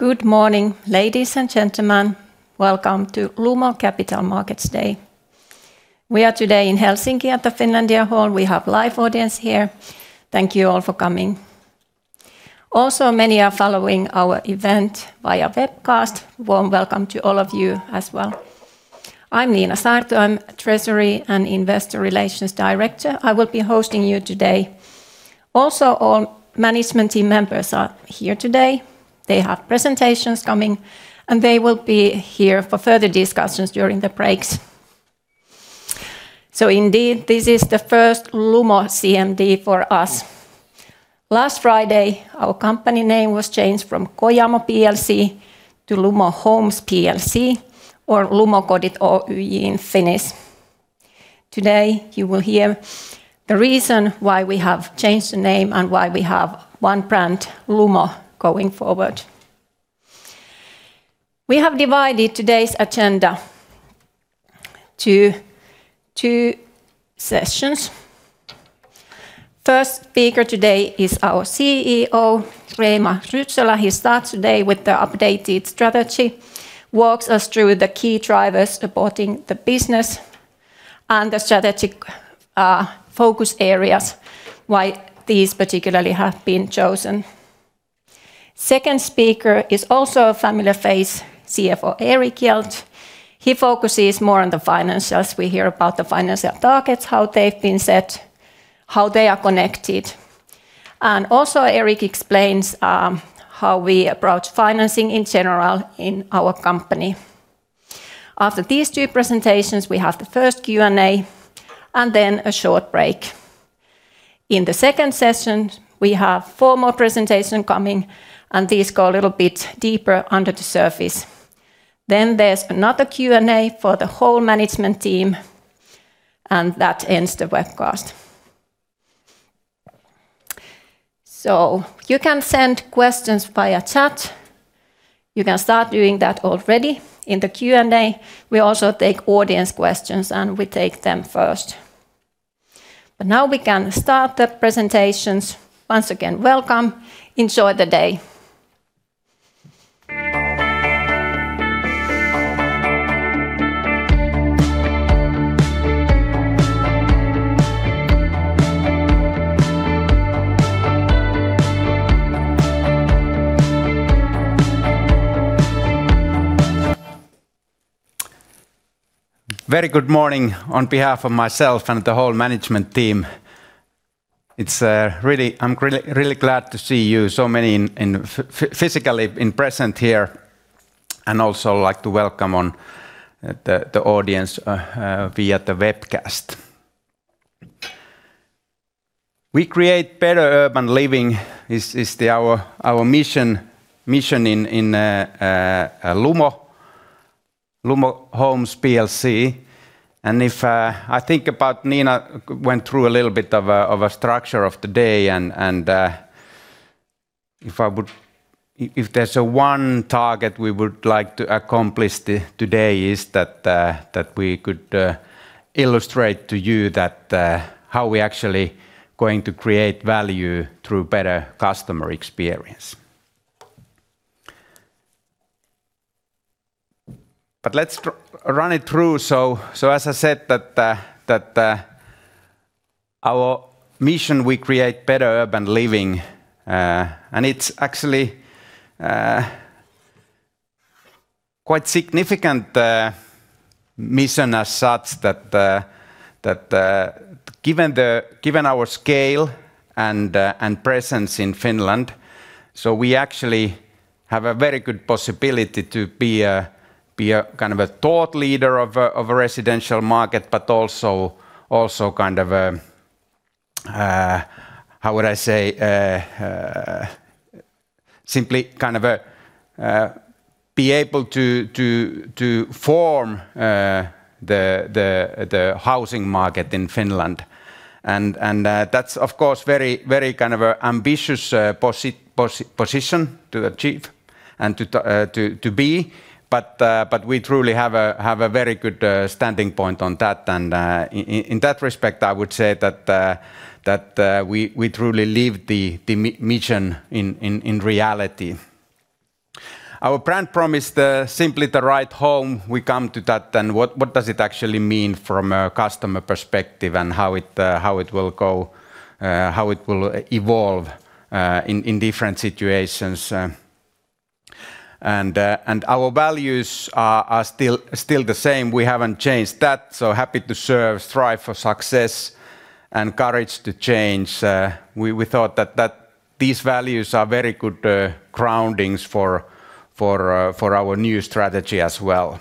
Good morning, ladies and gentlemen. Welcome to Lumo Capital Markets Day. We are today in Helsinki at the Finlandia Hall. We have live audience here. Thank you all for coming. Also, many are following our event via webcast. Warm welcome to all of you as well. I'm Niina Saarto. I'm Treasury & Investor Relations Director. I will be hosting you today. Also, all management team members are here today. They have presentations coming, and they will be here for further discussions during the breaks. Indeed, this is the first Lumo CMD for us. Last Friday, our company name was changed from Kojamo plc to Lumo Homes plc, or Lumo Kodit Oyj in Finnish. Today, you will hear the reason why we have changed the name and why we have one brand, Lumo, going forward. We have divided today's agenda to two sessions. First speaker today is our CEO, Reima Rytsölä. He starts today with the updated strategy, walks us through the key drivers supporting the business and the strategic focus areas, why these particularly have been chosen. Second speaker is also a familiar face, CFO Erik Hjelt. He focuses more on the financials. We hear about the financial targets, how they've been set, how they are connected, and also Erik explains how we approach financing in general in our company. After these two presentations, we have the first Q&A and then a short break. In the second session, we have four more presentations coming, and these go a little bit deeper under the surface. Then there's another Q&A for the whole management team, and that ends the webcast. You can send questions via chat. You can start doing that already in the Q&A. We also take audience questions, and we take them first. Now we can start the presentations. Once again, welcome. Enjoy the day. Very good morning on behalf of myself and the whole management team. It's really I'm really, really glad to see you, so many physically present here, and also like to welcome the audience via the webcast. We create better urban living is our mission in Lumo Homes plc, and if I think about Niina went through a little bit of a structure of the day and if I would if there's one target we would like to accomplish today is that we could illustrate to you that how we actually going to create value through better customer experience. Let's run it through. As I said that our mission, we create better urban living, and it's actually quite significant mission as such that, given our scale and presence in Finland, so we actually have a very good possibility to be a kind of a thought leader of a residential market, but also kind of a, how would I say, simply kind of a be able to form the housing market in Finland. That's of course very kind of a ambitious position to achieve and to be, but we truly have a very good starting point on that. In that respect, I would say that we truly live the mission in reality. Our brand promise, simply the right home, we come to that, then what does it actually mean from a customer perspective and how it will go, how it will evolve in different situations? Our values are still the same. We haven't changed that. Happy to serve, strive for success, and courage to change. We thought that these values are very good groundings for our new strategy as well.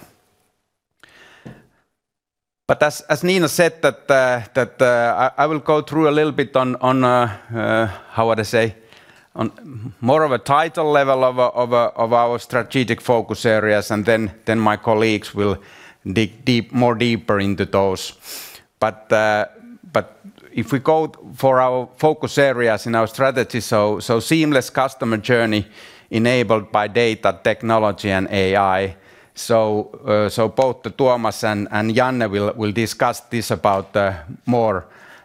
As Niina said that, I will go through a little bit on how would I say, on more of a title level of our strategic focus areas, and then my colleagues will dig deeper into those. If we go for our focus areas in our strategy, seamless customer journey enabled by data technology and AI. Both Tuomas and Janne will discuss this in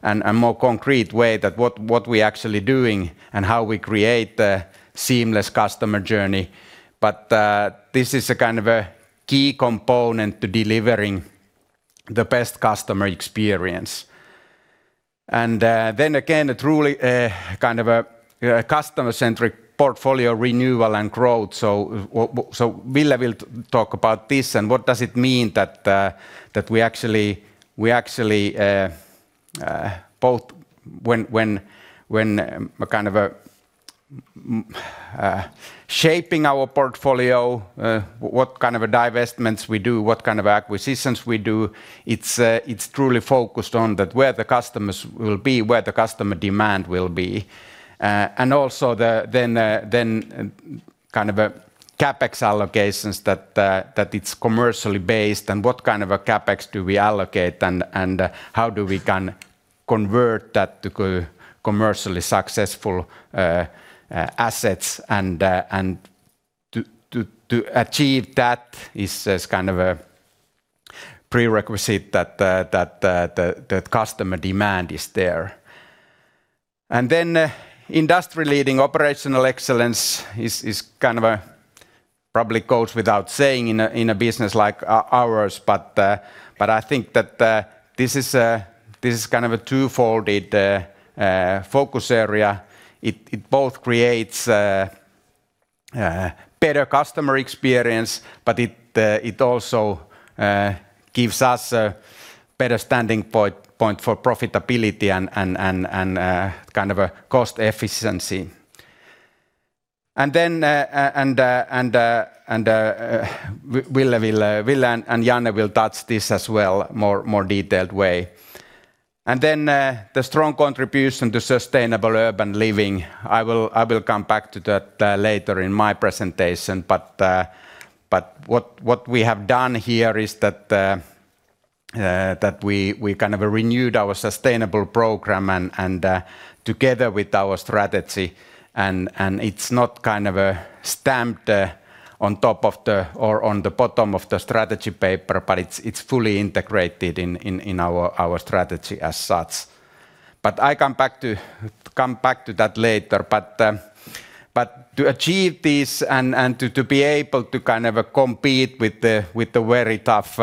a more concrete way what we actually doing and how we create the seamless customer journey. This is a kind of key component to delivering the best customer experience. Then again, a truly kind of customer-centric portfolio renewal and growth. Ville will talk about this and what does it mean that we actually both when shaping our portfolio, what kind of a divestments we do, what kind of acquisitions we do, it's truly focused on that where the customers will be, where the customer demand will be. And also then kind of a CapEx allocations that it's commercially based and what kind of a CapEx do we allocate and how do we can convert that to commercially successful assets and to achieve that is kind of a prerequisite that the customer demand is there. Industry-leading operational excellence is kind of probably goes without saying in a business like ours, but I think that this is kind of a two-fold focus area. It both creates better customer experience, but it also gives us a better standing point for profitability and kind of a cost efficiency. Ville and Janne will touch this as well, more detailed way. The strong contribution to sustainable urban living, I will come back to that later in my presentation. What we have done here is that we kind of renewed our sustainable program and together with our strategy, and it's not kind of a stamped on top of the or on the bottom of the strategy paper, but it's fully integrated in our strategy as such. I come back to that later. To achieve this and to be able to kind of compete with the very tough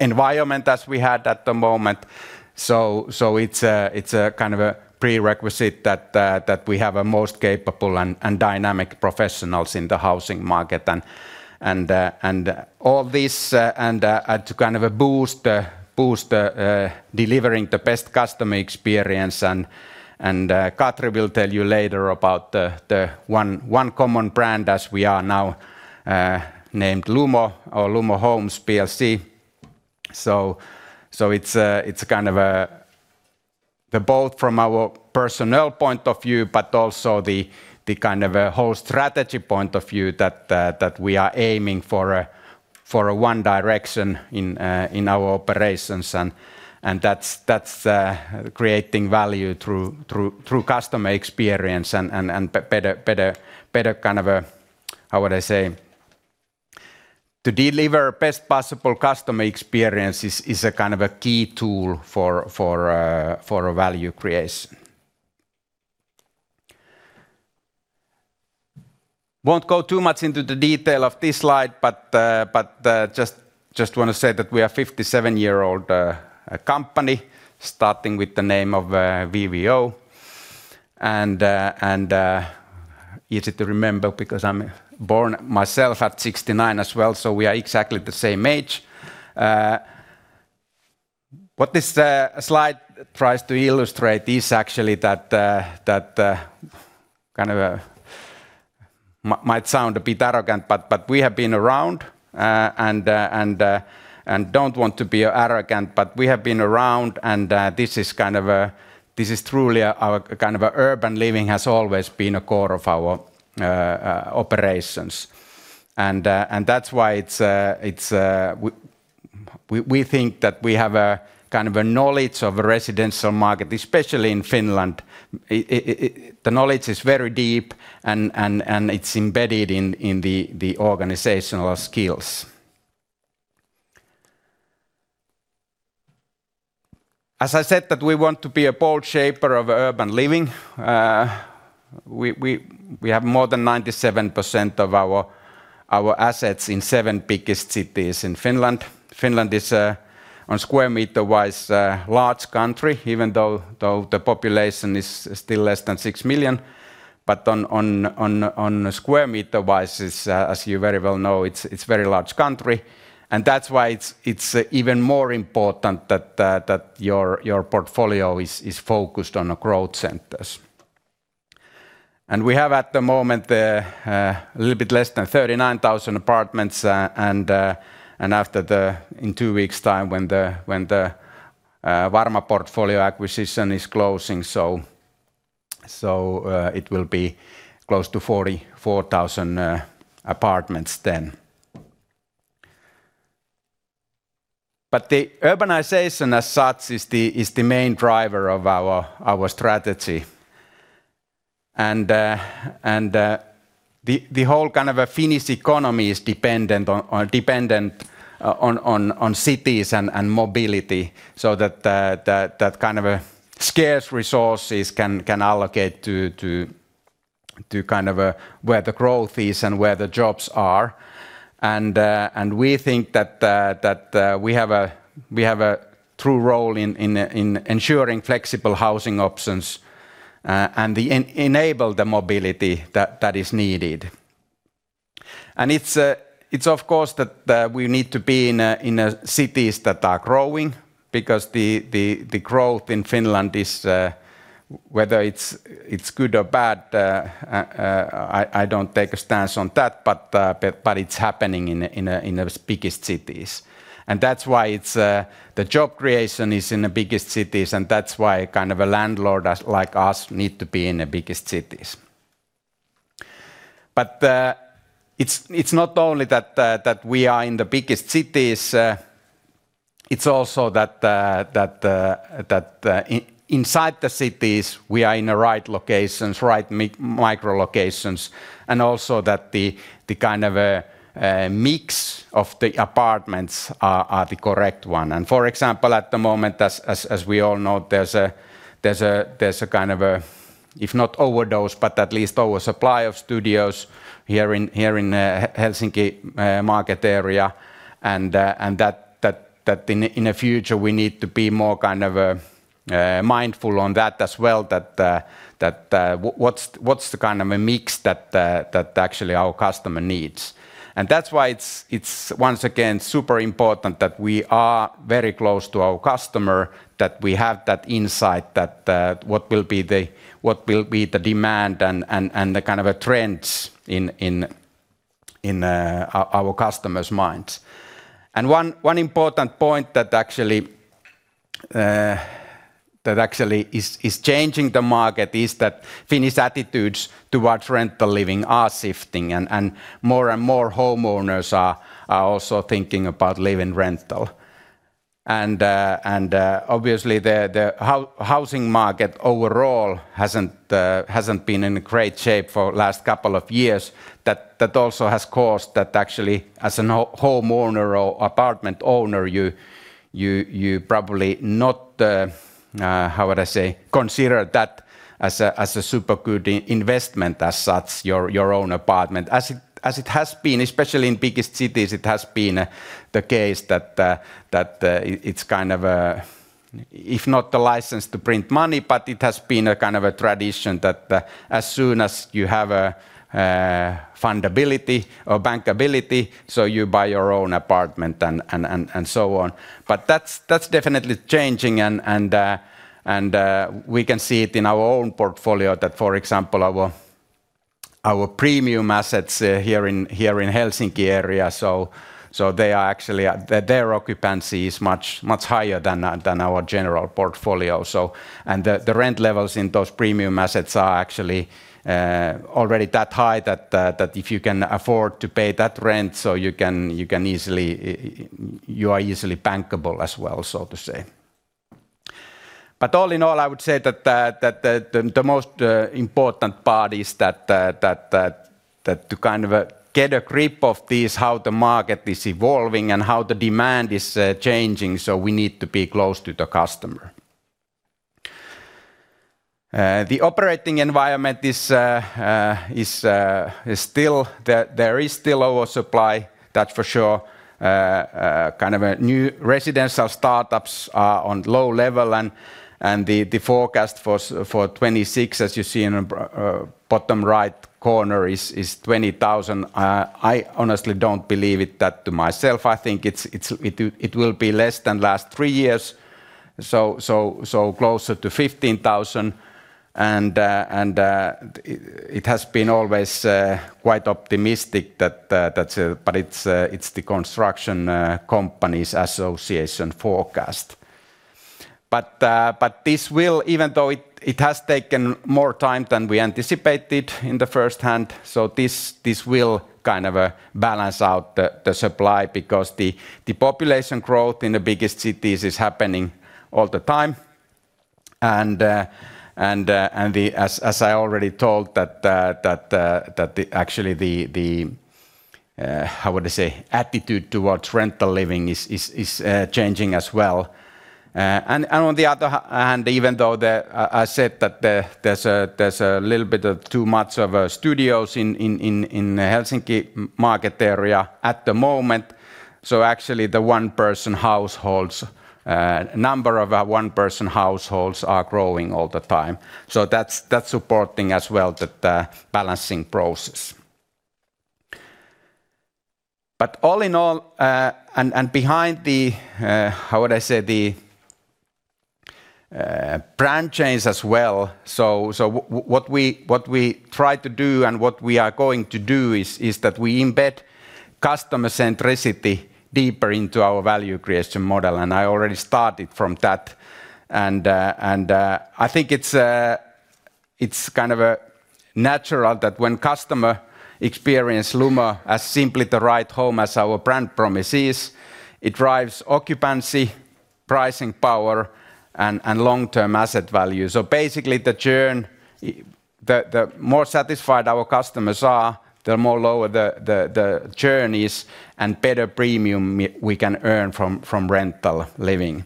environment as we had at the moment, it's a kind of a prerequisite that we have a most capable and dynamic professionals in the housing market and all this to kind of boost delivering the best customer experience. Katri will tell you later about the one common brand as we are now named Lumo or Lumo Homes plc. It's kind of the both from our personnel point of view, but also the kind of a whole strategy point of view that we are aiming for a one direction in our operations. That's creating value through customer experience and better to deliver best possible customer experience is a kind of a key tool for a value creation. Won't go too much into the detail of this slide, but just want to say that we are 57-year-old company, starting with the name of VVO. Easy to remember because I'm born myself at 69 as well, so we are exactly the same age. What this slide tries to illustrate is actually that it might sound a bit arrogant, but we have been around and don't want to be arrogant, but we have been around, and this is truly our kind of urban living has always been a core of our operations. That's why we think that we have a kind of a knowledge of a residential market, especially in Finland. The knowledge is very deep and it's embedded in the organizational skills. As I said, we want to be a bold shaper of urban living, we have more than 97% of our assets in seven biggest cities in Finland. Finland is on square meter-wise a large country, even though the population is still less than 6 million. On square meter-wise, as you very well know, it's very large country. That's why it's even more important that your portfolio is focused on the growth centers. We have at the moment a little bit less than 39,000 apartments, and, in two weeks time, when the Varma portfolio acquisition is closing, so it will be close to 44,000 apartments then. The urbanization as such is the main driver of our strategy. The whole kind of Finnish economy is dependent on cities and mobility so that kind of scarce resources can allocate to kind of where the growth is and where the jobs are. We think that we have a true role in ensuring flexible housing options and enable the mobility that is needed. It's of course that we need to be in cities that are growing because the growth in Finland is whether it's good or bad, I don't take a stance on that, but it's happening in the biggest cities. That's why it's that the job creation is in the biggest cities, and that's why kind of a landlord like us need to be in the biggest cities. It's not only that we are in the biggest cities, it's also that inside the cities we are in the right locations, right micro locations, and also that the kind of mix of the apartments are the correct one. For example, at the moment we all know, there's a kind of a, if not overdose, but at least oversupply of studios here in Helsinki market area, and that in the future we need to be more kind of mindful on that as well that what's the kind of a mix that actually our customer needs. That's why it's once again super important that we are very close to our customer, that we have that insight that what will be the demand and the kind of a trends in our customers' minds. One important point that actually is changing the market is that Finnish attitudes towards rental living are shifting and more and more homeowners are also thinking about living rental. Obviously the housing market overall hasn't been in great shape for last couple of years. That also has caused that actually as a homeowner or apartment owner, you probably not, how would I say, consider that as a super good investment as such, your own apartment. It has been especially in biggest cities the case that it's kind of a, if not the license to print money, but it has been a kind of a tradition that as soon as you have a affordability or bankability, so you buy your own apartment and so on. That's definitely changing and we can see it in our own portfolio that, for example, our premium assets here in Helsinki area, so they are actually. Their occupancy is much higher than our general portfolio. The rent levels in those premium assets are actually already that high that if you can afford to pay that rent, you are easily bankable as well, so to say. All in all, I would say that the most important part is that to kind of get a grip of this, how the market is evolving and how the demand is changing, so we need to be close to the customer. The operating environment is still. There is still oversupply, that's for sure. A new residential startups are on low level and the forecast for 2026, as you see in the bottom right corner, is 20,000. I honestly don't believe it that to myself. I think it's it will be less than last three years, so closer to 15,000. It has been always quite optimistic that, but it's the Construction Companies' Association forecast. This will, even though it has taken more time than we anticipated in the first hand, so this will kind of balance out the supply because the population growth in the biggest cities is happening all the time. As I already told that, actually the how would I say, attitude towards rental living is changing as well. On the other hand, even though I said that there's a little bit too much of studios in Helsinki market area at the moment. Actually the number of one person households are growing all the time. That's supporting as well that balancing process. But all in all, behind the, how would I say, the brand change as well, what we try to do and what we are going to do is that we embed customer centricity deeper into our value creation model, and I already started from that. I think it's kind of natural that when customers experience Lumo as simply the right home as our brand promise is, it drives occupancy, pricing power, and long-term asset value. Basically, the journey. The more satisfied our customers are, the lower the journey is and better premium we can earn from rental living.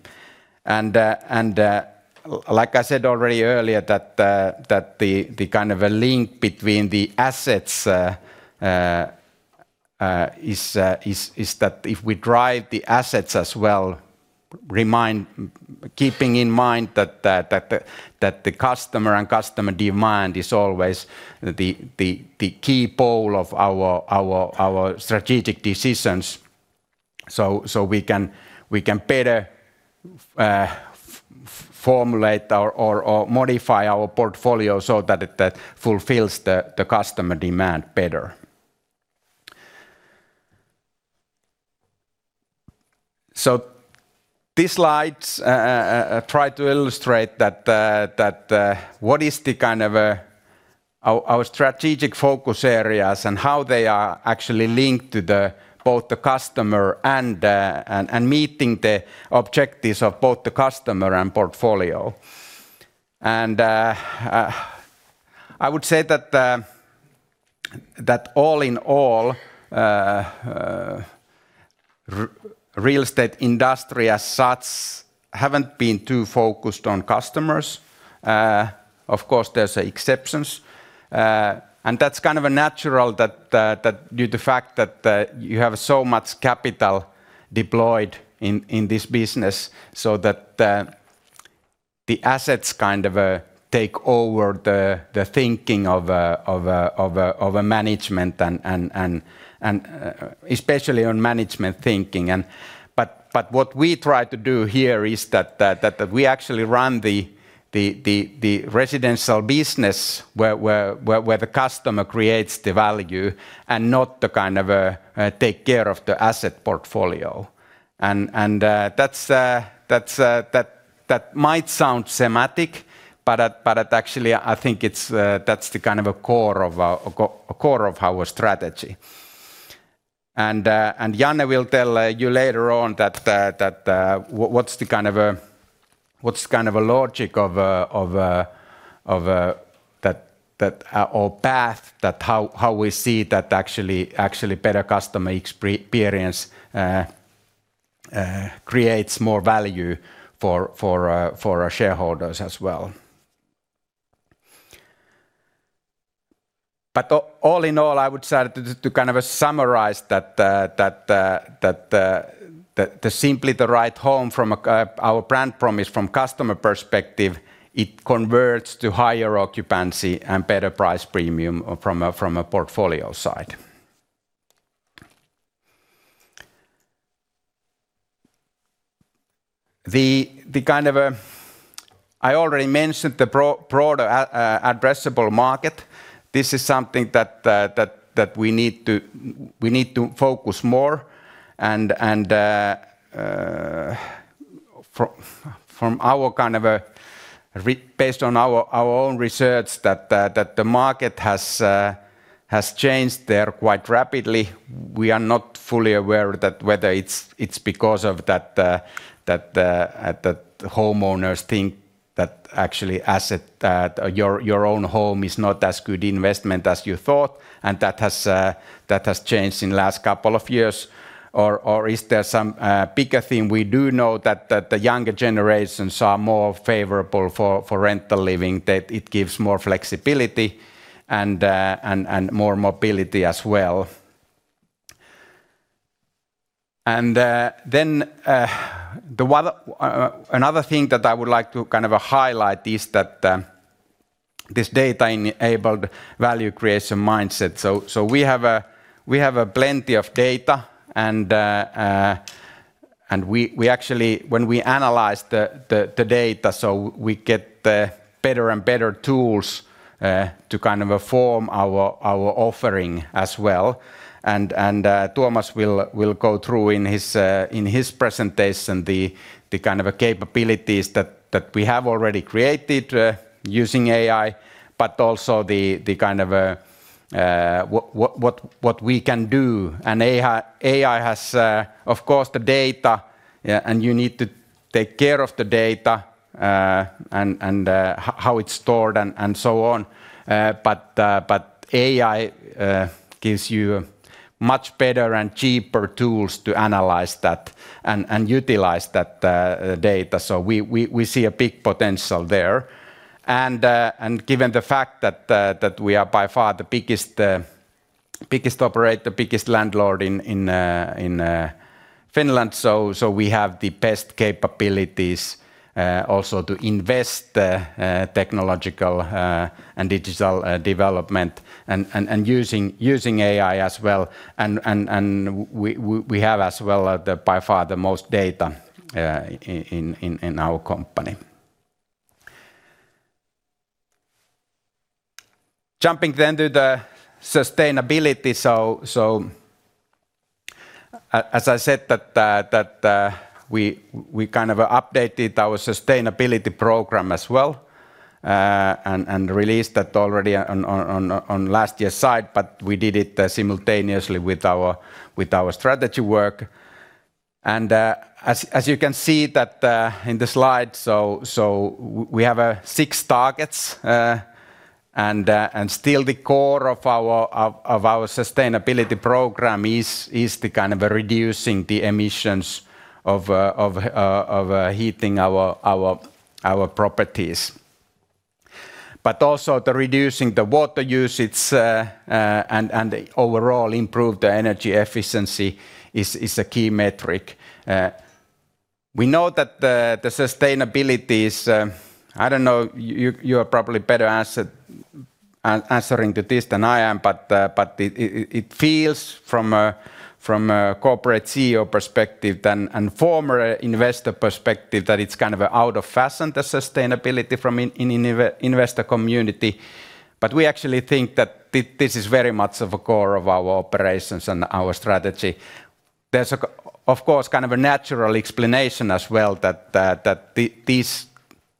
Like I said already earlier, the kind of a link between the assets is that if we drive the assets keeping in mind that the customer and customer demand is always the key pull of our strategic decisions, we can better formulate or modify our portfolio so that it fulfills the customer demand better. These slides try to illustrate that what is the kind of our strategic focus areas and how they are actually linked to both the customer and meeting the objectives of both the customer and portfolio. I would say that all in all real estate industry as such haven't been too focused on customers. Of course, there's exceptions. That's kind of natural that due to fact that you have so much capital deployed in this business, so that the assets kind of take over the thinking of a management and especially on management thinking. What we try to do here is that we actually run the residential business where the customer creates the value and not the kind of take care of the asset portfolio. That might sound semantic, but actually I think it's the kind of a core of our strategy. Janne will tell you later on what's the kind of logic of our path, how we see that actually better customer experience creates more value for our shareholders as well. All in all, I would say, to kind of summarize that, simply the right home from our brand promise from customer perspective. It converts to higher occupancy and better price premium from a portfolio side. I already mentioned the broader addressable market. This is something that we need to focus more. From our kind of research based on our own research, the market has changed there quite rapidly. We are not fully aware whether it's because of that, the homeowners think that actually asset your own home is not as good investment as you thought and that has changed in last couple of years or is there some bigger thing? We do know that the younger generations are more favorable for rental living, that it gives more flexibility and more mobility as well. Another thing that I would like to kind of highlight is that this data-enabled value creation mindset. We have plenty of data, and we actually, when we analyze the data, so we get better and better tools to kind of form our offering as well. Tuomas will go through in his presentation the kind of capabilities that we have already created using AI, but also the kind of what we can do. AI has of course the data, and you need to take care of the data and how it's stored and so on. AI gives you much better and cheaper tools to analyze that and utilize that data. We see a big potential there. Given the fact that we are by far the biggest operator, biggest landlord in Finland, we have the best capabilities also to invest in technological and digital development and using AI as well. We have as well by far the most data in our company. Jumping then to the sustainability. As I said, we kind of updated our sustainability program as well, and released that already on last year's CMD, but we did it simultaneously with our strategy work. As you can see that in the slide, so we have six targets, and still the core of our sustainability program is the kind of reducing the emissions of heating our properties. Also, reducing the water usage and overall improve the energy efficiency is a key metric. We know that the sustainability is. I don't know, you are probably better answering to this than I am, but it feels from a corporate CEO perspective and former investor perspective that it's kind of out of fashion, the sustainability from investor community. We actually think that this is very much of a core of our operations and our strategy. There's of course kind of a natural explanation as well that the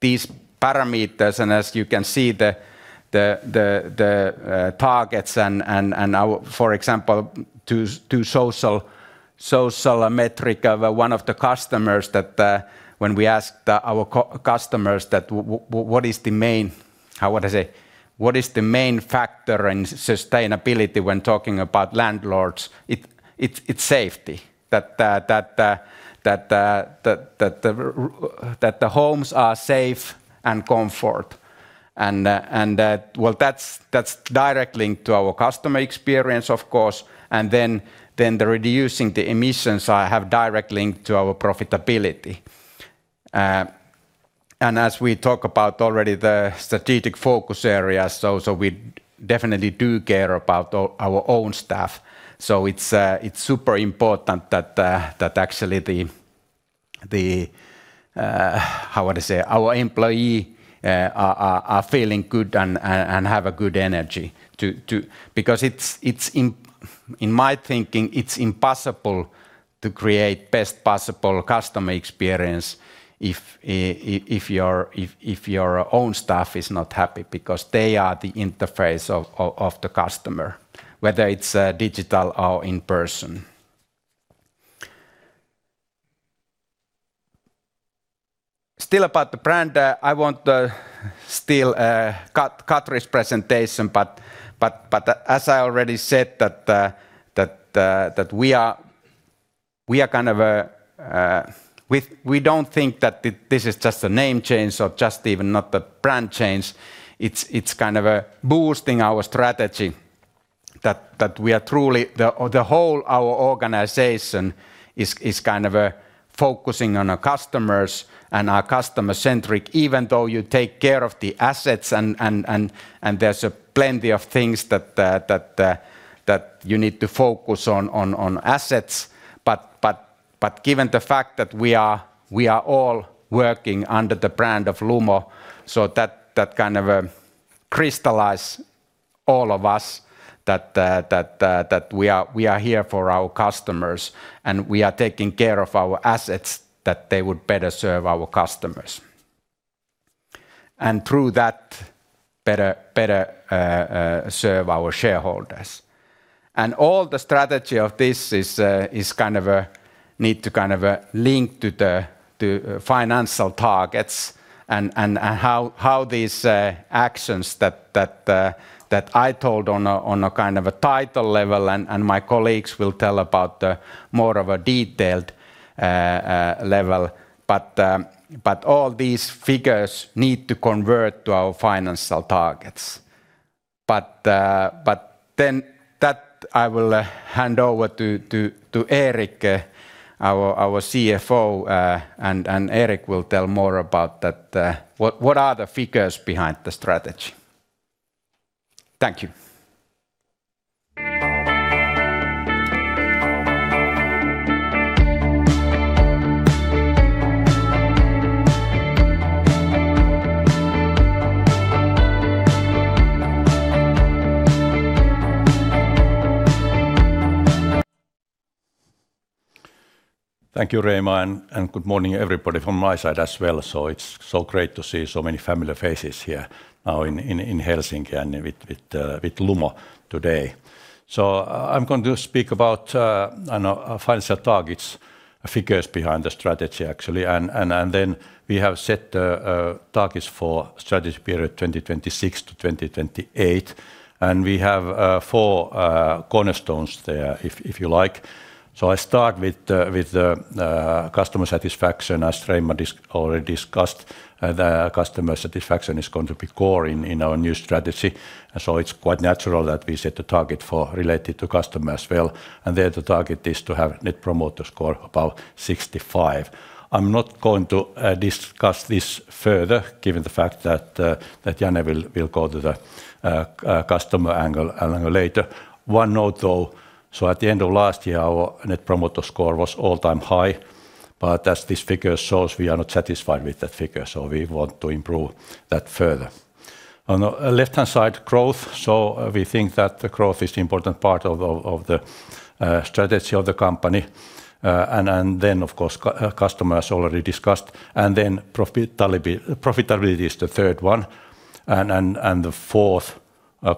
these parameters, and as you can see the targets and our for example to social metric of one of the customers that when we ask our customers what is the main how would I say? What is the main factor in sustainability when talking about landlords? It's safety that the homes are safe and comfort. That well that's direct link to our customer experience, of course. Then the reducing the emissions have direct link to our profitability. As we talk about already the strategic focus areas, we definitely do care about our own staff. It's super important that actually our employees are feeling good and have a good energy. Because it's in my thinking, it's impossible to create best possible customer experience if your own staff is not happy, because they are the interface of the customer, whether it's digital or in person. About the brand, I want to steal Katri's presentation, but as I already said that we are kind of we don't think that this is just a name change or just even not a brand change. It's kind of boosting our strategy that we are truly. The whole our organization is kind of focusing on our customers and are customer-centric, even though you take care of the assets and there's a plenty of things that you need to focus on assets. Given the fact that we are all working under the brand of Lumo, that kind of crystallize all of us that we are here for our customers, and we are taking care of our assets that they would better serve our customers. Through that, better serve our shareholders. All the strategy of this is kind of need to kind of link to the financial targets and how these actions that I told on a kind of a high level and my colleagues will tell about the more of a detailed level. All these figures need to convert to our financial targets. Then I will hand over to Erik, our CFO, and Erik will tell more about that, what are the figures behind the strategy. Thank you. Thank you, Reima, and good morning, everybody from my side as well. It's so great to see so many familiar faces here in Helsinki and with Lumo today. I'm going to speak about our financial targets, figures behind the strategy actually. We have set the targets for strategy period 2026 to 2028. We have four cornerstones there if you like. I start with the customer satisfaction. As Reima already discussed, the customer satisfaction is going to be core in our new strategy. It's quite natural that we set a target related to customer as well, and there the target is to have Net Promoter Score above 65. I'm not going to discuss this further given the fact that that Janne will go to the customer angle a little later. One note, though, at the end of last year, our Net Promoter Score was all-time high. As this figure shows, we are not satisfied with that figure, so we want to improve that further. On the left-hand side, growth. We think that the growth is the important part of the strategy of the company. Of course, customer as already discussed. Then profitability is the third one. The fourth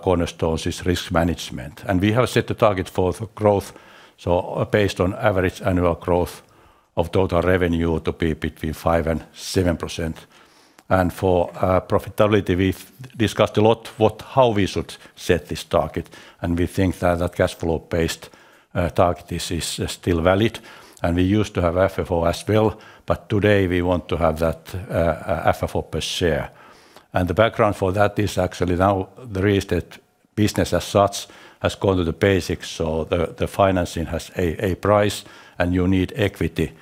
cornerstone is risk management. We have set a target for the growth, so based on average annual growth of total revenue to be between 5% and 7%. For profitability, we've discussed a lot what How we should set this target, and we think that cash flow-based target is still valid. We used to have FFO as well, but today we want to have that FFO per share. The background for that is actually now the real estate business as such has gone to the basics, so the financing has a price, and you need equity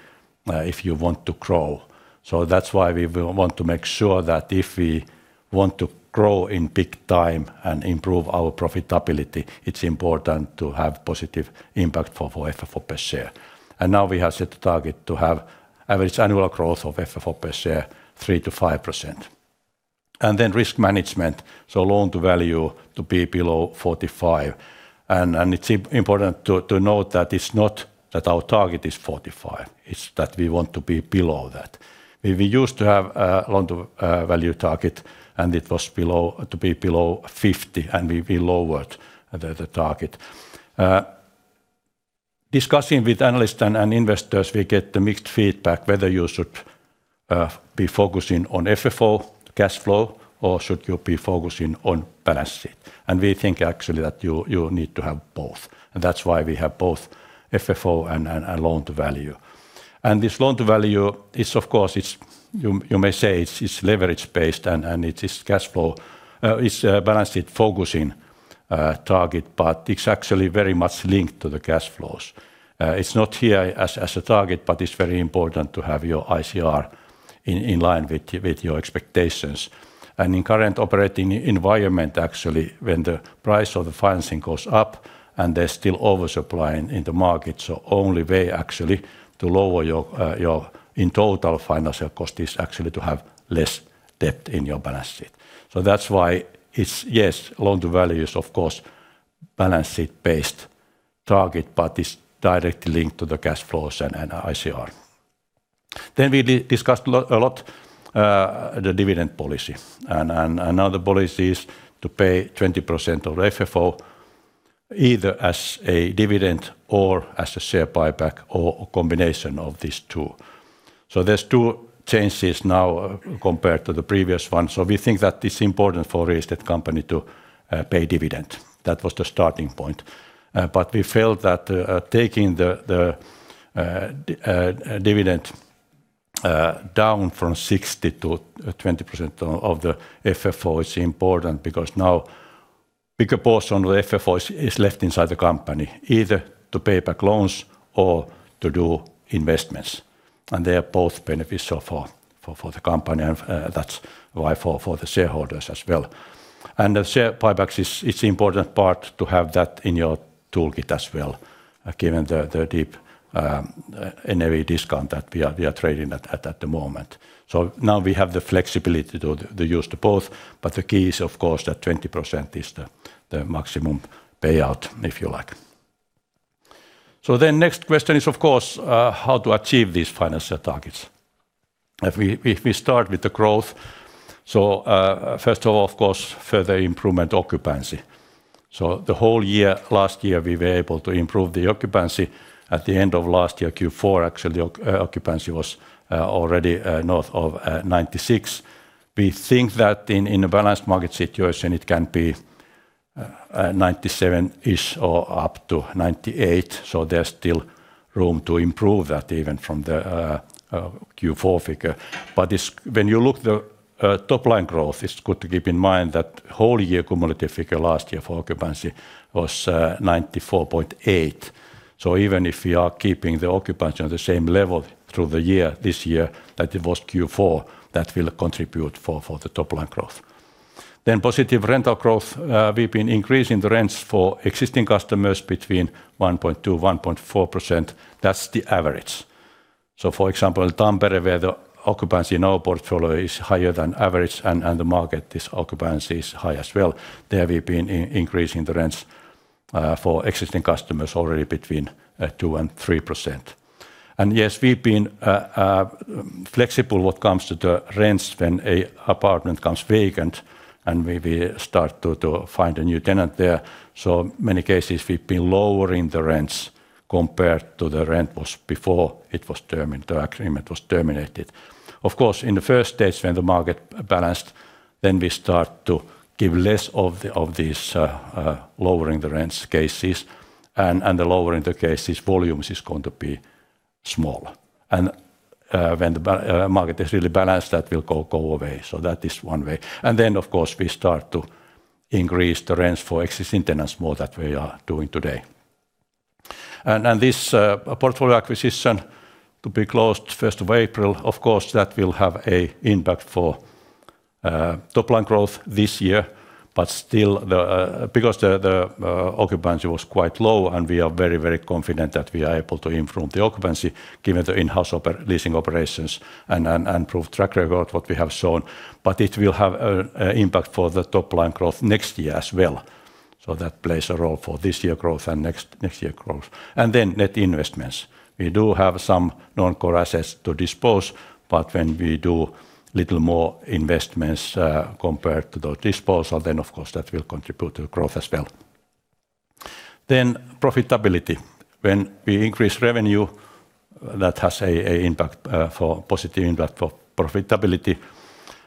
if you want to grow. That's why we will want to make sure that if we want to grow in big time and improve our profitability, it's important to have positive impact for FFO per share. Now we have set a target to have average annual growth of FFO per share 3%-5%. Then risk management, so loan-to-value to be below 45%. It's important to note that it's not that our target is 45, it's that we want to be below that. We used to have a loan-to-value target, and it was below 50, and we lowered the target. Discussing with analysts and investors, we get the mixed feedback whether you should be focusing on FFO, cash flow, or should you be focusing on balance sheet. We think actually that you need to have both, and that's why we have both FFO and a loan-to-value. This loan-to-value is of course, it's you may say it's leverage-based and it is cash flow, it's balance sheet focusing target, but it's actually very much linked to the cash flows. It's not here as a target, but it's very important to have your ICR in line with your expectations. In current operating environment actually, when the price of the financing goes up and there's still oversupply in the market. Only way actually to lower your total financial cost is actually to have less debt in your balance sheet. That's why it's, yes, loan-to-value is of course balance sheet-based target, but it's directly linked to the cash flows and ICR. We discussed a lot the dividend policy. Now the policy is to pay 20% of FFO either as a dividend or as a share buyback or a combination of these two. There's two changes now compared to the previous one. We think that it's important for real estate company to pay dividend. That was the starting point. We felt that taking the dividend down from 60% to 20% of the FFO is important because now bigger portion of the FFO is left inside the company, either to pay back loans or to do investments. They are both beneficial for the company, that's why for the shareholders as well. The share buybacks it's important part to have that in your toolkit as well, given the deep NAV discount that we are trading at the moment. Now we have the flexibility to use the both. The key is of course that 20% is the maximum payout, if you like. Next question is of course how to achieve these financial targets. If we start with the growth, first of all, of course, further improvement occupancy. The whole year, last year, we were able to improve the occupancy. At the end of last year, Q4 actually, occupancy was already north of 96%. We think that in a balanced market situation, it can be 97%-ish or up to 98%. There's still room to improve that even from the Q4 figure. But it's when you look the top line growth, it's good to keep in mind that whole year cumulative figure last year for occupancy was 94.8%. Even if we are keeping the occupancy at the same level through the year, this year, that it was Q4, that will contribute for the top line growth. Positive rental growth, we've been increasing the rents for existing customers between 1.2%-1.4%. That's the average. For example, Tampere, where the occupancy in our portfolio is higher than average and the market, this occupancy is high as well. There we've been increasing the rents for existing customers already between 2%-3%. Yes, we've been flexible when it comes to the rents when an apartment comes vacant and we start to find a new tenant there. Many cases, we've been lowering the rents compared to the rent was before the agreement was terminated. Of course, in the first stage when the market balanced, then we start to give less of these lowering the rents cases. The lowering cases volumes is going to be small. When the market is really balanced, that will go away. So that is one way. Then of course, we start to increase the rents for existing tenants more than we are doing today. This portfolio acquisition to be closed first of April, of course, that will have an impact for top line growth this year. But still, because the occupancy was quite low and we are very confident that we are able to improve the occupancy given the in-house leasing operations and proved track record what we have shown. It will have an impact for the top line growth next year as well. That plays a role for this year growth and next year growth. Net investments. We do have some non-core assets to dispose, but when we do a little more investments compared to the disposal, then of course that will contribute to growth as well. Profitability. When we increase revenue, that has a positive impact for profitability,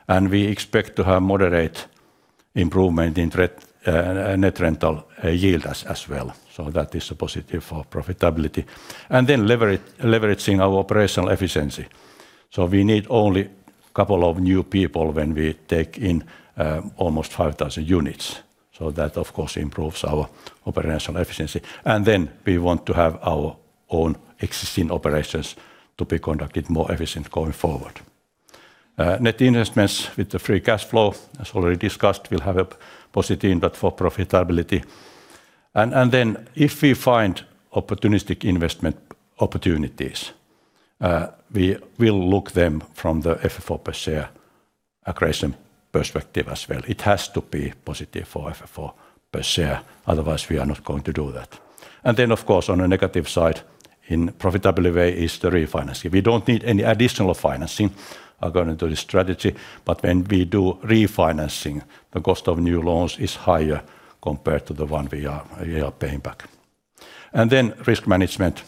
and we expect to have moderate improvement in net rental yield as well. That is a positive for profitability. Leveraging our operational efficiency. We need only a couple of new people when we take in almost 5,000 units. That, of course, improves our operational efficiency. We want to have our own existing operations to be conducted more efficient going forward. Net investments with the free cash flow, as already discussed, will have a positive impact for profitability. If we find opportunistic investment opportunities, we will look them from the FFO per share accretion perspective as well. It has to be positive for FFO per share, otherwise we are not going to do that. Of course, on a negative side, in profitable way is the refinancing. We don't need any additional financing, going into this strategy, but when we do refinancing, the cost of new loans is higher compared to the one we are paying back. Risk management.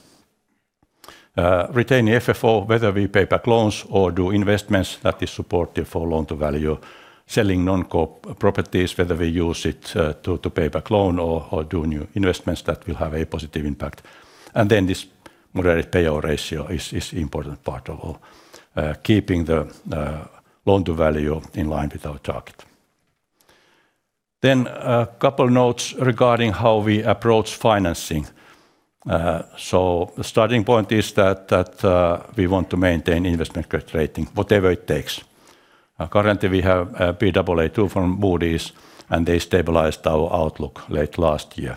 Retaining FFO, whether we pay back loans or do investments that is supportive for loan-to-value. Selling non-core properties, whether we use it to pay back loan or do new investments, that will have a positive impact. This moderate payout ratio is important part of keeping the loan-to-value in line with our target. A couple notes regarding how we approach financing. The starting point is that we want to maintain investment grade rating, whatever it takes. Currently we have Baa2 from Moody's, and they stabilized our outlook late last year.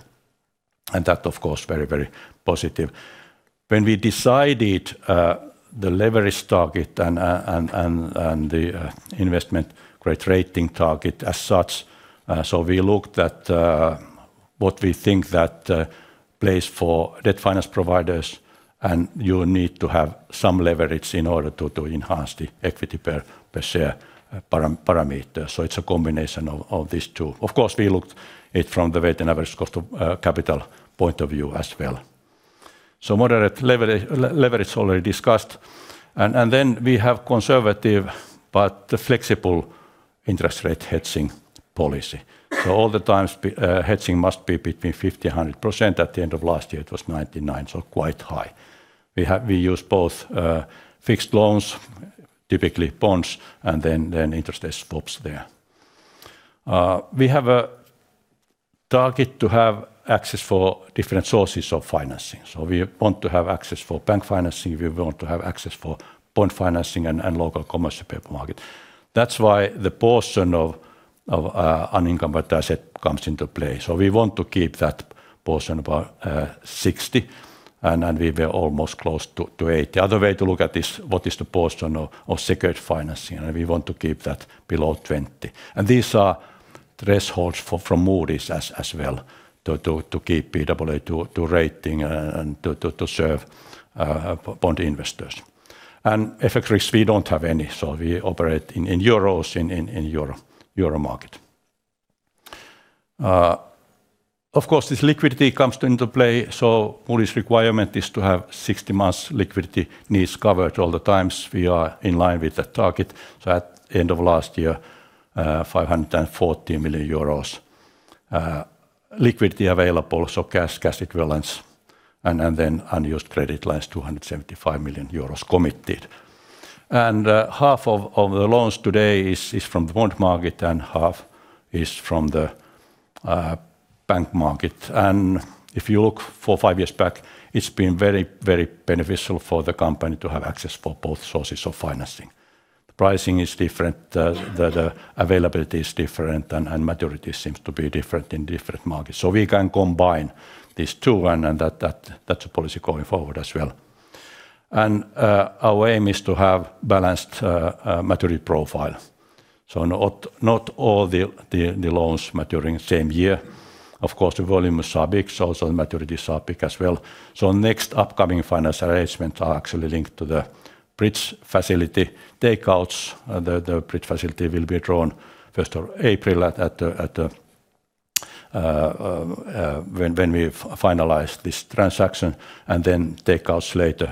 That of course very positive. When we decided the leverage target and the investment grade rating target as such, so we looked at what we think that plays for debt finance providers, and you need to have some leverage in order to enhance the equity per share parameter. It's a combination of these two. Of course, we looked it from the weighted average cost of capital point of view as well. Moderate leverage already discussed. We have conservative but flexible interest rate hedging policy. All the time, hedging must be between 50-100%. At the end of last year, it was 99, so quite high. We use both fixed loans, typically bonds, and then interest rate swaps there. We have a target to have access to different sources of financing. We want to have access to bank financing. We want to have access to bond financing and local commercial paper market. That's why the portion of unencumbered asset comes into play. We want to keep that portion about 60%, and we were almost close to 80%. Other way to look at this, what is the portion of secured financing, and we want to keep that below 20%. These are thresholds from Moody's as well to keep Baa2 rating and to serve bond investors. FX risk, we don't have any, so we operate in euros in the Euro market. Of course, this liquidity comes into play, so Moody's requirement is to have 60 months liquidity needs covered at all times. We are in line with the target. At end of last year, 540 million euros liquidity available, so cash equivalents, and then unused credit lines, 275 million euros committed. Half of the loans today is from bond market and half is from the bank market. If you look four to five years back, it's been very beneficial for the company to have access for both sources of financing. The pricing is different, the availability is different and maturity seems to be different in different markets. We can combine these two and that that's a policy going forward as well. Our aim is to have balanced maturity profile. Not all the loans maturing same year. Of course, the volumes are big, so also the maturities are big as well. Next upcoming finance arrangements are actually linked to the bridge facility takeouts. The bridge facility will be drawn first of April when we finalize this transaction, and then takeouts later.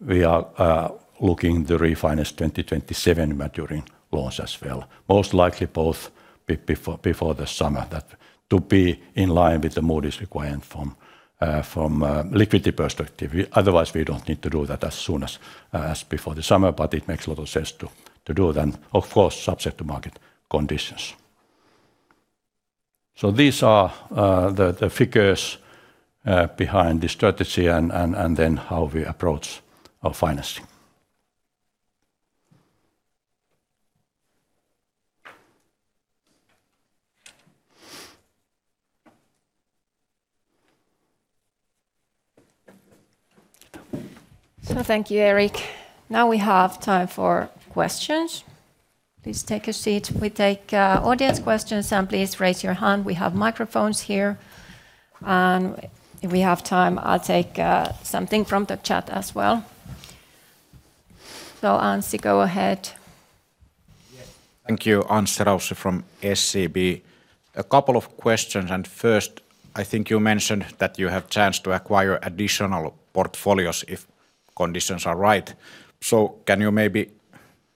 We are looking to refinance 2027 maturing loans as well. Most likely both be before the summer. That to be in line with the Moody's requirement from liquidity perspective. Otherwise, we don't need to do that as soon as as before the summer, but it makes a lot of sense to do then, of course, subject to market conditions. These are the figures behind the strategy and then how we approach our financing. Thank you, Erik. Now we have time for questions. Please take a seat. We take audience questions, and please raise your hand. We have microphones here. If we have time, I'll take something from the chat as well. Anssi, go ahead. Yes. Thank you. Anssi Rauste from SEB. A couple of questions, and first, I think you mentioned that you have chance to acquire additional portfolios if conditions are right. So can you maybe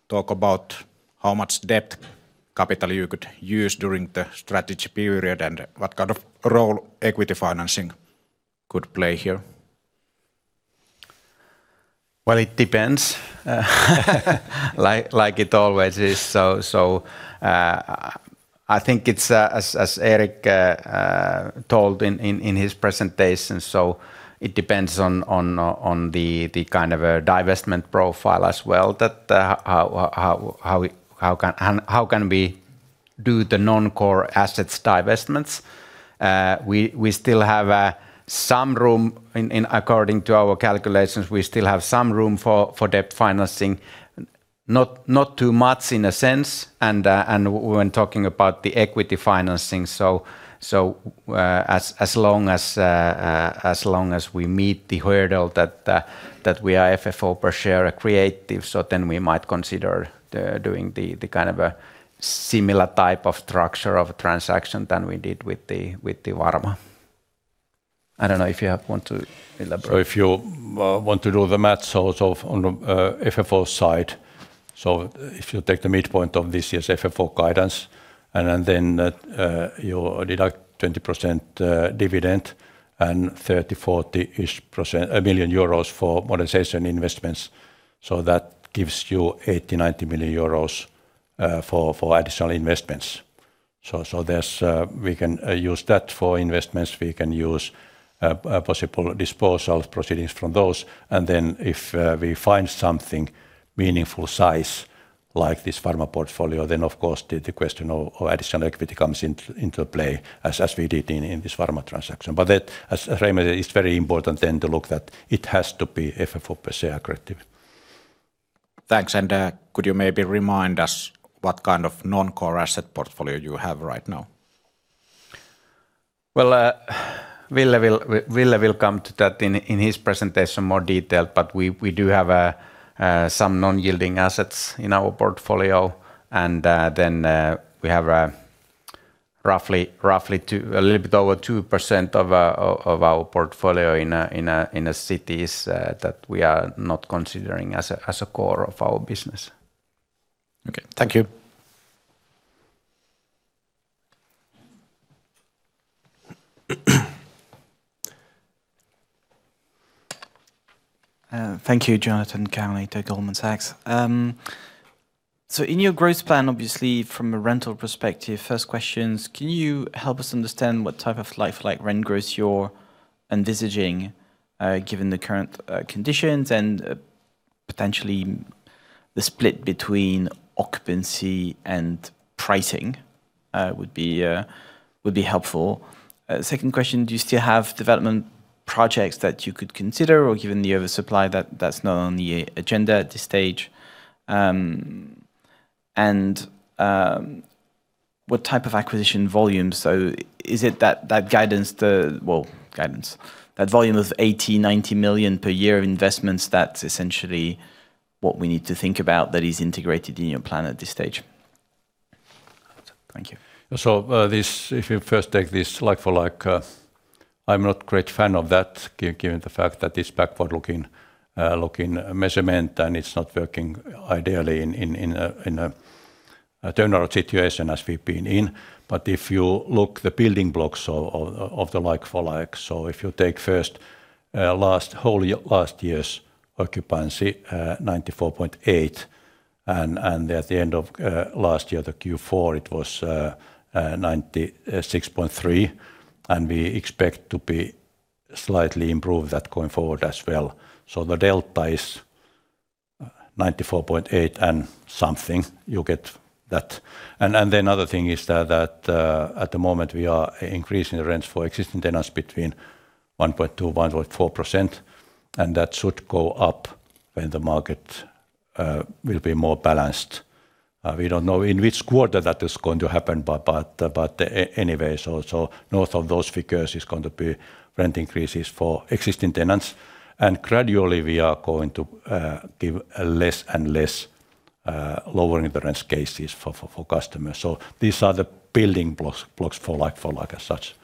talk about how much debt capital you could use during the strategy period, and what kind of role equity financing could play here? It depends like it always is. I think it's as Erik told in his presentation. It depends on the kind of a divestment profile as well that how we can do the non-core assets divestments. We still have some room. According to our calculations, we still have some room for debt financing. Not too much in a sense and when talking about the equity financing. As long as we meet the hurdle that we are FFO per share accretive, then we might consider doing the kind of a similar type of structure of transaction than we did with the Varma. I don't know if you want to elaborate. If you want to do the math, it's on FFO side. If you take the midpoint of this year's FFO guidance, and then you deduct 20% dividend and 30 million-40 million euros for monetization investments. That gives you 80 million-90 million euros for additional investments. We can use that for investments. We can use a possible disposal of proceeds from those, and then if we find something meaningful size like this Varma portfolio, then of course the question of additional equity comes into play as we did in this Varma transaction. But that, as Reima, is very important then to look that it has to be FFO per share accretive. Thanks. Could you maybe remind us what kind of non-core asset portfolio you have right now? Well, Ville will come to that in more detail in his presentation, but we do have some non-yielding assets in our portfolio. We have roughly a little bit over 2% of our portfolio in cities that we are not considering as a core of our business. Okay, Thank you. Thank you. Eric Sheridan at Goldman Sachs. In your growth plan, obviously from a rental perspective, first questions, can you help us understand what type of like-for-like rent growth you're envisaging, given the current conditions and potentially the split between occupancy and pricing, would be helpful. Second question, do you still have development projects that you could consider or given the oversupply that that's not on the agenda at this stage? What type of acquisition volume? Is it that guidance. That volume of 80 million-90 million per year investments, that's essentially what we need to think about that is integrated in your plan at this stage. Thank you. This if you first take this like-for-like, I'm not great fan of that given the fact that it's backward-looking measurement, and it's not working ideally in a general situation as we've been in. If you look at the building blocks of the like-for-like, if you take first last year's occupancy 94.8% and at the end of last year, the Q4, it was 96.3%, and we expect to be slightly improve that going forward as well. The delta is 94.8% and something. You get that. The other thing is that at the moment, we are increasing the rents for existing tenants between 1.2%-1.4%, and that should go up when the market will be more balanced. We don't know in which quarter that is going to happen, but anyway, north of those figures is going to be rent increases for existing tenants. Gradually, we are going to give less and less lower independence cases for customers. These are the building blocks for like-for-like as such.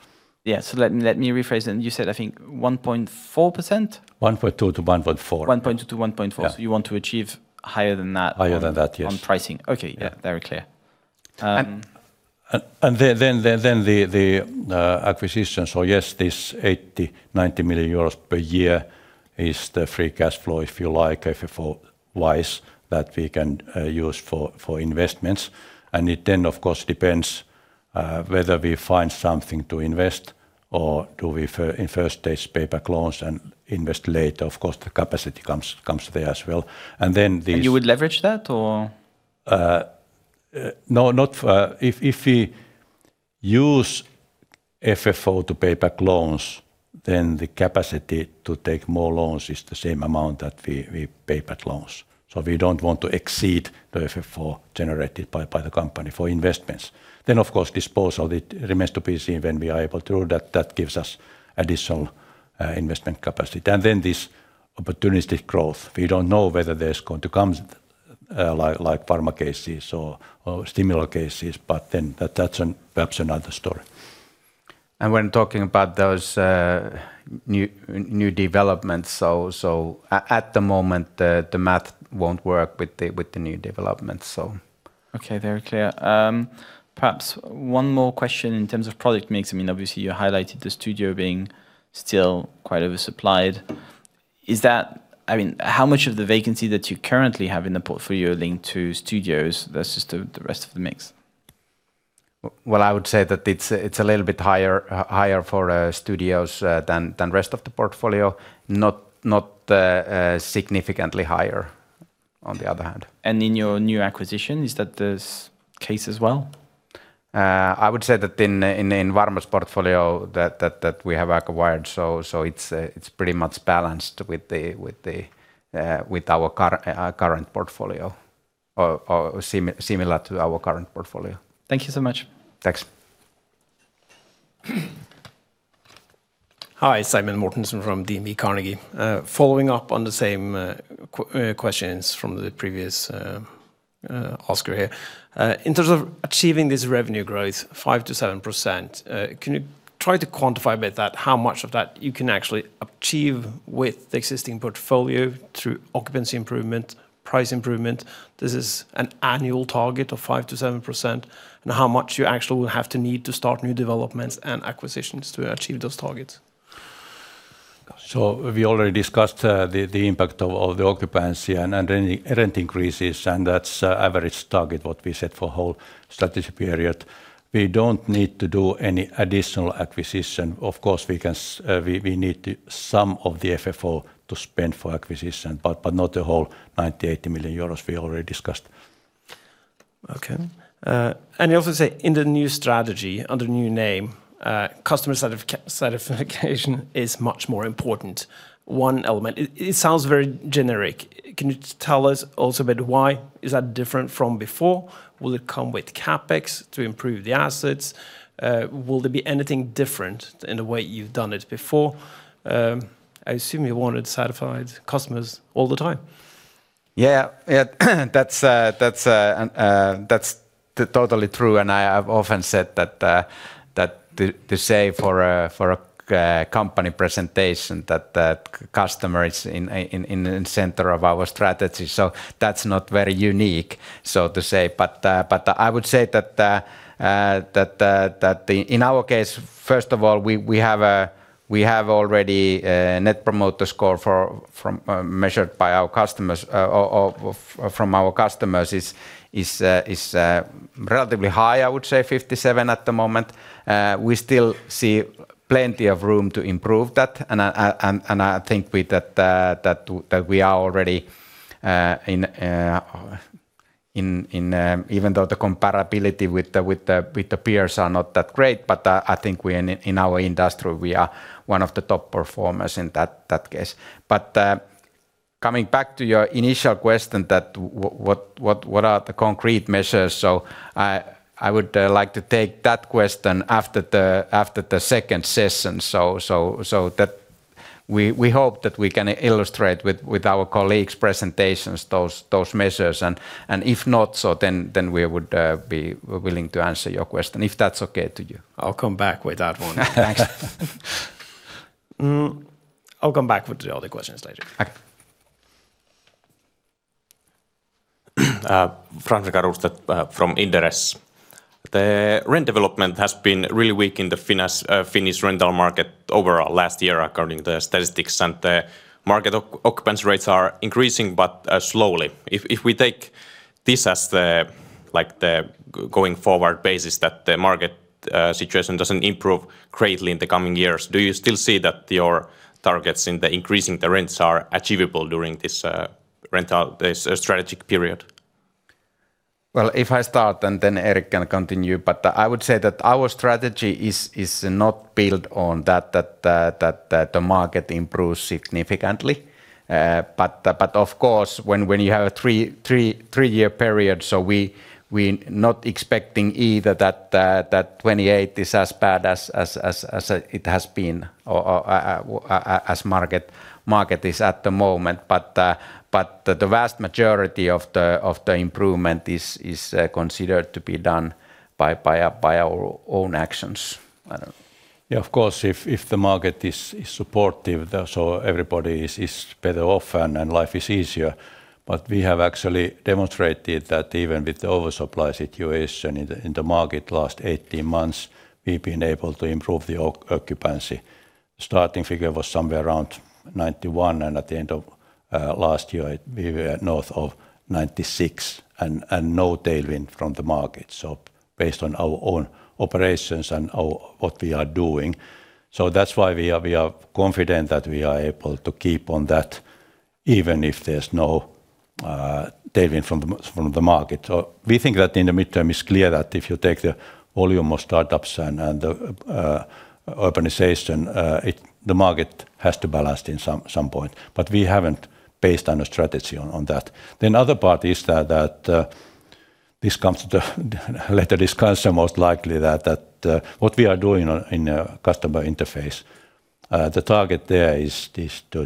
Yeah. Let me rephrase then. You said, I think 1.4%? One point two to one point four. One point two to one point four. Yeah. You want to achieve higher than that. Higher than that, yes. on pricing. Okay. Yeah. Very clear. Then the acquisition. Yes, this 80 million-90 million euros per year is the free cash flow, if you like, FFO wise, that we can use for investments. It then, of course, depends whether we find something to invest or do we first pay back loans and invest later. Of course, the capacity comes there as well. Then these. You would leverage that or? If we use FFO to pay back loans, then the capacity to take more loans is the same amount that we pay back loans. We don't want to exceed the FFO generated by the company for investments. Of course, disposal, it remains to be seen when we are able to do that. That gives us additional investment capacity. This opportunistic growth. We don't know whether there's going to come like Varma cases or similar cases, but that's perhaps another story. When talking about those new developments, at the moment, the math won't work with the new developments. Okay. Very clear. Perhaps one more question in terms of product mix. I mean, obviously you highlighted the studio being still quite oversupplied. I mean, how much of the vacancy that you currently have in the portfolio linked to studios versus the rest of the mix? Well, I would say that it's a little bit higher for studios than rest of the portfolio. Not significantly higher on the other hand. In your new acquisition, is that this case as well? I would say that in Varma's portfolio that we have acquired, so it's pretty much balanced with our current portfolio or similar to our current portfolio. Thank you so much. Thanks. Hi. Simen Mortensen from DNB Carnegie. Following up on the same questions from the previous asker here. In terms of achieving this revenue growth 5%-7%, can you try to quantify a bit that how much of that you can actually achieve with the existing portfolio through occupancy improvement, price improvement? This is an annual target of 5%-7%, and how much you actually will have to need to start new developments and acquisitions to achieve those targets? We already discussed the impact of the occupancy and any rent increases, and that's average target what we set for whole strategic period. We don't need to do any additional acquisition. Of course, we need to some of the FFO to spend for acquisition, but not the whole 80 million-90 million euros we already discussed. Okay. You also say in the new strategy, under new name, customer satisfaction certification is much more important. It sounds very generic. Can you tell us also about why is that different from before? Will it come with CapEx to improve the assets? Will there be anything different in the way you've done it before? I assume you wanted satisfied customers all the time. Yeah. Yeah. That's totally true. I have often said that to say for a company presentation that the customer is in the center of our strategy. That's not very unique, so to say. I would say that in our case, first of all, we have already a Net Promoter Score from our customers, measured by our customers, is relatively high. I would say 57 at the moment. We still see plenty of room to improve that, and I think with that we are already in. Even though the comparability with the peers are not that great, but I think we in our industry, we are one of the top performers in that case. Coming back to your initial question that what are the concrete measures? I would like to take that question after the second session, so that we hope that we can illustrate with our colleagues' presentations those measures. If not, then we would be willing to answer your question, if that's okay to you. I'll come back with that one. Thanks. I'll come back with the other questions later. Okay. Frans Rostedt from Inderes. The rent development has been really weak in the Finnish rental market over last year according to the statistics, and the market occupancy rates are increasing but slowly. If we take this as the, like, the going forward basis that the market situation doesn't improve greatly in the coming years, do you still see that your targets in the increasing the rents are achievable during this strategic period? Well, if I start, and then Erik can continue. I would say that our strategy is not built on that the market improves significantly. Of course, when you have a three-year period, we not expecting either that 2028 is as bad as it has been or as market is at the moment. The vast majority of the improvement is considered to be done by our own actions. I don't Of course, if the market is supportive, so everybody is better off and life is easier. We have actually demonstrated that even with the oversupply situation in the market last 18 months, we've been able to improve the occupancy. Starting figure was somewhere around 91%, and at the end of last year, we were north of 96%, and no tailwind from the market. Based on our own operations and what we are doing. That's why we are confident that we are able to keep on that even if there's no tailwind from the market. We think that in the midterm, it's clear that if you take the volume of startups and the urbanization, the market has to balance in some point. We haven't based on a strategy on that. Other part is that. This comes to the later discussion most likely that what we are doing in the customer interface, the target there is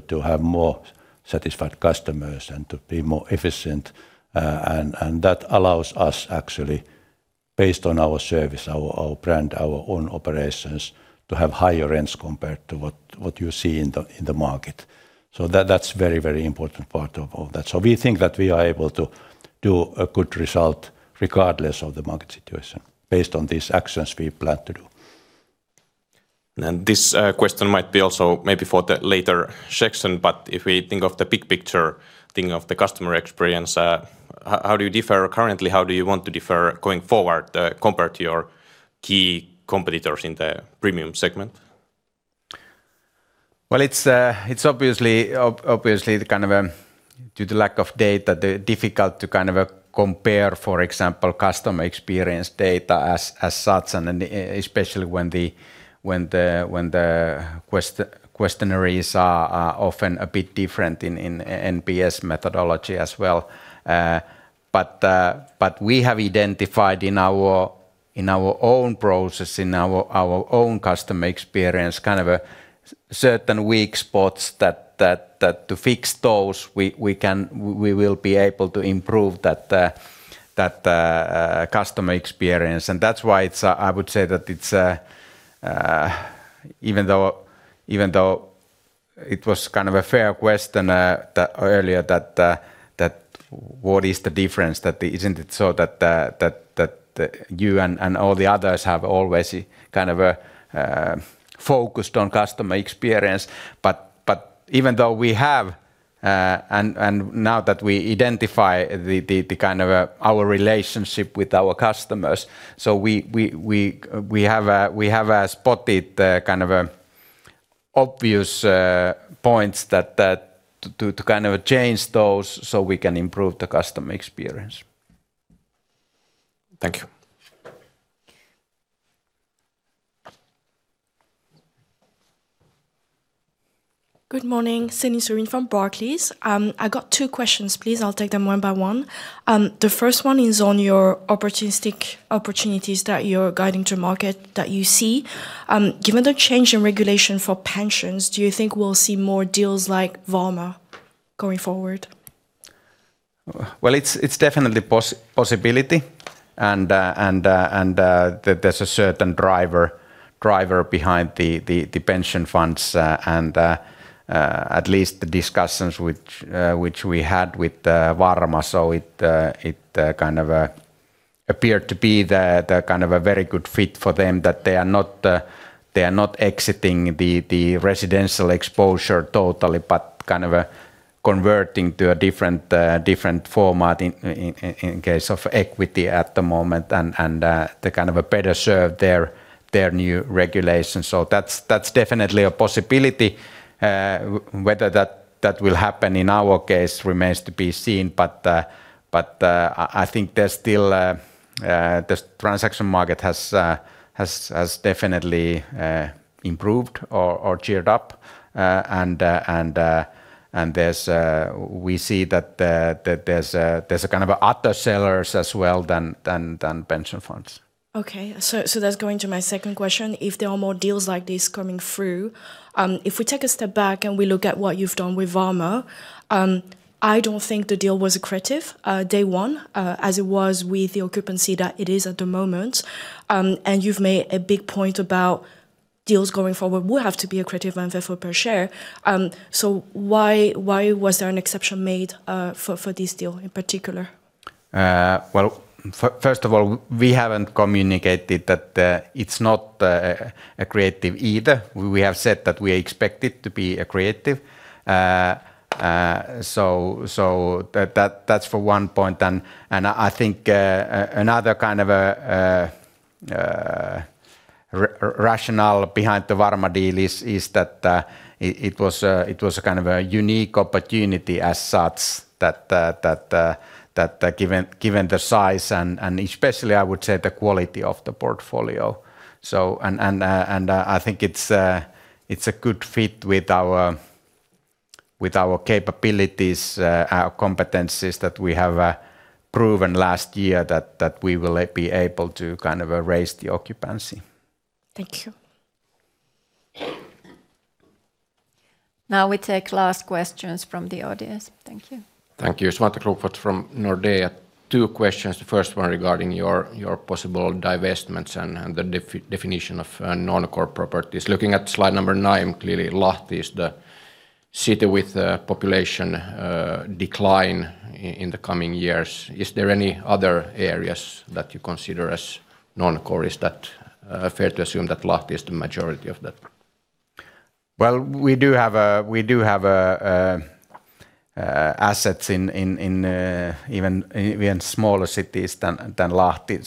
to have more satisfied customers and to be more efficient. That allows us actually based on our service, our brand, our own operations to have higher rents compared to what you see in the market. That's very important part of all that. We think that we are able to do a good result regardless of the market situation based on these actions we plan to do. This question might be also maybe for the later section, but if we think of the big picture, thinking of the customer experience, how do you differ currently? How do you want to differ going forward, compared to your key competitors in the premium segment? Well, it's obviously the kind of due to lack of data difficult to kind of compare, for example, customer experience data as such, and then especially when the questionnaires are often a bit different in NPS methodology as well. We have identified in our own process our own customer experience kind of certain weak spots that to fix those we will be able to improve that customer experience. I would say that it's even though it was kind of a fair question that earlier that what is the difference that isn't it so that you and all the others have always kind of focused on customer experience. Even though we have and now that we identify the kind of our relationship with our customers, so we have spotted the kind of obvious points that to kind of change those so we can improve the customer experience. Thank you. Good morning. Céline Soo-Huynh from Barclays. I got two questions, please. I'll take them one by one. The first one is on your opportunistic opportunities that you're guiding to market that you see. Given the change in regulation for pensions, do you think we'll see more deals like Varma going forward? It's definitely a possibility. There's a certain driver behind the pension funds, at least the discussions which we had with Varma. It kind of appeared to be a very good fit for them that they are not exiting the residential exposure totally, but kind of converting to a different format in case of equity at the moment and to better serve their new regulations. That's definitely a possibility. Whether that will happen in our case remains to be seen, but I think there's still this transaction market has definitely improved or geared up. We see that there's a kind of other sellers as well than pension funds. Okay. That's going to my second question. If there are more deals like this coming through, if we take a step back and we look at what you've done with Varma, I don't think the deal was accretive day one, as it is with the occupancy that it is at the moment. You've made a big point about deals going forward will have to be accretive and therefore per share. Why was there an exception made for this deal in particular? Well, first of all, we haven't communicated that it's not accretive either. We have said that we expect it to be accretive. That's for one point. I think another kind of a rationale behind the Varma deal is that it was a kind of a unique opportunity as such that given the size and especially, I would say the quality of the portfolio. I think it's a good fit with our capabilities, our competencies that we have proven last year that we will be able to kind of raise the occupancy. Thank you. Now we take last questions from the audience. Thank you. Thank you. Svante Krokfors from Nordea. Two questions. The first one regarding your possible divestments and the definition of non-core properties. Looking at slide number nine, clearly Lahti is the city with the population decline in the coming years. Is there any other areas that you consider as non-core? Is that fair to assume that Lahti is the majority of that? Well, we do have assets in even smaller cities than Lahti.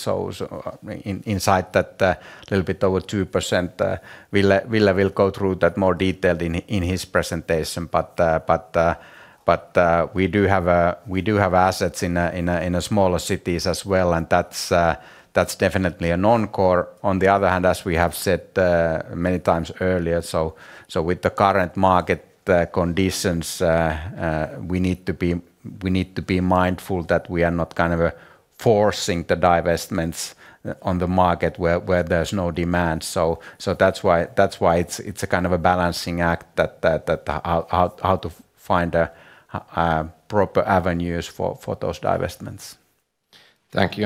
Inside that little bit over 2%, Ville will go through that more detailed in his presentation. We do have assets in smaller cities as well, and that's definitely a non-core. On the other hand, as we have said many times earlier, with the current market conditions, we need to be mindful that we are not kind of forcing the divestments on the market where there's no demand. That's why it's a kind of a balancing act how to find proper avenues for those divestments. Thank you.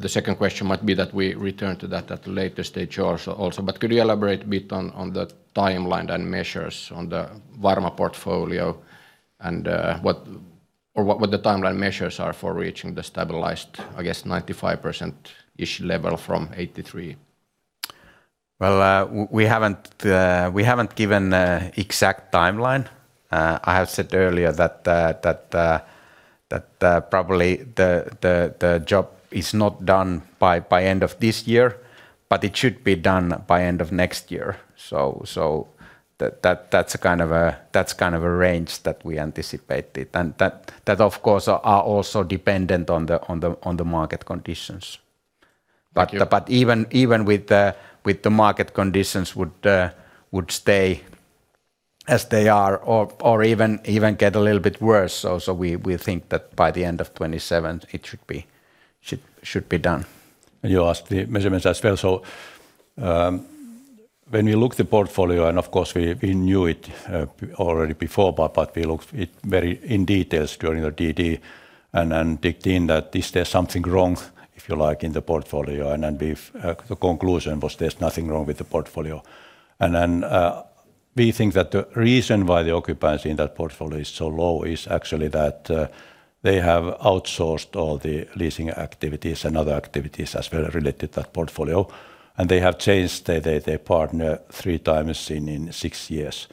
The second question might be that we return to that at a later stage also, but could you elaborate a bit on the timeline and measures on the Varma portfolio and what the timeline measures are for reaching the stabilized, I guess, 95%-ish level from 83? Well, we haven't given an exact timeline. I have said earlier that probably the job is not done by end of this year, but it should be done by end of next year. That that's kind of a range that we anticipated. That of course are also dependent on the market conditions. Thank you. Even with the market conditions would stay as they are or even get a little bit worse also, we think that by the end of 2027 it should be done. You asked the measurements as well. When we look at the portfolio, of course we knew it already before, but we looked at it very in detail during the DD and then dug in to see if there is something wrong, if you like, in the portfolio? The conclusion was there's nothing wrong with the portfolio. We think that the reason why the occupancy in that portfolio is so low is actually that they have outsourced all the leasing activities and other activities as well related to that portfolio, and they have changed their partner 3x in six years.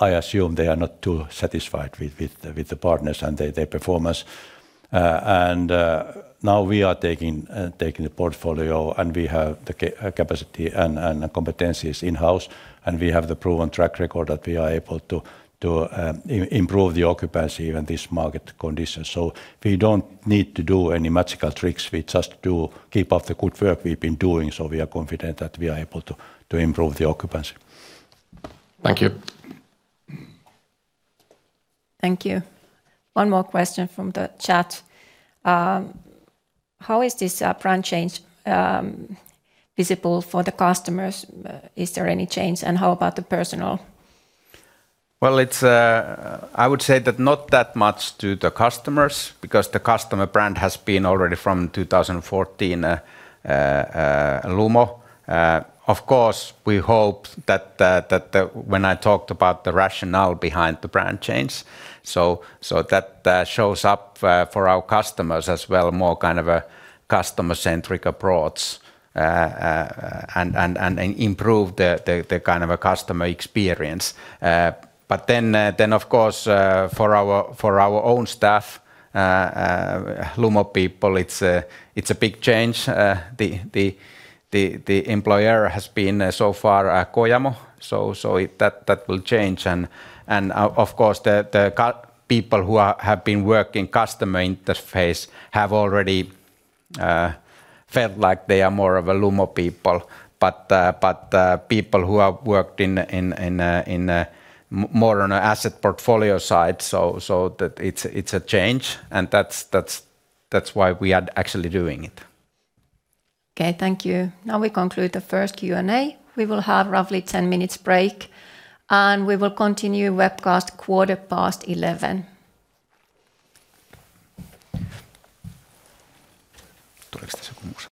I assume they are not too satisfied with the partners and their performance. Now we are taking the portfolio, and we have the capacity and competencies in-house, and we have the proven track record that we are able to improve the occupancy even these market conditions. We don't need to do any magical tricks. We just keep up the good work we've been doing. We are confident that we are able to improve the occupancy. Thank you. Thank you. One more question from the chat. How is this brand change visible for the customers? Is there any change, and how about the personal? Well, it's, I would say, that not that much to the customers because the customer brand has been already from 2014, Lumo. Of course, we hope that. When I talked about the rationale behind the brand change, so that shows up for our customers as well, more kind of a customer-centric approach, and improve the kind of a customer experience. Of course, for our own staff, Lumo people, it's a big change. The employer has been so far, Kojamo, so that will change. Of course, the people who have been working customer interface have already felt like they are more of a Lumo people, but people who have worked in more on an asset portfolio side, so that it's a change, and that's why we are actually doing it. Okay, Thank you. Now we conclude the first Q&A. We will have roughly 10 minutes break, and we will continue webcast at 11:15 A.M.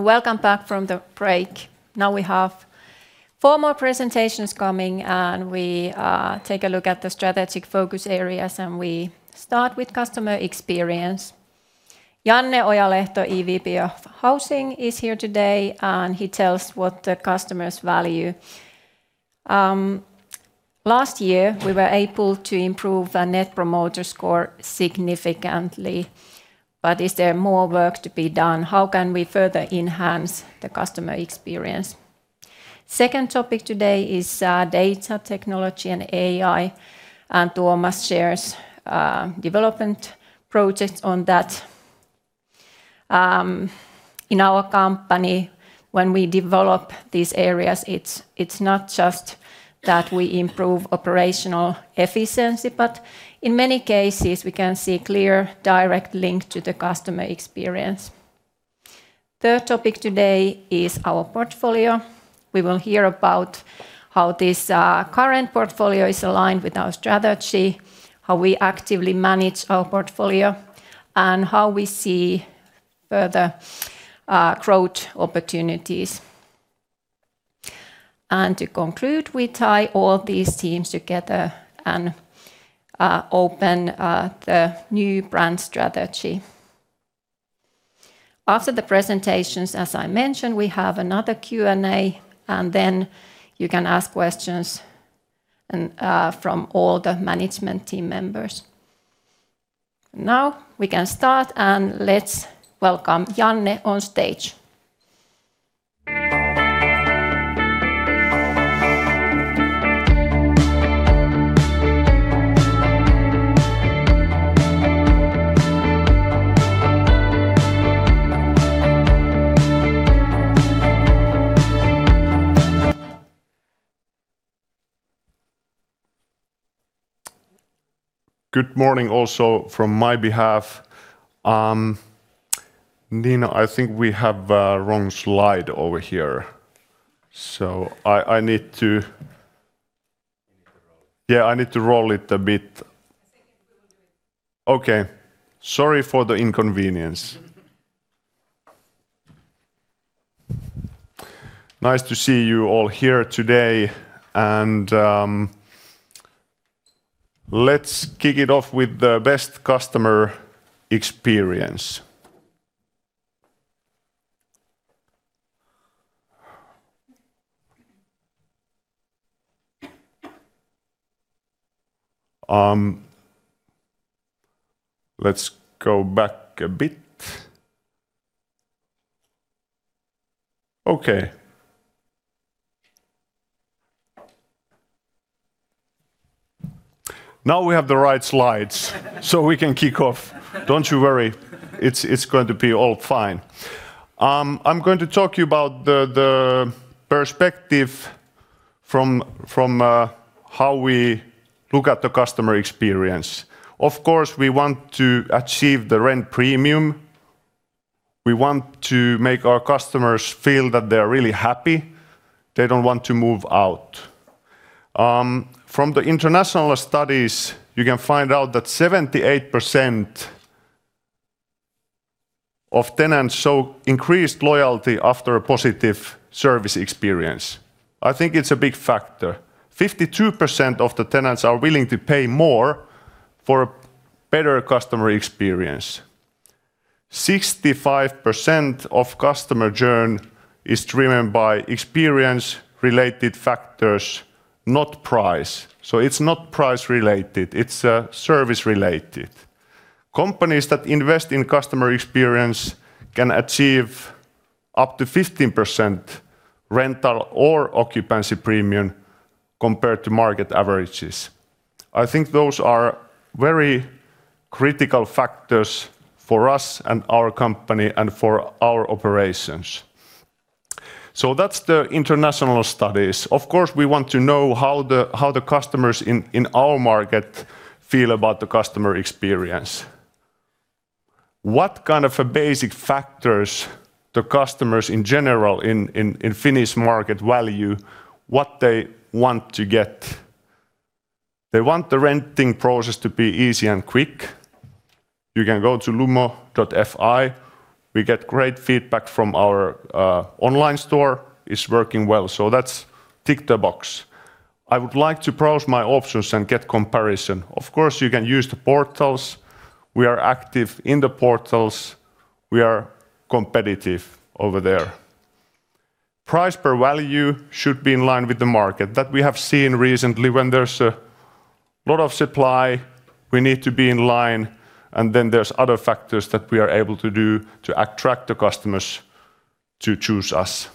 Welcome back from the break. Now we have four more presentations coming, and we take a look at the strategic focus areas, and we start with customer experience. Janne Ojalehto, EVP of Housing, is here today, and he tells what the customers value. Last year we were able to improve the Net Promoter Score significantly, but is there more work to be done? How can we further enhance the customer experience? Second topic today is data technology and AI, and Tuomas shares development projects on that. In our company, when we develop these areas, it's not just that we improve operational efficiency, but in many cases we can see clear direct link to the customer experience. Third topic today is our portfolio. We will hear about how this current portfolio is aligned with our strategy, how we actively manage our portfolio, and how we see further growth opportunities. To conclude, we tie all these teams together and open the new brand strategy. After the presentations, as I mentioned, we have another Q&A, and then you can ask questions, and from all the management team members. Now we can start, and let's welcome Janne on stage. Good morning also from my behalf. Niina, I think we have a wrong slide over here, so I need to- You need to roll it. Yeah, I need to roll it a bit. I think if we will do it. Okay. Sorry for the inconvenience. Nice to see you all here today, and let's kick it off with the best customer experience. Let's go back a bit. Okay. Now we have the right slides. We can kick off. Don't you worry. It's going to be all fine. I'm going to talk to you about the perspective from how we look at the customer experience. Of course, we want to achieve the rent premium. We want to make our customers feel that they're really happy, they don't want to move out. From the international studies, you can find out that 78% of tenants show increased loyalty after a positive service experience. I think it's a big factor. 52% of the tenants are willing to pay more for better customer experience. 65% of customer journey is driven by experience-related factors, not price. It's not price-related, it's service-related. Companies that invest in customer experience can achieve up to 15% rental or occupancy premium compared to market averages. I think those are very critical factors for us and our company and for our operations. That's the international studies. Of course, we want to know how the customers in our market feel about the customer experience. What kind of basic factors do customers in general in Finnish market value? What they want to get. They want the renting process to be easy and quick. You can go to Lumo.fi. We get great feedback from our online store. It's working well. That's tick the box. I would like to browse my options and get comparison. Of course, you can use the portals. We are active in the portals. We are competitive over there. Price per value should be in line with the market. That we have seen recently. When there's a lot of supply, we need to be in line, and then there's other factors that we are able to do to attract the customers to choose us.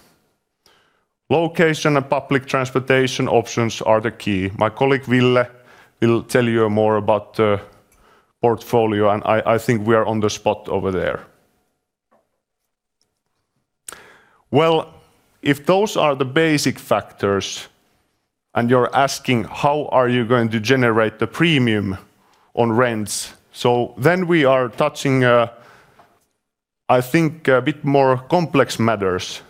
Location and public transportation options are the key. My colleague, Ville, will tell you more about the portfolio, and I think we are on the spot over there. Well, if those are the basic factors and you're asking, "How are you going to generate the premium on rents?" We are touching, I think a bit more complex matters.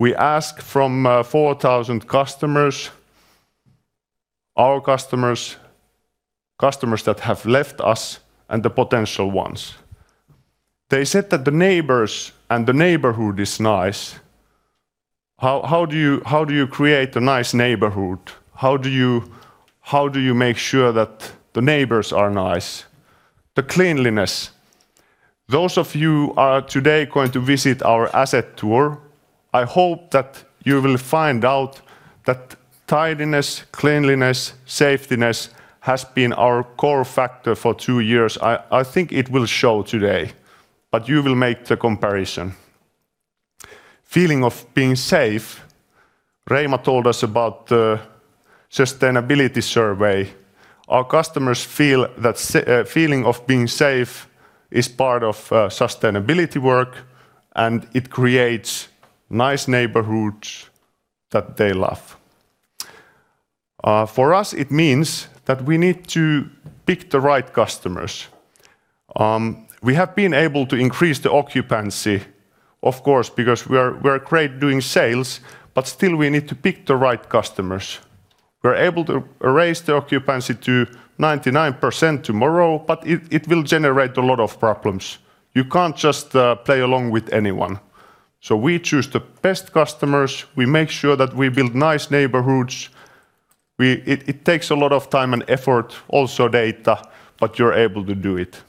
We ask from 4,000 customers, our customers that have left us, and the potential ones. They said that the neighbors and the neighborhood is nice. How do you create a nice neighborhood? How do you make sure that the neighbors are nice? The cleanliness. Those of you are today going to visit our asset tour. I hope that you will find out that tidiness, cleanliness, safety has been our core factor for two years. I think it will show today, but you will make the comparison. Feeling of being safe. Reima told us about the sustainability survey. Our customers feel that feeling of being safe is part of sustainability work, and it creates nice neighborhoods that they love. For us, it means that we need to pick the right customers. We have been able to increase the occupancy, of course, because we are great doing sales, but still we need to pick the right customers. We're able to raise the occupancy to 99% tomorrow, but it will generate a lot of problems. You can't just play along with anyone. We choose the best customers. We make sure that we build nice neighborhoods. It takes a lot of time and effort, also data, but you're able to do it.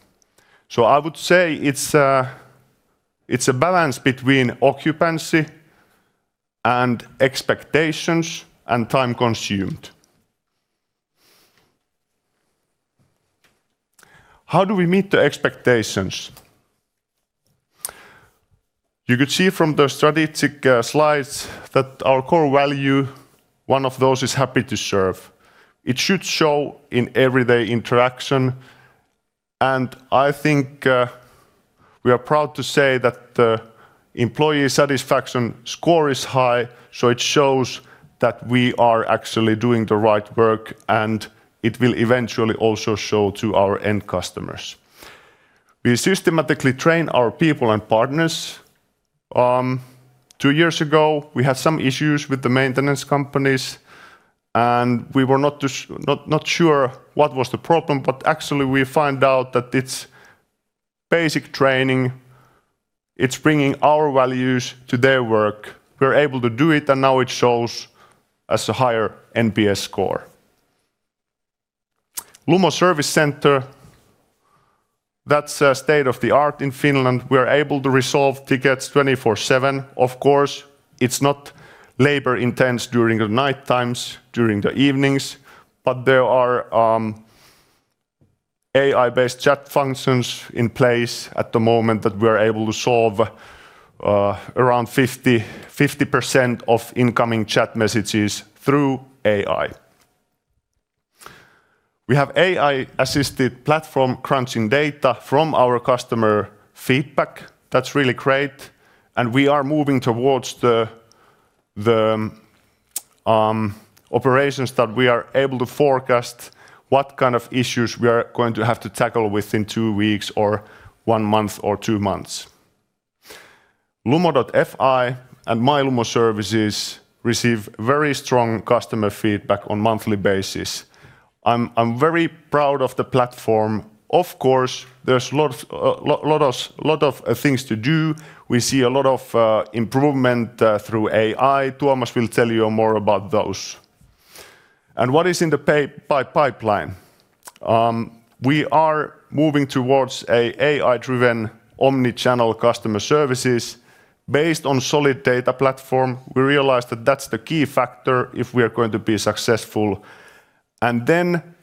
I would say it's a balance between occupancy, and expectations, and time consumed. How do we meet the expectations? You could see from the strategic slides that our core value, one of those is happy to serve. It should show in everyday interaction, and I think we are proud to say that the employee satisfaction score is high, so it shows that we are actually doing the right work, and it will eventually also show to our end customers. We systematically train our people and partners. Two years ago, we had some issues with the maintenance companies, and we were not sure what was the problem, but actually we find out that it's basic training. It's bringing our values to their work. We're able to do it, and now it shows as a higher NPS score. Lumo Service Centre, that's state-of-the-art in Finland. We are able to resolve tickets 24/7. Of course, it's not labor intense during the night times, during the evenings, but there are AI-based chat functions in place at the moment that we're able to solve around 50% of incoming chat messages through AI. We have AI-assisted platform crunching data from our customer feedback. That's really great, we are moving towards the operations that we are able to forecast what kind of issues we are going to have to tackle within two weeks or one month or two months. Lumo.fi and My Lumo services receive very strong customer feedback on a monthly basis. I'm very proud of the platform. Of course, there's a lot of things to do. We see a lot of improvement through AI. Tuomas will tell you more about those. What is in the pipeline? We are moving towards an AI-driven omni-channel customer service based on a solid data platform. We realize that that's the key factor if we are going to be successful.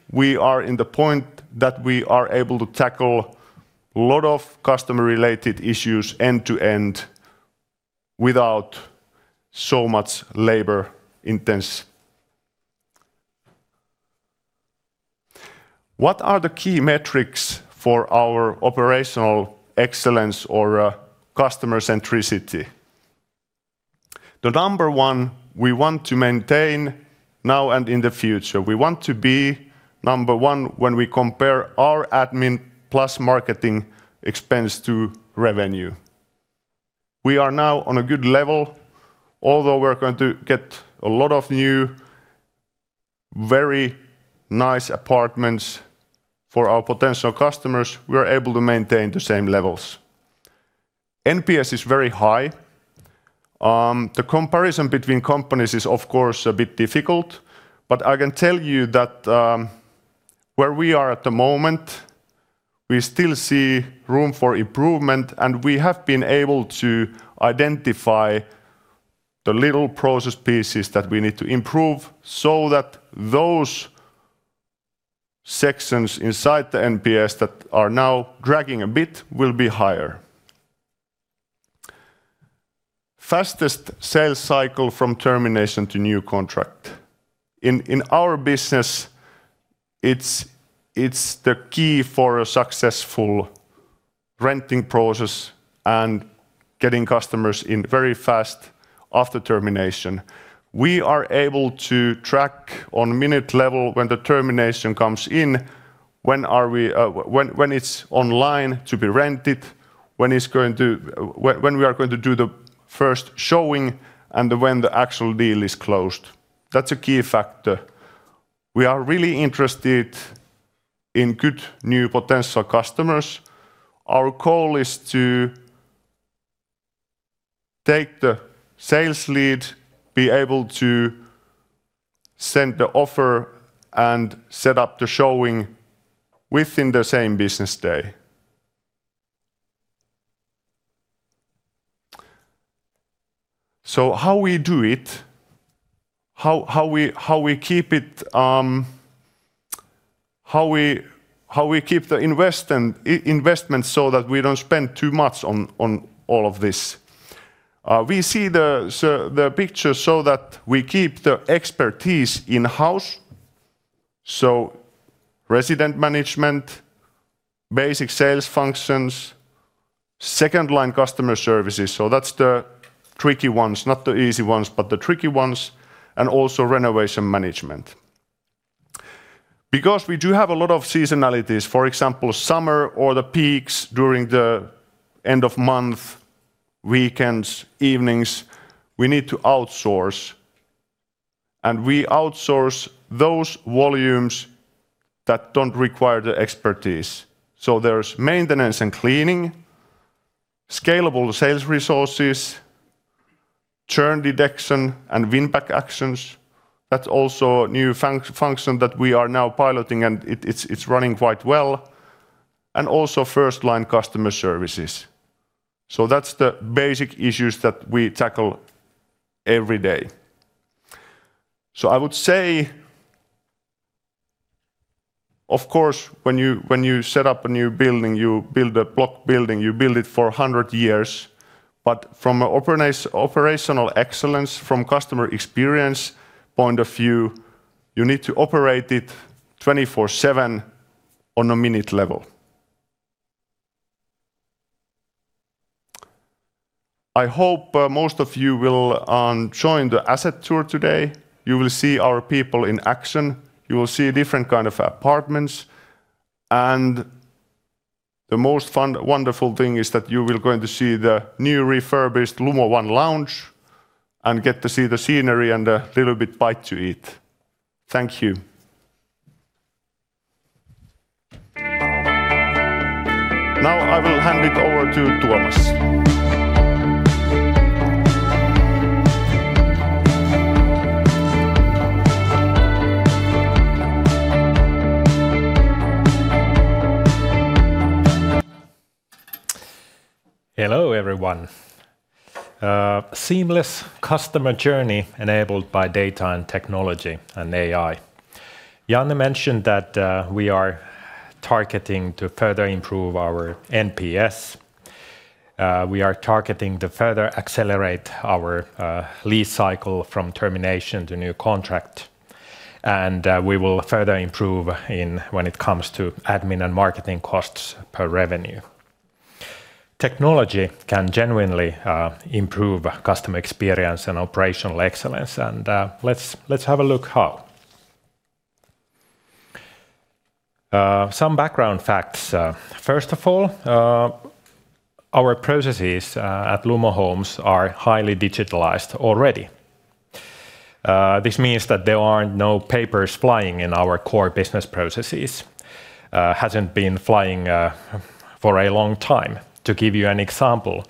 We are at the point that we are able to tackle a lot of customer-related issues end-to-end without so much labor-intensive. What are the key metrics for our operational excellence or customer centricity? The number one we want to maintain now and in the future, we want to be number one when we compare our admin plus marketing expense to revenue. We are now on a good level. Although we're going to get a lot of new, very nice apartments for our potential customers, we are able to maintain the same levels. NPS is very high. The comparison between companies is of course a bit difficult, but I can tell you that, where we are at the moment, we still see room for improvement, and we have been able to identify the little process pieces that we need to improve so that those sections inside the NPS that are now dragging a bit will be higher. Fastest sales cycle from termination to new contract. In our business, it's the key for a successful renting process and getting customers in very fast after termination. We are able to track on minute level when the termination comes in, when it's online to be rented, when it's going to, when we are going to do the first showing, and when the actual deal is closed. That's a key factor. We are really interested in good new potential customers. Our goal is to take the sales lead, be able to send the offer, and set up the showing within the same business day. How we do it, how we keep it, how we keep the investment so that we don't spend too much on all of this. We see the picture so that we keep the expertise in-house. Resident management, basic sales functions, second-line customer services, so that's the tricky ones. Not the easy ones, but the tricky ones. Also renovation management. Because we do have a lot of seasonalities, for example, summer or the peaks during the end of month, weekends, evenings, we need to outsource. We outsource those volumes that don't require the expertise. There's maintenance and cleaning, scalable sales resources, churn detection, and win back actions. That's also a new function that we are now piloting, and it's running quite well, and also first-line customer services. That's the basic issues that we tackle every day. I would say, of course, when you set up a new building, you build a block building. You build it for 100 years. From operational excellence, from customer experience point of view, you need to operate it 24/7 on a minute level. I hope most of you will join the asset tour today. You will see our people in action. You will see different kind of apartments, and the most fun, wonderful thing is that you will going to see the new refurbished Lumo One Lounge and get to see the scenery and a little bit bite to eat. Thank you. Now I will hand it over to Tuomas. Hello, everyone. Seamless customer journey enabled by data and technology, and AI. Janne mentioned that, we are targeting to further improve our NPS. We are targeting to further accelerate our lease cycle from termination to new contract, and we will further improve in when it comes to admin and marketing costs per revenue. Technology can genuinely improve customer experience and operational excellence. Let's have a look how. Some background facts. First of all, our processes at Lumo Homes are highly digitized already. This means that there are no papers flying in our core business processes, hasn't been flying for a long time. To give you an example,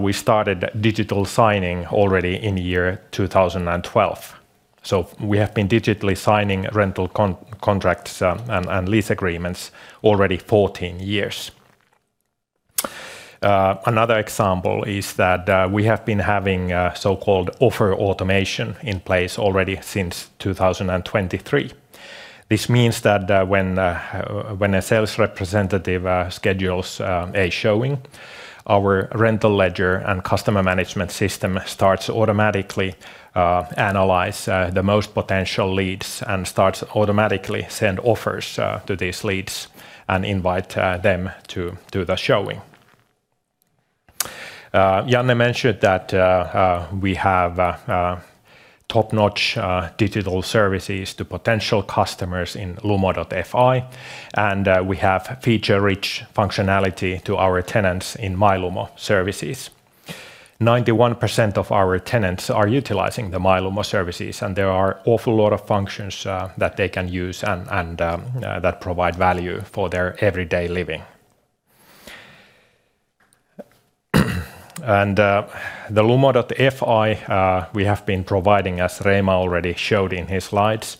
we started digital signing already in the year 2012. We have been digitally signing rental contracts and lease agreements already 14 years. Another example is that we have been having so-called offer automation in place already since 2023. This means that when a sales representative schedules a showing, our rental ledger and customer management system starts to automatically analyze the most potential leads and starts to automatically send offers to these leads and invite them to do the showing. Janne mentioned that we have top-notch digital services to potential customers in Lumo.fi, and we have feature-rich functionality to our tenants in My Lumo. 91% of our tenants are utilizing the My Lumo services, and there are an awful lot of functions that they can use and that provide value for their everyday living. The Lumo.fi, we have been providing, as Reima already showed in his slides,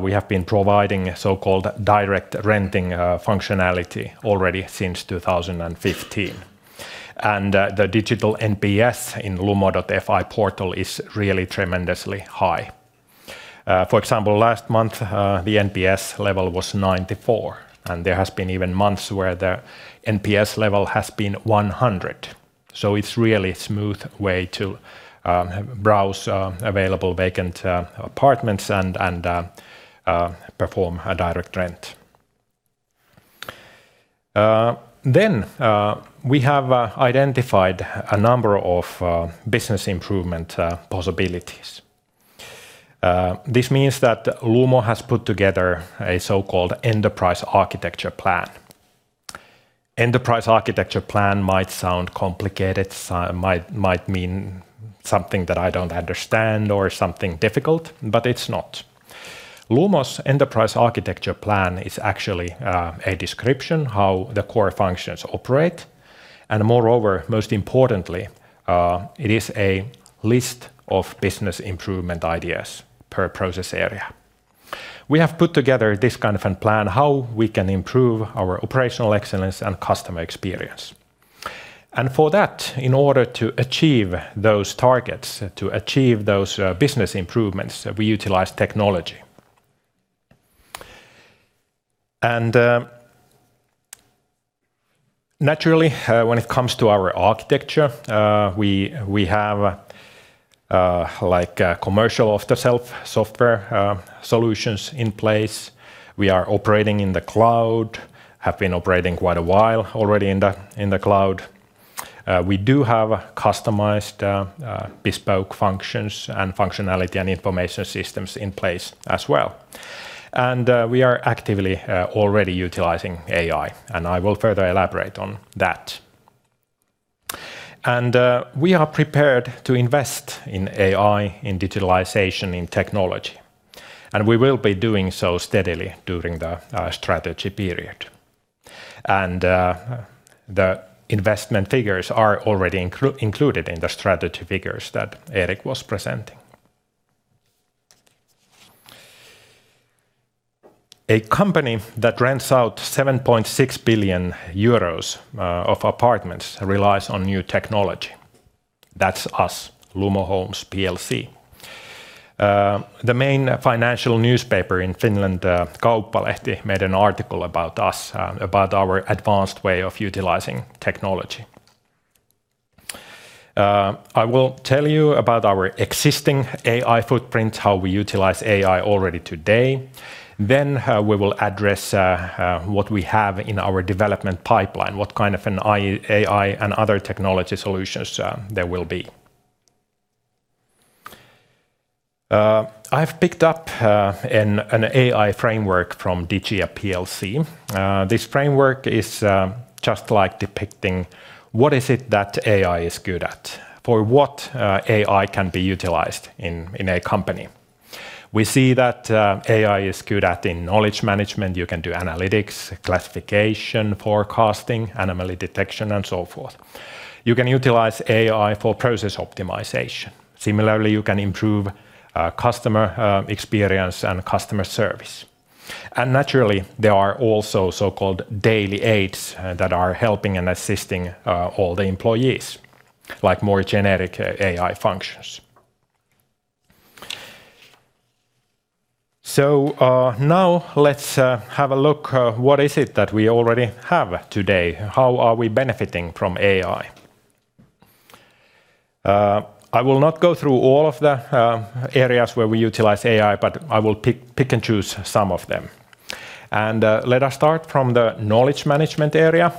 we have been providing so-called direct renting functionality already since 2015. The digital NPS in Lumo.fi portal is really tremendously high. For example, last month, the NPS level was 94, and there has been even months where the NPS level has been 100. It's really smooth way to browse available vacant apartments and perform a direct rent. We have identified a number of business improvement possibilities. This means that Lumo has put together a so-called enterprise architecture plan. Enterprise architecture plan might sound complicated, might mean something that I don't understand or something difficult, but it's not. Lumo's enterprise architecture plan is actually a description how the core functions operate, and moreover, most importantly, it is a list of business improvement ideas per process area. We have put together this kind of a plan how we can improve our operational excellence and customer experience. For that, in order to achieve those targets, business improvements, we utilize technology. Naturally, when it comes to our architecture, we have like commercial off-the-shelf software solutions in place. We are operating in the cloud. Have been operating quite a while already in the cloud. We do have customized, bespoke functions and functionality and information systems in place as well. We are actively already utilizing AI, and I will further elaborate on that. We are prepared to invest in AI, in digitalization, in technology, and we will be doing so steadily during the strategy period. The investment figures are already included in the strategy figures that Erik was presenting. A company that rents out 7.6 billion euros of apartments relies on new technology. That's us, Lumo Homes plc. The main financial newspaper in Finland, Kauppalehti, made an article about us, about our advanced way of utilizing technology. I will tell you about our existing AI footprint, how we utilize AI already today. We will address what we have in our development pipeline, what kind of an AI and other technology solutions there will be. I've picked up an AI framework from Digia Plc. This framework is just like depicting what is it that AI is good at for what AI can be utilized in a company. We see that AI is good at in knowledge management, you can do analytics, classification, forecasting, anomaly detection, and so forth. You can utilize AI for process optimization. Similarly, you can improve customer experience and customer service. Naturally, there are also so-called daily aids that are helping and assisting all the employees, like more generic AI functions. Now let's have a look what is it that we already have today. How are we benefiting from AI? I will not go through all of the areas where we utilize AI, but I will pick and choose some of them. Let us start from the knowledge management area.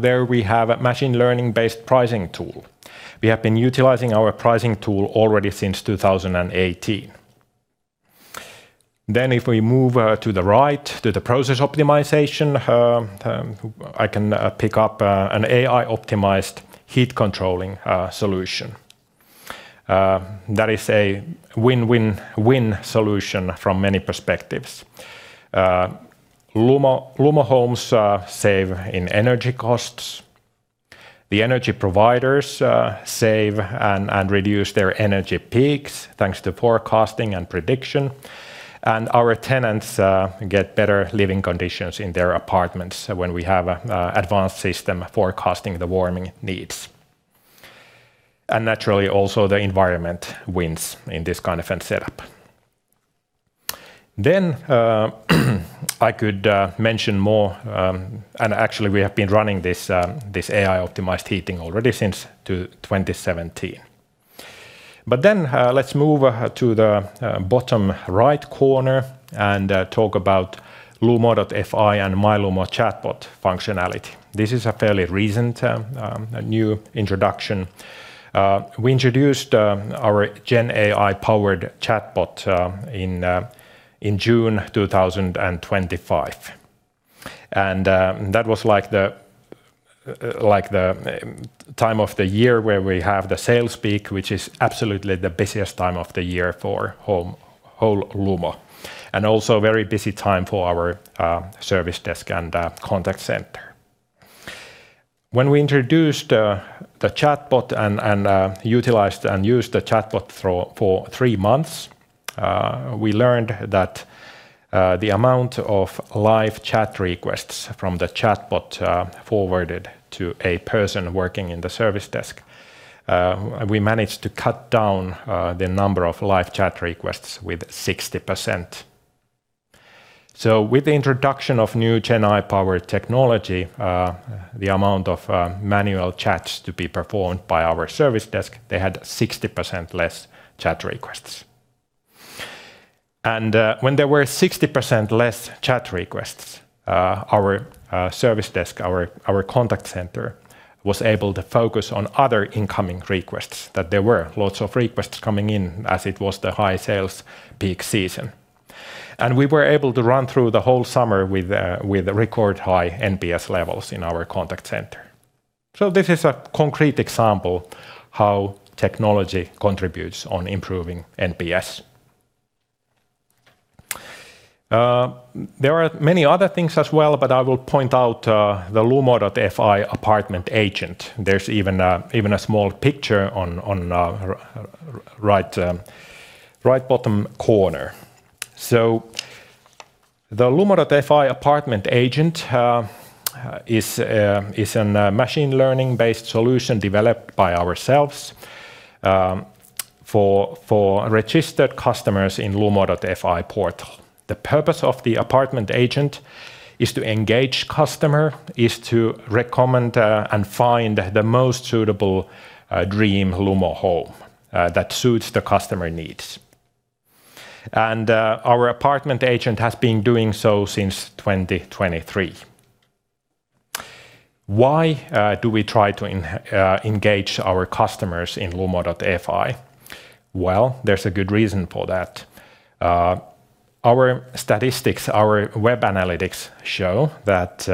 There we have a machine learning-based pricing tool. We have been utilizing our pricing tool already since 2018. If we move to the right, to the process optimization, I can pick up an AI-optimized heat controlling solution. That is a win-win-win solution from many perspectives. Lumo Homes save in energy costs. The energy providers save and reduce their energy peaks thanks to forecasting and prediction. Our tenants get better living conditions in their apartments when we have advanced system forecasting the warming needs. Naturally, also the environment wins in this kind of a setup. I could mention more, and actually we have been running this AI-optimized heating already since 2017. Let's move to the bottom right corner and talk about Lumo.fi and My Lumo chatbot functionality. This is a fairly recent, a new introduction. We introduced our Gen AI-powered chatbot in June 2025. That was like the time of the year where we have the sales peak, which is absolutely the busiest time of the year for whole Lumo, and also very busy time for our service desk and contact center. When we introduced the chatbot and utilized and used the chatbot for three months, we learned that the amount of live chat requests from the chatbot forwarded to a person working in the service desk, we managed to cut down the number of live chat requests with 60%. With the introduction of new Gen AI-powered technology, the amount of manual chats to be performed by our service desk, they had 60% less chat requests. When there were 60% less chat requests, our service desk, our contact center was able to focus on other incoming requests that there were lots of requests coming in as it was the high sales peak season. We were able to run through the whole summer with record high NPS levels in our contact center. This is a concrete example how technology contributes on improving NPS. There are many other things as well, but I will point out the Lumo.fi Apartment Agent. There's even a small picture on right bottom corner. The Lumo.fi Apartment Agent is a machine learning-based solution developed by ourselves for registered customers in Lumo.fi portal. The purpose of the Apartment Agent is to engage customer, to recommend and find the most suitable dream Lumo home that suits the customer needs. Our Apartment Agent has been doing so since 2023. Why do we try to engage our customers in Lumo.fi? Well, there's a good reason for that. Our statistics, our web analytics show that,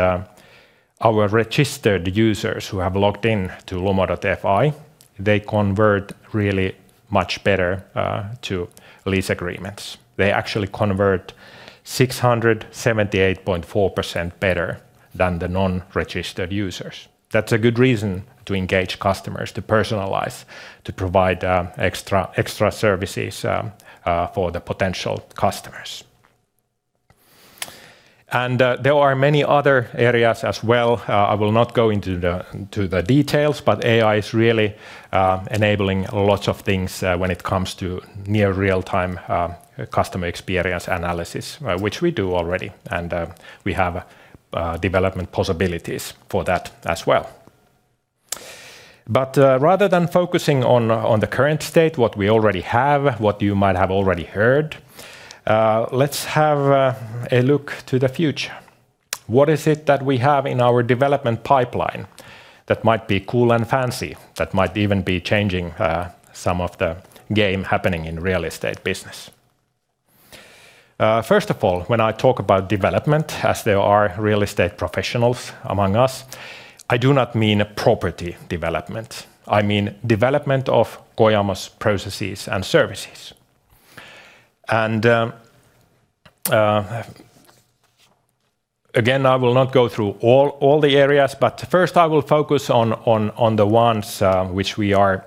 our registered users who have logged in to Lumo.fi, they convert really much better, to lease agreements. They actually convert 678.4% better than the non-registered users. That's a good reason to engage customers, to personalize, to provide, extra services, for the potential customers. There are many other areas as well. I will not go into the details, but AI is really enabling lots of things, when it comes to near real-time, customer experience analysis, which we do already, and we have development possibilities for that as well. rather than focusing on the current state, what we already have, what you might have already heard, let's have a look to the future. What is it that we have in our development pipeline that might be cool and fancy, that might even be changing some of the game happening in real estate business? First of all, when I talk about development, as there are real estate professionals among us, I do not mean property development. I mean development of Kojamo's processes and services. Again, I will not go through all the areas, but first I will focus on the ones which we are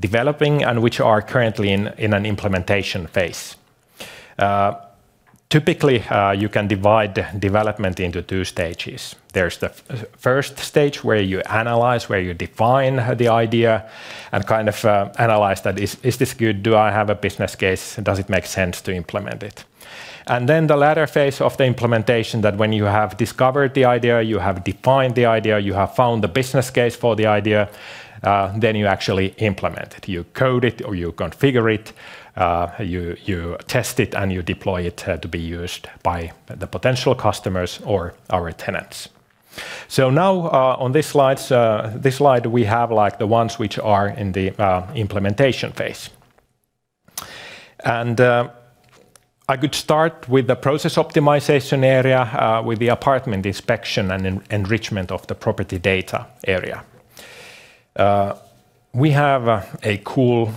developing and which are currently in an implementation phase. Typically, you can divide development into two stages. There's the first stage where you analyze, where you define the idea and kind of analyze that, "Is this good? Do I have a business case? Does it make sense to implement it?" The latter phase of the implementation, that when you have discovered the idea, you have defined the idea, you have found the business case for the idea, then you actually implement it. You code it or you configure it, you test it, and you deploy it to be used by the potential customers or our tenants. On this slide, this slide we have, like, the ones which are in the implementation phase. I could start with the process optimization area, with the apartment inspection and enrichment of the property data area. We have a cool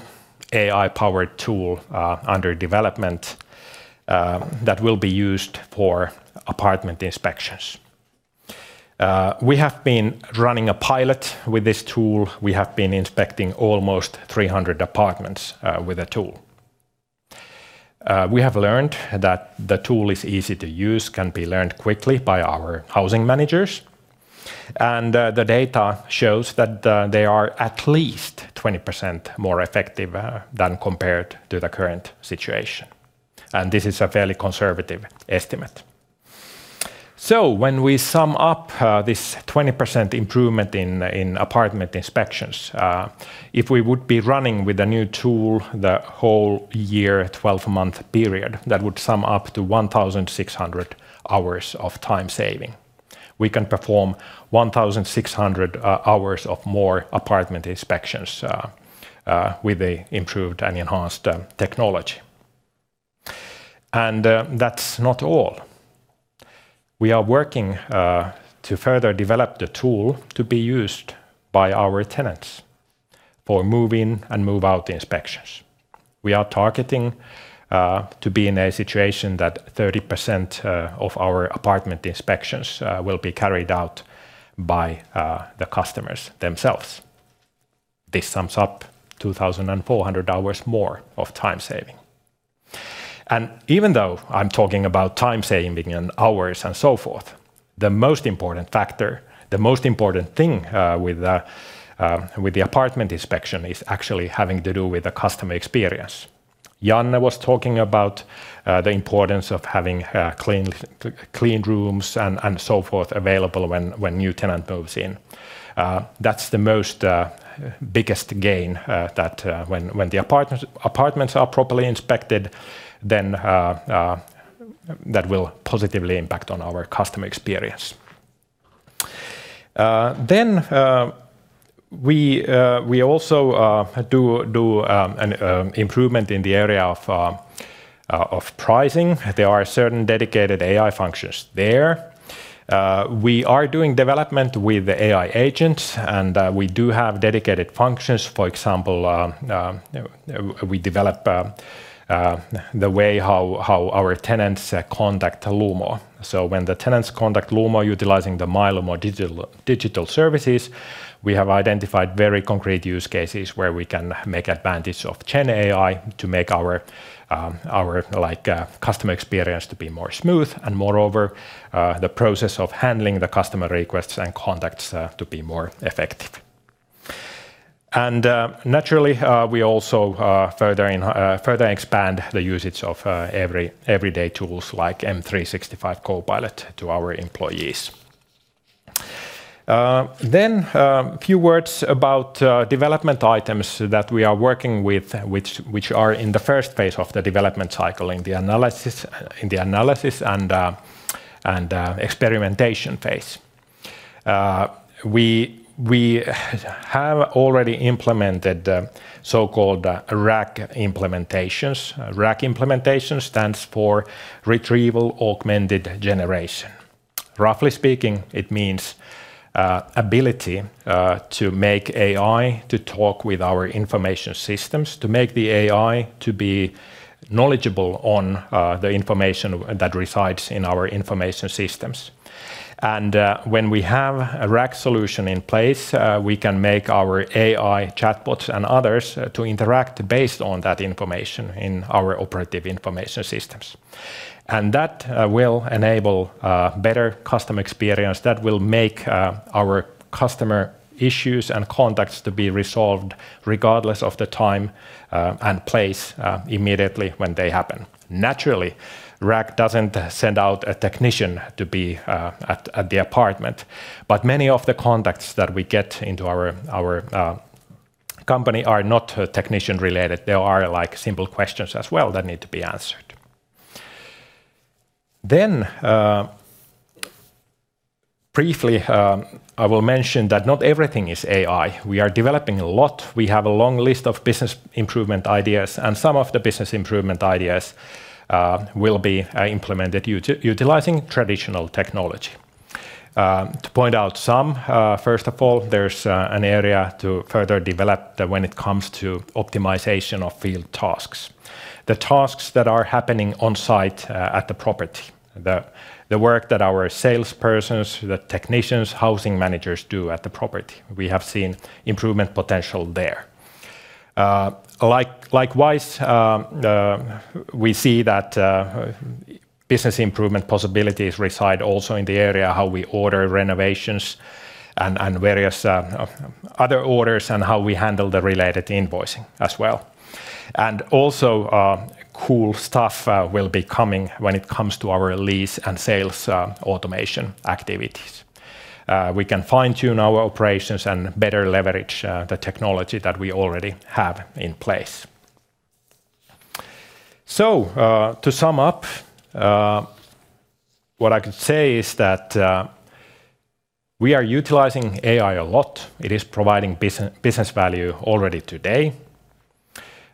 AI-powered tool under development that will be used for apartment inspections. We have been running a pilot with this tool. We have been inspecting almost 300 apartments with the tool. We have learned that the tool is easy to use, can be learned quickly by our housing managers, and the data shows that they are at least 20% more effective than compared to the current situation, and this is a fairly conservative estimate. When we sum up this 20% improvement in apartment inspections, if we would be running with a new tool the whole year, 12-month period, that would sum up to 1,600 hours of time saving. We can perform 1,600 more hours of apartment inspections with the improved and enhanced technology. That's not all. We are working to further develop the tool to be used by our tenants for move-in and move-out inspections. We are targeting to be in a situation that 30% of our apartment inspections will be carried out by the customers themselves. This sums up 2,400 hours more of time saving. Even though I'm talking about time saving and hours and so forth, the most important factor, the most important thing with the apartment inspection is actually having to do with the customer experience. Janne was talking about the importance of having cleaned rooms and so forth available when new tenant moves in. That's the most biggest gain that when the apartments are properly inspected, then that will positively impact on our customer experience. We also do an improvement in the area of pricing. There are certain dedicated AI functions there. We are doing development with the AI agent, and we do have dedicated functions. For example, we develop the way how our tenants contact Lumo. When the tenants contact Lumo utilizing the My Lumo digital services, we have identified very concrete use cases where we can make advantage of GenAI to make our like customer experience to be more smooth and moreover the process of handling the customer requests and contacts to be more effective. Naturally, we also further expand the usage of everyday tools like M365 Copilot to our employees. A few words about development items that we are working with which are in the first phase of the development cycle in the analysis and experimentation phase. We have already implemented so-called RAG implementations. RAG implementation stands for Retrieval-Augmented Generation. Roughly speaking, it means ability to make AI to talk with our information systems, to make the AI to be knowledgeable on the information that resides in our information systems. When we have a RAG solution in place, we can make our AI chatbots and others to interact based on that information in our operative information systems. That will enable better customer experience. That will make our customer issues and contacts to be resolved regardless of the time and place immediately when they happen. Naturally, RAG doesn't send out a technician to be at the apartment, but many of the contacts that we get into our company are not technician-related. There are, like, simple questions as well that need to be answered. Briefly, I will mention that not everything is AI. We are developing a lot. We have a long list of business improvement ideas, and some of the business improvement ideas will be implemented utilizing traditional technology. To point out some, first of all, there's an area to further develop when it comes to optimization of field tasks. The tasks that are happening on site at the property. The work that our salespersons, the technicians, housing managers do at the property. We have seen improvement potential there. Likewise, we see that business improvement possibilities reside also in the area how we order renovations and various other orders and how we handle the related invoicing as well. Cool stuff will be coming when it comes to our lease and sales automation activities. We can fine-tune our operations and better leverage the technology that we already have in place. To sum up, what I can say is that we are utilizing AI a lot. It is providing business value already today.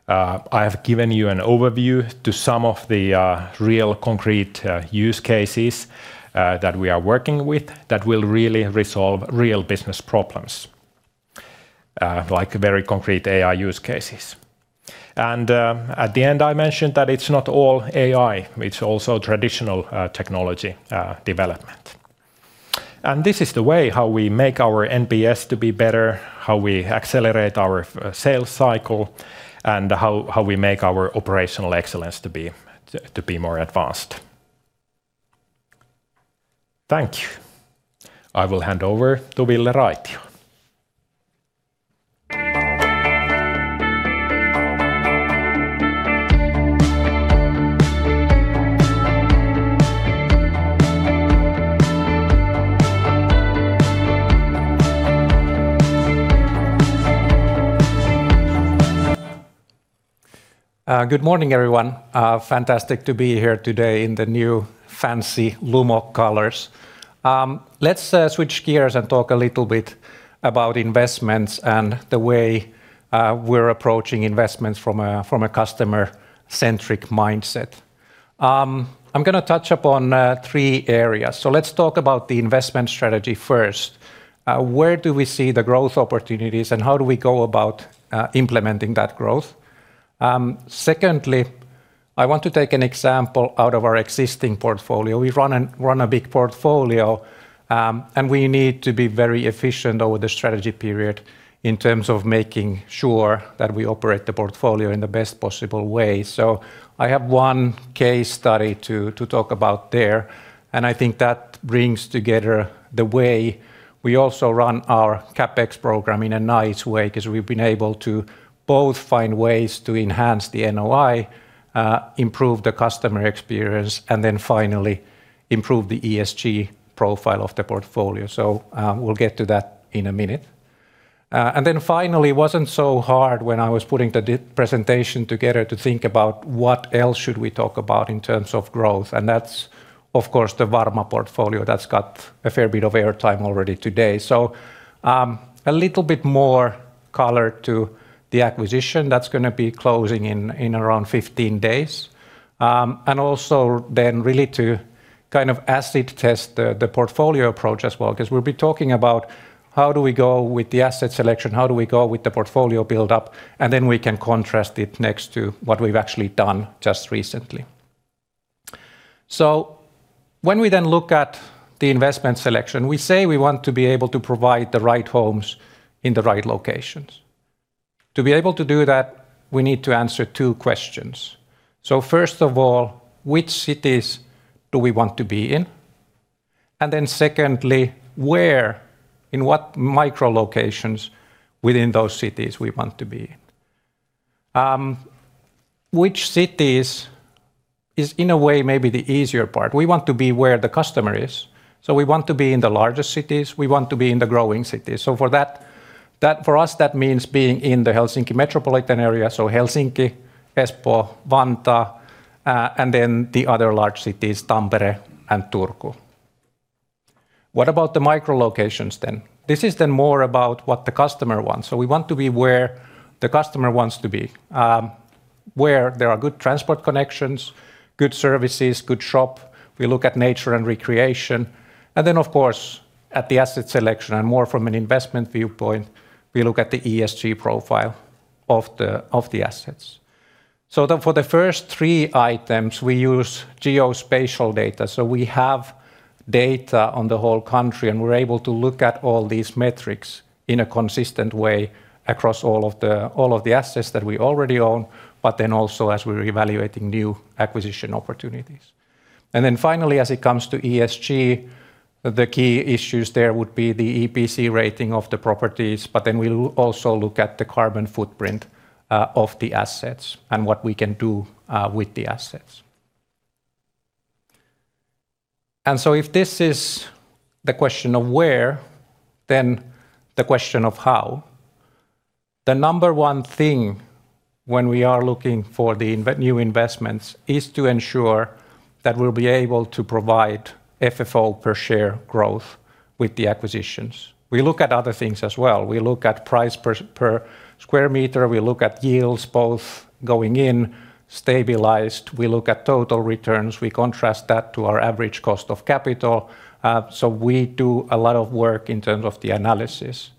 I have given you an overview to some of the real concrete use cases that we are working with that will really resolve real business problems like very concrete AI use cases. At the end, I mentioned that it's not all AI, it's also traditional technology development. This is the way how we make our NPS to be better, how we accelerate our sales cycle, and how we make our operational excellence to be more advanced. Thank you. I will hand over to Ville Raitio. Good morning, everyone. Fantastic to be here today in the new fancy Lumo colors. Let's switch gears and talk a little bit about investments and the way we're approaching investments from a customer-centric mindset. I'm gonna touch upon three areas. Let's talk about the investment strategy first. Where do we see the growth opportunities, and how do we go about implementing that growth? Secondly, I want to take an example out of our existing portfolio. We run a big portfolio, and we need to be very efficient over the strategy period in terms of making sure that we operate the portfolio in the best possible way. I have one case study to talk about there, and I think that brings together the way we also run our CapEx program in a nice way, 'cause we've been able to both find ways to enhance the NOI, improve the customer experience and then finally improve the ESG profile of the portfolio. We'll get to that in a minute. It wasn't so hard when I was putting the presentation together to think about what else should we talk about in terms of growth. That's of course the Varma portfolio that's got a fair bit of airtime already today. A little bit more color to the acquisition that's gonna be closing in around 15 days. Also then really to kind of acid test the portfolio approach as well, 'cause we'll be talking about how do we go with the asset selection, how do we go with the portfolio build-up, and then we can contrast it next to what we've actually done just recently. When we then look at the investment selection, we say we want to be able to provide the right homes in the right locations. To be able to do that, we need to answer two questions. First of all, which cities do we want to be in? Secondly, where in what micro locations within those cities we want to be? Which cities is in a way maybe the easier part. We want to be where the customer is. We want to be in the larger cities. We want to be in the growing cities. For that, for us, that means being in the Helsinki metropolitan area, so Helsinki, Espoo, Vantaa, and then the other large cities, Tampere and Turku. What about the micro locations then? This is then more about what the customer wants. We want to be where the customer wants to be, where there are good transport connections, good services, good shops. We look at nature and recreation. Of course, at the asset selection and more from an investment viewpoint, we look at the ESG profile of the assets. For the first three items, we use geospatial data. We have data on the whole country, and we're able to look at all these metrics in a consistent way across all of the assets that we already own, but then also as we're evaluating new acquisition opportunities. Then finally, as it comes to ESG, the key issues there would be the EPC rating of the properties, but then we'll also look at the carbon footprint of the assets and what we can do with the assets. If this is the question of where, then the question of how. The number one thing when we are looking for the new investments is to ensure that we'll be able to provide FFO per share growth with the acquisitions. We look at other things as well. We look at price per square meter, we look at yields both going-in stabilized, we look at total returns, we contrast that to our average cost of capital. We do a lot of work in terms of the analysis.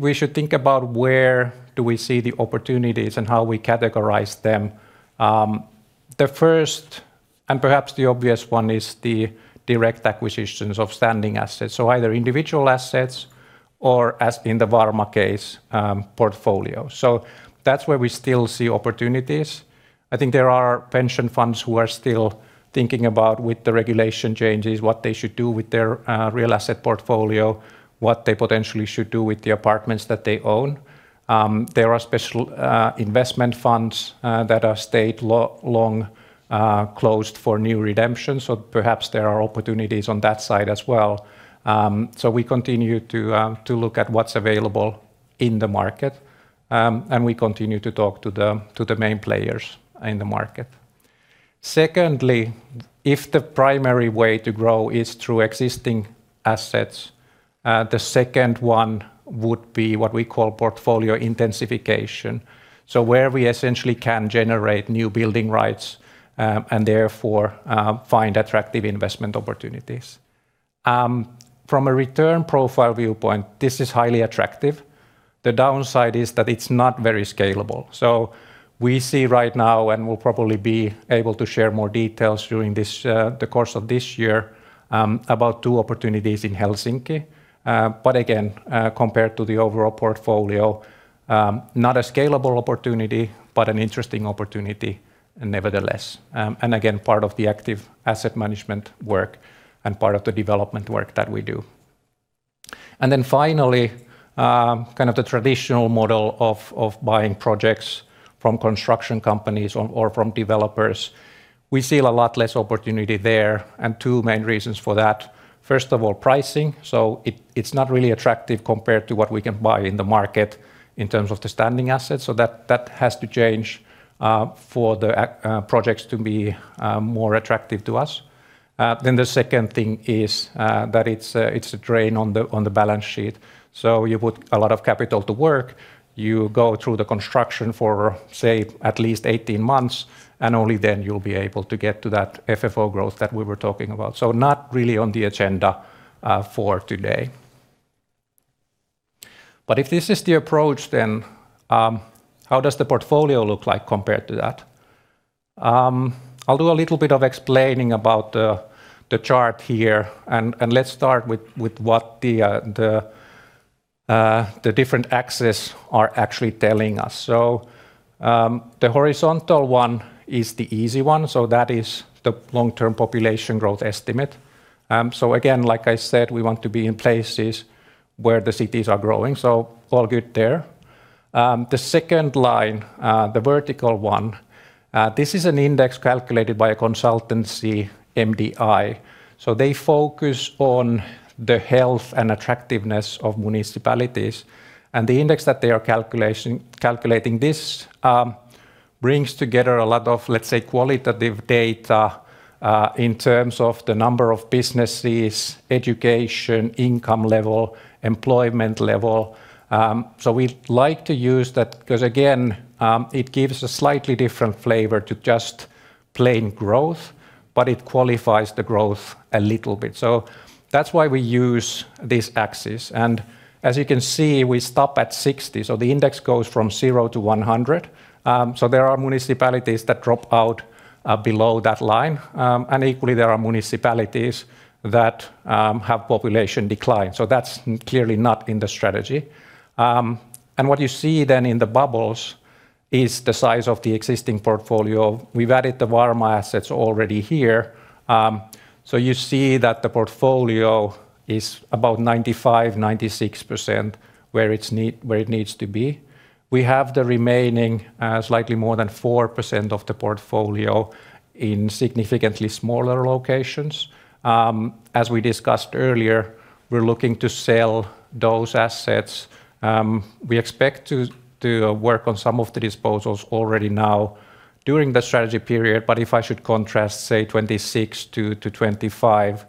We should think about where do we see the opportunities and how we categorize them. The first and perhaps the obvious one is the direct acquisitions of standing assets. Either individual assets or as in the Varma case, portfolio. That's where we still see opportunities. I think there are pension funds who are still thinking about, with the regulation changes, what they should do with their real estate portfolio, what they potentially should do with the apartments that they own. There are special investment funds that are stale, long closed for new redemption, so perhaps there are opportunities on that side as well. We continue to look at what's available in the market and we continue to talk to the main players in the market. Secondly, if the primary way to grow is through existing assets, the second one would be what we call portfolio intensification. Where we essentially can generate new building rights and therefore find attractive investment opportunities. From a return profile viewpoint, this is highly attractive. The downside is that it's not very scalable. We see right now, and we'll probably be able to share more details during the course of this year, about two opportunities in Helsinki. Compared to the overall portfolio, not a scalable opportunity, but an interesting opportunity nevertheless. Again, part of the active asset management work and part of the development work that we do. Then finally, kind of the traditional model of buying projects from construction companies or from developers. We see a lot less opportunity there and two main reasons for that. First of all, pricing. It's not really attractive compared to what we can buy in the market in terms of the standing assets. That has to change for the projects to be more attractive to us. The second thing is that it's a drain on the balance sheet. You put a lot of capital to work, you go through the construction for, say, at least 18 months, and only then you'll be able to get to that FFO growth that we were talking about. Not really on the agenda for today. If this is the approach then, how does the portfolio look like compared to that? I'll do a little bit of explaining about the chart here and let's start with what the different axes are actually telling us. The horizontal one is the easy one. That is the long-term population growth estimate. Again, like I said, we want to be in places where the cities are growing. All good there. The second line, the vertical one, this is an index calculated by a consultancy MDI. They focus on the health and attractiveness of municipalities. The index that they are calculating this brings together a lot of, let's say, qualitative data in terms of the number of businesses, education, income level, employment level. We like to use that because again, it gives a slightly different flavor to just plain growth, but it qualifies the growth a little bit. That's why we use these axes. As you can see, we stop at 60. The index goes from 0 to 100. There are municipalities that drop out below that line, and equally, there are municipalities that have population decline. That's clearly not in the strategy. What you see then in the bubbles is the size of the existing portfolio. We've added the Varma assets already here. You see that the portfolio is about 95%-96% where it needs to be. We have the remaining, slightly more than 4% of the portfolio in significantly smaller locations. As we discussed earlier, we're looking to sell those assets. We expect to work on some of the disposals already now during the strategy period. If I should contrast, say, 2026 to 2025,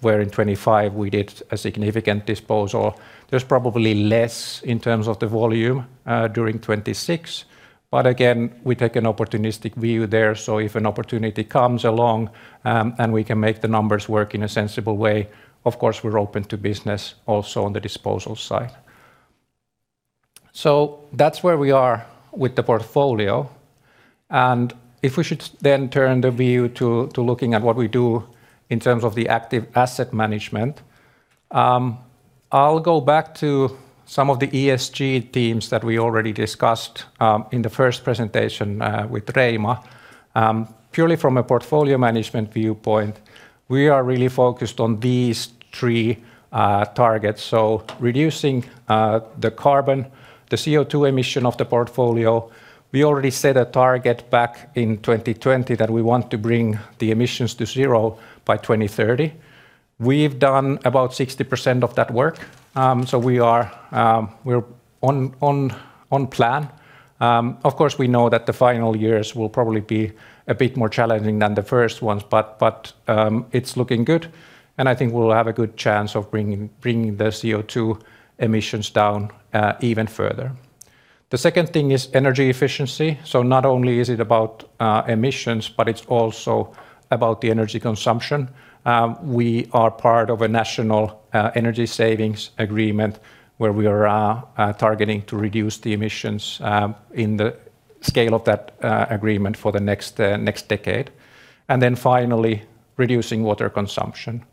where in 2025 we did a significant disposal, there's probably less in terms of the volume during 2026. Again, we take an opportunistic view there. If an opportunity comes along, and we can make the numbers work in a sensible way, of course, we're open to business also on the disposal side. That's where we are with the portfolio. If we should then turn the view to looking at what we do in terms of the active asset management, I'll go back to some of the ESG themes that we already discussed in the first presentation with Reima. Purely from a portfolio management viewpoint, we are really focused on these three targets. Reducing the carbon, the CO2 emission of the portfolio. We already set a target back in 2020 that we want to bring the emissions to zero by 2030. We've done about 60% of that work. We are, we're on plan. Of course, we know that the final years will probably be a bit more challenging than the first ones, but it's looking good, and I think we'll have a good chance of bringing the CO2 emissions down even further. The second thing is energy efficiency. So not only is it about emissions, but it's also about the energy consumption. We are part of a national energy savings agreement where we are targeting to reduce the emissions in the scale of that agreement for the next decade. Then finally, reducing water consumption.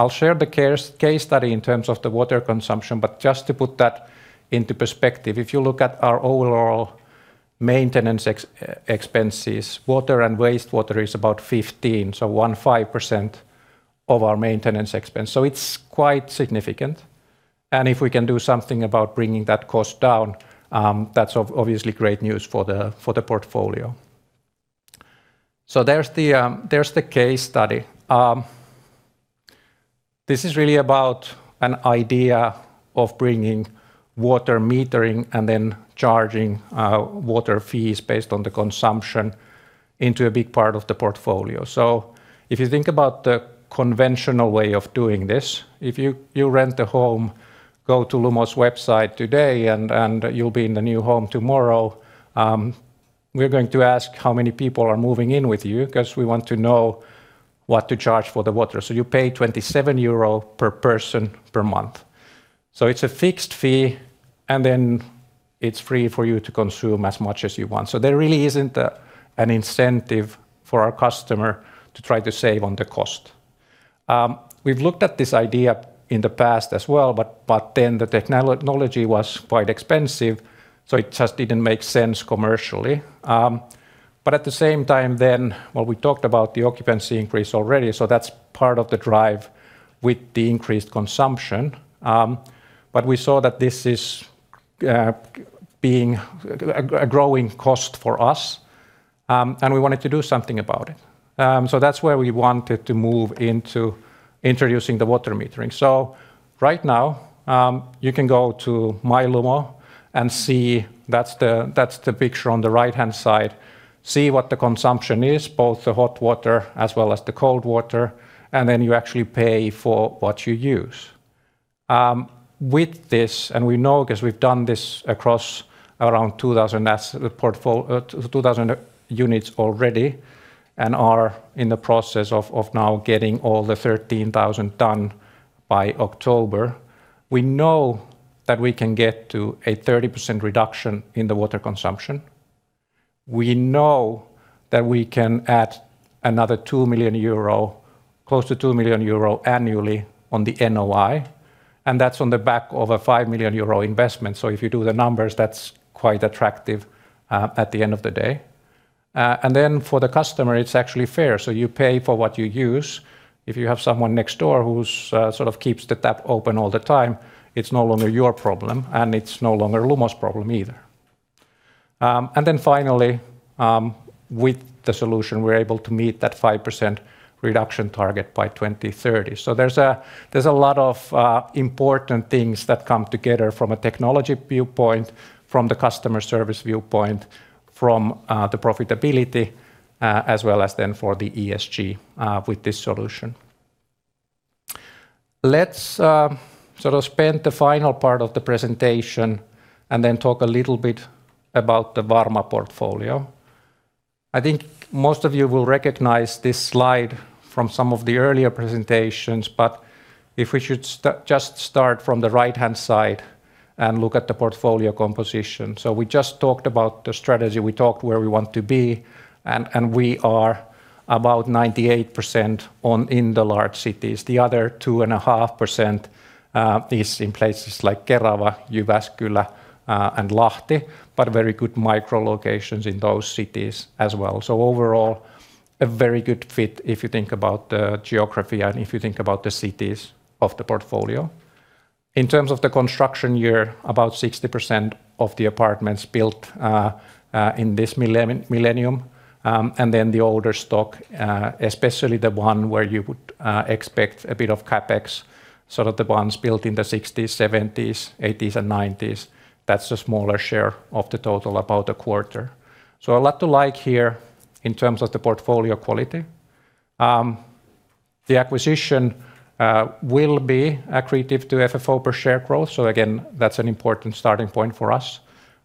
I'll share the case study in terms of the water consumption, but just to put that into perspective, if you look at our overall maintenance expenses, water and wastewater is about 15% of our maintenance expense. It's quite significant. If we can do something about bringing that cost down, that's obviously great news for the portfolio. There's the case study. This is really about an idea of bringing water metering and then charging water fees based on the consumption into a big part of the portfolio. If you think about the conventional way of doing this, if you rent a home, go to Lumo's website today, and you'll be in the new home tomorrow, we're going to ask how many people are moving in with you because we want to know what to charge for the water. You pay 27 euro per person per month. It's a fixed fee, and then it's free for you to consume as much as you want. There really isn't an incentive for our customer to try to save on the cost. We've looked at this idea in the past as well, but then the technology was quite expensive, so it just didn't make sense commercially. At the same time, we talked about the occupancy increase already, so that's part of the drive with the increased consumption. We saw that this is being a growing cost for us, and we wanted to do something about it. That's where we wanted to move into introducing the water metering. Right now, you can go to My Lumo and see that's the picture on the right-hand side, see what the consumption is, both the hot water as well as the cold water, and then you actually pay for what you use. With this, we know because we've done this across around 2,000 units already and are in the process of now getting all the 13,000 done by October. We know that we can get to a 30% reduction in the water consumption. We know that we can add another 2 million euro, close to 2 million euro annually on the NOI, and that's on the back of a 5 million euro investment. If you do the numbers, that's quite attractive at the end of the day. For the customer, it's actually fair. You pay for what you use. If you have someone next door who's sort of keeps the tap open all the time, it's no longer your problem, and it's no longer Lumo's problem either. Then finally, with the solution, we're able to meet that 5% reduction target by 2030. There's a lot of important things that come together from a technology viewpoint, from the customer service viewpoint, from the profitability, as well as then for the ESG, with this solution. Let's sort of spend the final part of the presentation and then talk a little bit about the Varma portfolio. I think most of you will recognize this slide from some of the earlier presentations, but if we should just start from the right-hand side and look at the portfolio composition. We just talked about the strategy. We talked where we want to be, and we are about 98% on in the large cities. The other 2.5% is in places like Kerava, Jyväskylä, and Lahti, but very good micro locations in those cities as well. Overall, a very good fit if you think about the geography and if you think about the cities of the portfolio. In terms of the construction year, about 60% of the apartments built in this millennium. The older stock, especially the one where you would expect a bit of CapEx, sort of the ones built in the sixties, seventies, eighties, and nineties. That's a smaller share of the total, about a quarter. A lot to like here in terms of the portfolio quality. The acquisition will be accretive to FFO per share growth. Again, that's an important starting point for us.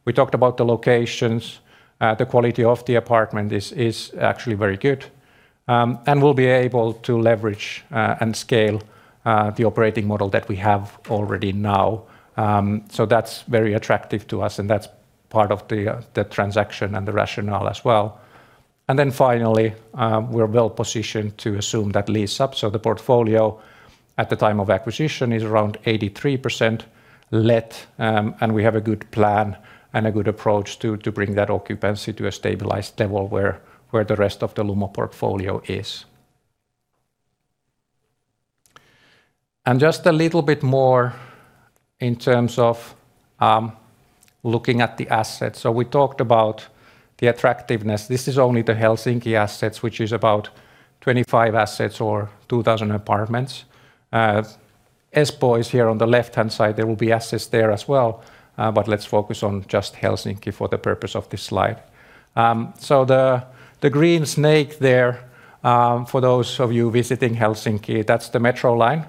We talked about the locations. The quality of the apartment is actually very good. We'll be able to leverage and scale the operating model that we have already now. That's very attractive to us, and that's part of the transaction and the rationale as well. Then finally, we're well-positioned to assume that lease-up. The portfolio at the time of acquisition is around 83% let, and we have a good plan and a good approach to bring that occupancy to a stabilized level where the rest of the Lumo portfolio is. Just a little bit more in terms of looking at the assets. We talked about the attractiveness. This is only the Helsinki assets, which is about 25 assets or 2,000 apartments. Espoo is here on the left-hand side. There will be assets there as well, but let's focus on just Helsinki for the purpose of this slide. The green snake there, for those of you visiting Helsinki, that's the metro line.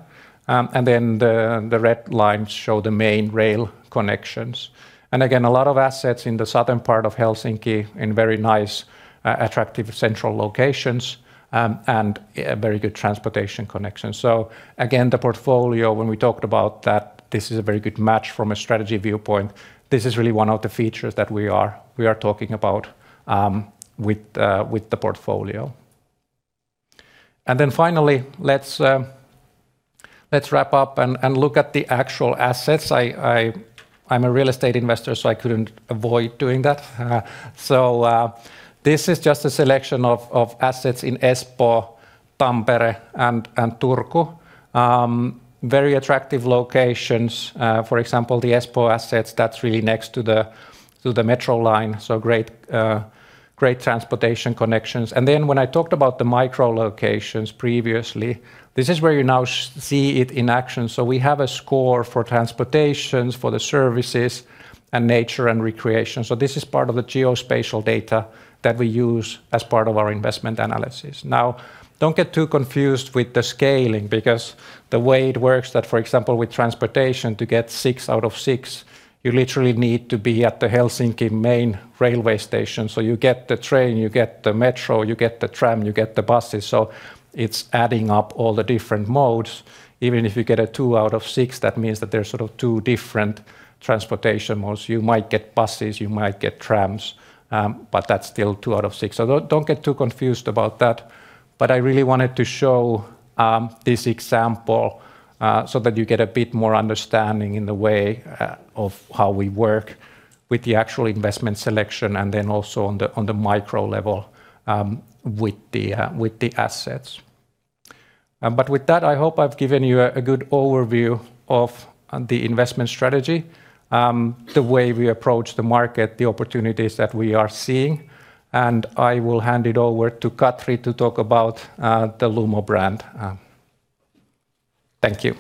The red lines show the main rail connections. Again, a lot of assets in the southern part of Helsinki in very nice, attractive central locations, and a very good transportation connection. Again, the portfolio. When we talked about that, this is a very good match from a strategy viewpoint. This is really one of the features that we are talking about with the portfolio. Finally, let's wrap up and look at the actual assets. I'm a real estate investor, so I couldn't avoid doing that. This is just a selection of assets in Espoo, Tampere, and Turku. Very attractive locations. For example, the Espoo assets, that's really next to the metro line, so great transportation connections. Then when I talked about the micro locations previously, this is where you now see it in action. We have a score for transportation, for the services, and nature and recreation. This is part of the geospatial data that we use as part of our investment analysis. Now, don't get too confused with the scaling, because the way it works that, for example, with transportation, to get 6 out of 6, you literally need to be at the Helsinki main railway station. You get the train, you get the metro, you get the tram, you get the buses. It's adding up all the different modes. Even if you get a two out of six, that means that there's sort of two different transportation modes. You might get buses, you might get trams, but that's still two out of six. Don't get too confused about that. I really wanted to show this example so that you get a bit more understanding in the way of how we work with the actual investment selection and then also on the micro level with the assets. With that, I hope I've given you a good overview of the investment strategy, the way we approach the market, the opportunities that we are seeing, and I will hand it over to Katri to talk about the Lumo brand. Thank you.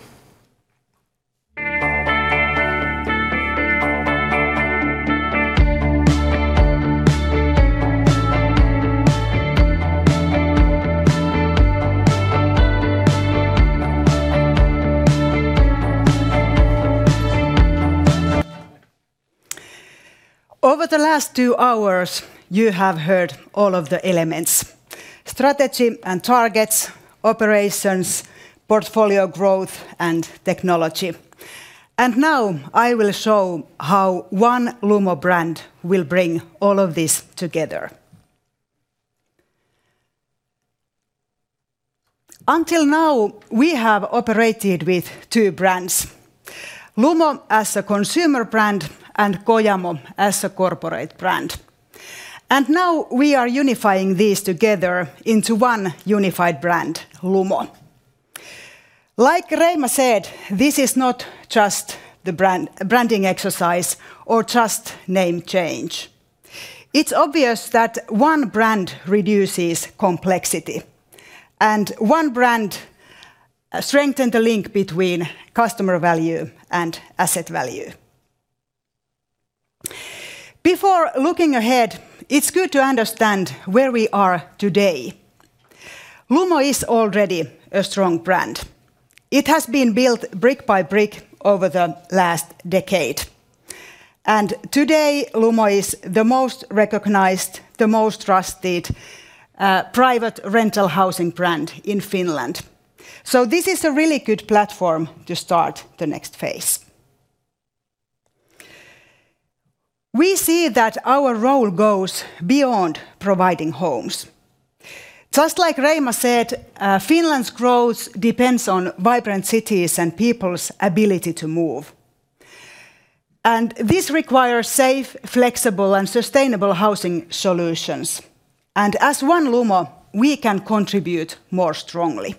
Over the last two hours, you have heard all of the elements, strategy and targets, operations, portfolio growth, and technology. Now I will show how one Lumo brand will bring all of this together. Until now, we have operated with two brands, Lumo as a consumer brand and Kojamo as a corporate brand. Now we are unifying these together into one unified brand, Lumo. Like Reima said, this is not just the brand, a branding exercise or just name change. It's obvious that one brand reduces complexity, and one brand strengthen the link between customer value and asset value. Before looking ahead, it's good to understand where we are today. Lumo is already a strong brand. It has been built brick by brick over the last decade. Today, Lumo is the most recognized, the most trusted, private rental housing brand in Finland. This is a really good platform to start the next phase. We see that our role goes beyond providing homes. Just like Reima said, Finland's growth depends on vibrant cities and people's ability to move, and this requires safe, flexible, and sustainable housing solutions. As one Lumo, we can contribute more strongly.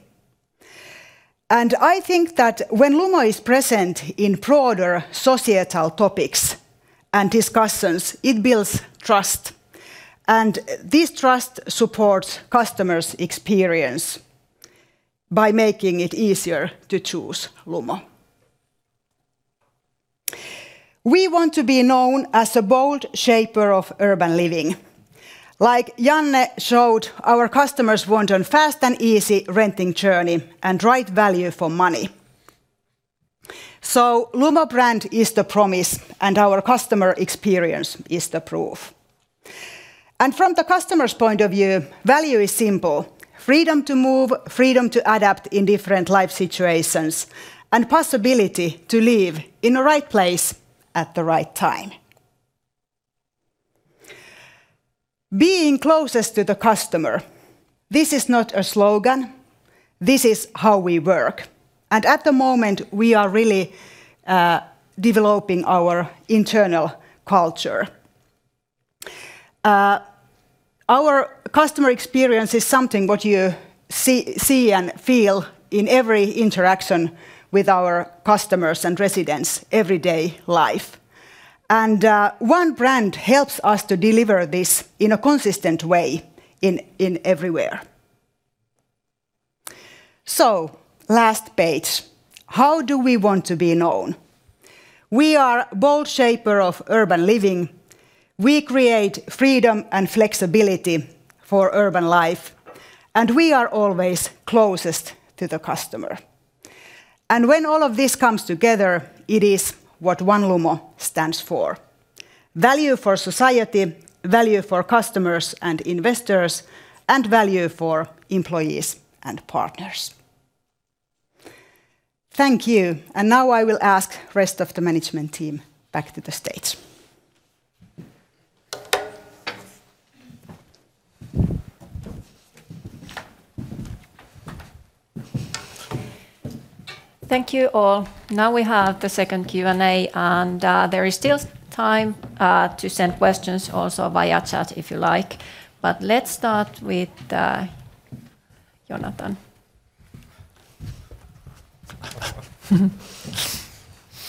I think that when Lumo is present in broader societal topics and discussions, it builds trust, and this trust supports customers' experience by making it easier to choose Lumo. We want to be known as a bold shaper of urban living. Like Janne showed, our customers want a fast and easy renting journey and right value for money. Lumo brand is the promise, and our customer experience is the proof. From the customer's point of view, value is simple. Freedom to move, freedom to adapt in different life situations, and possibility to live in the right place at the right time. Being closest to the customer, this is not a slogan. This is how we work. At the moment, we are really developing our internal culture. Our customer experience is something what you see and feel in every interaction with our customers and residents, everyday life. One Brand helps us to deliver this in a consistent way everywhere. Last page, how do we want to be known? We are bold shaper of urban living. We create freedom and flexibility for urban life, and we are always closest to the customer. When all of this comes together, it is what One Lumo stands for. Value for society, value for customers and investors, and value for employees and partners. Thank you. Now I will ask rest of the management team back to the stage. Thank you all. Now we have the second Q&A, and there is still time to send questions also via chat if you like. Let's start with Jonathan.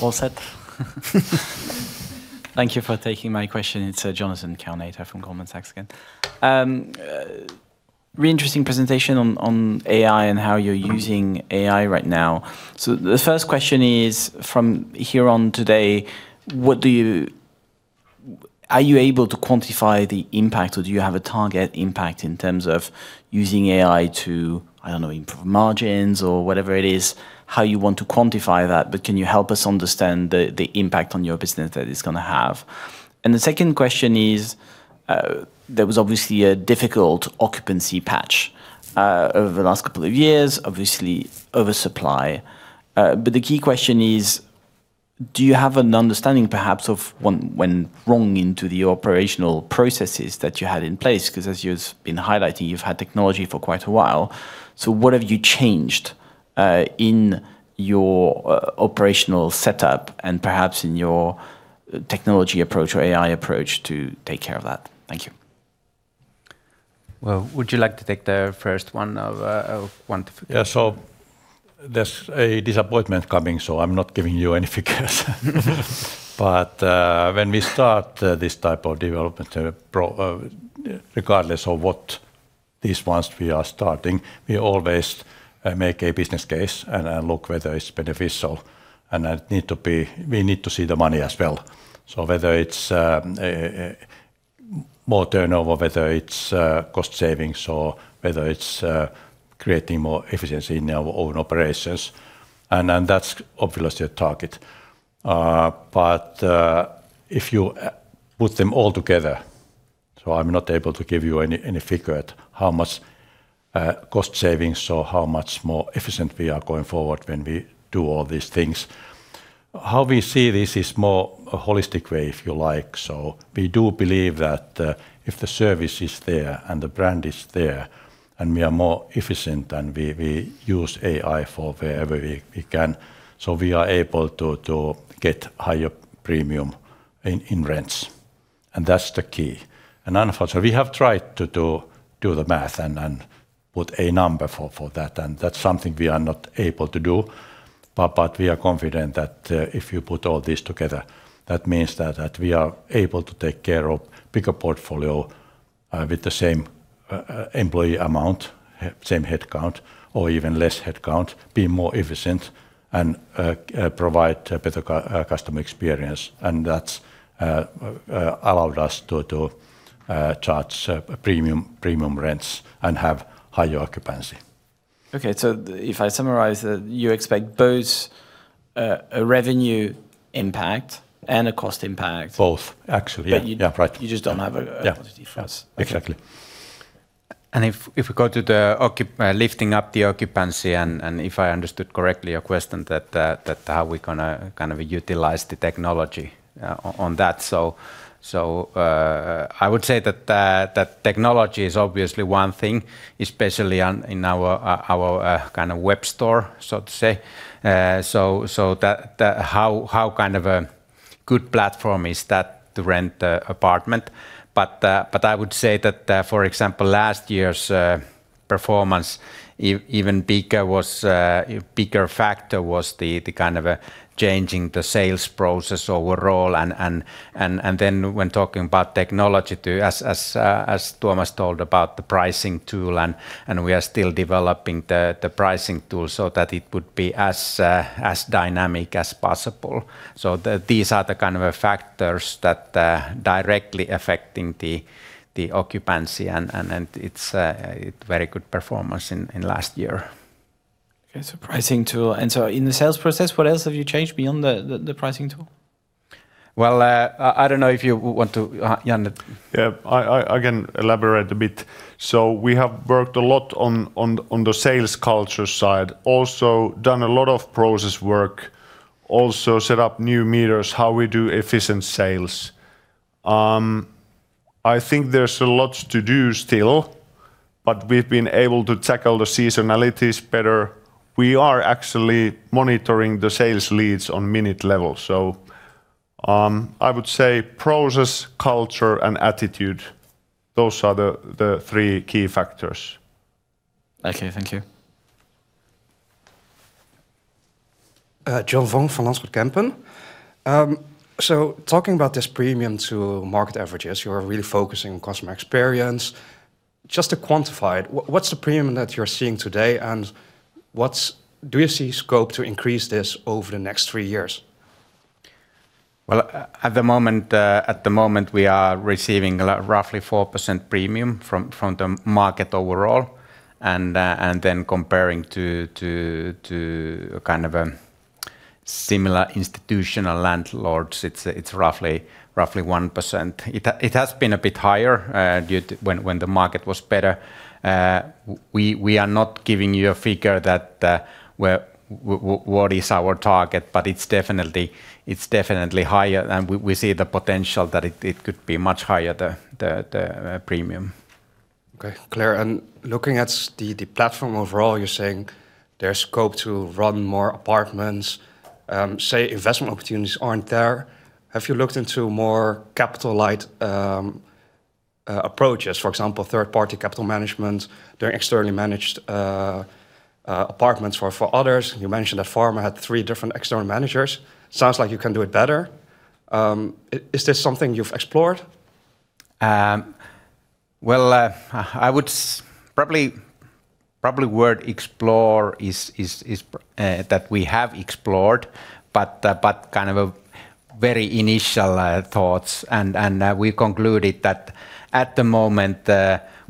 All set. Thank you for taking my question. It's Jonathan Kownator from Goldman Sachs again. Really interesting presentation on AI and how you're using AI right now. The first question is, from here on today, are you able to quantify the impact, or do you have a target impact in terms of using AI to, I don't know, improve margins or whatever it is, how you want to quantify that? Can you help us understand the impact on your business that it's gonna have? The second question is, there was obviously a difficult occupancy patch over the last couple of years, obviously oversupply. The key question is. Do you have an understanding perhaps of when runs into the operational processes that you had in place? Because as you've been highlighting, you've had technology for quite a while. What have you changed, in your operational setup and perhaps in your technology approach or AI approach to take care of that? Thank you. Well, would you like to take the first one of Yeah, there's a disappointment coming, so I'm not giving you any figures. When we start this type of development, regardless of what these ones we are starting, we always make a business case and look whether it's beneficial, and we need to see the money as well. Whether it's more turnover, whether it's cost savings, or whether it's creating more efficiency in our own operations, and that's obviously a target. If you put them all together, I'm not able to give you any figure at how much cost savings or how much more efficient we are going forward when we do all these things. How we see this is more a holistic way, if you like. We do believe that if the service is there, and the brand is there, and we are more efficient, and we use AI for wherever we can, so we are able to get higher premium in rents, and that's the key. Unfortunately, we have tried to do the math and put a number for that, and that's something we are not able to do. We are confident that if you put all this together, that means that we are able to take care of bigger portfolio with the same employee amount, same headcount or even less headcount, be more efficient and provide better customer experience. That's allowed us to charge premium rents and have higher occupancy. Okay. If I summarize that you expect both a revenue impact and a cost impact. Both, actually. Yeah. But you. Yeah. Right you just don't have a Yeah Quantity for us. Exactly. If we go to lifting up the occupancy and if I understood correctly your question that how we're gonna kind of utilize the technology on that. I would say that technology is obviously one thing, especially in our kind of web store, so to say. That how kind of a good platform is that to rent an apartment? I would say that, for example, last year's performance. Even bigger was a bigger factor: the kind of a changing the sales process overall and then when talking about technology too, as Tuomas told about the pricing tool and we are still developing the pricing tool so that it would be as dynamic as possible. These are the kind of factors that directly affecting the occupancy and it's a very good performance in last year. Okay. Pricing tool. In the sales process, what else have you changed beyond the pricing tool? Well, I don't know if you want to, Janne. Yeah. I can elaborate a bit. We have worked a lot on the sales culture side, also done a lot of process work, also set up new metrics, how we do efficient sales. I think there's a lot to do still. We've been able to tackle the seasonalities better. We are actually monitoring the sales leads on minute levels. I would say process, culture, and attitude, those are the three key factors. Okay. Thank you. Ding Boer from Van Lanschot Kempen. Talking about this premium to market averages, you are really focusing on customer experience. Just to quantify it, what's the premium that you're seeing today, and do you see scope to increase this over the next three years? Well, at the moment, we are receiving roughly 4% premium from the market overall, and then comparing to kind of similar institutional landlords, it's roughly 1%. It has been a bit higher due to when the market was better. We are not giving you a figure that we're what is our target, but it's definitely higher, and we see the potential that it could be much higher, the premium. Okay. Clear. Looking at the platform overall, you're saying there's scope to run more apartments. If investment opportunities aren't there, have you looked into more capital-light approaches? For example, third-party capital management or externally managed apartments for others. You mentioned that Varma had three different external managers. Sounds like you can do it better. Is this something you've explored? Well, I would say probably that we have explored, but kind of very initial thoughts. We concluded that at the moment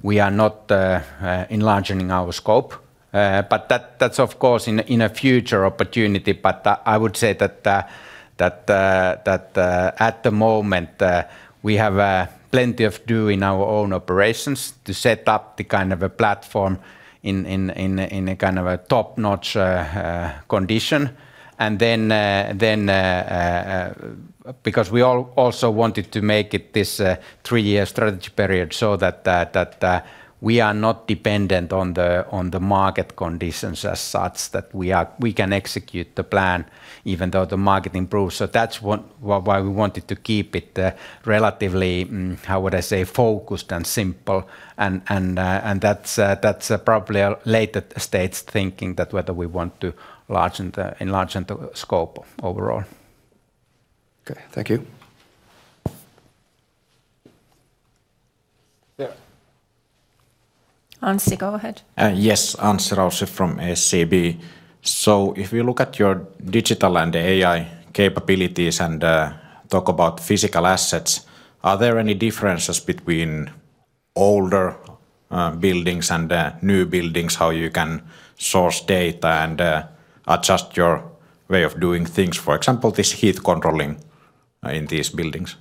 we are not enlarging our scope. That's of course in a future opportunity. I would say that at the moment we have plenty to do in our own operations to set up the kind of a platform in a kind of a top-notch condition. Because we also wanted to make it this three-year strategy period so that we are not dependent on the market conditions as such, that we can execute the plan even though the market improves. That's why we wanted to keep it relatively, how would I say, focused and simple. That's probably a later stage thinking that whether we want to enlarge the scope overall. Okay. Thank you. Yeah. Anssi, go ahead. Yes. Anssi Rauste from SEB. If you look at your digital and AI capabilities and talk about physical assets, are there any differences between older buildings and new buildings, how you can source data and adjust your way of doing things? For example, this heat controlling in these buildings.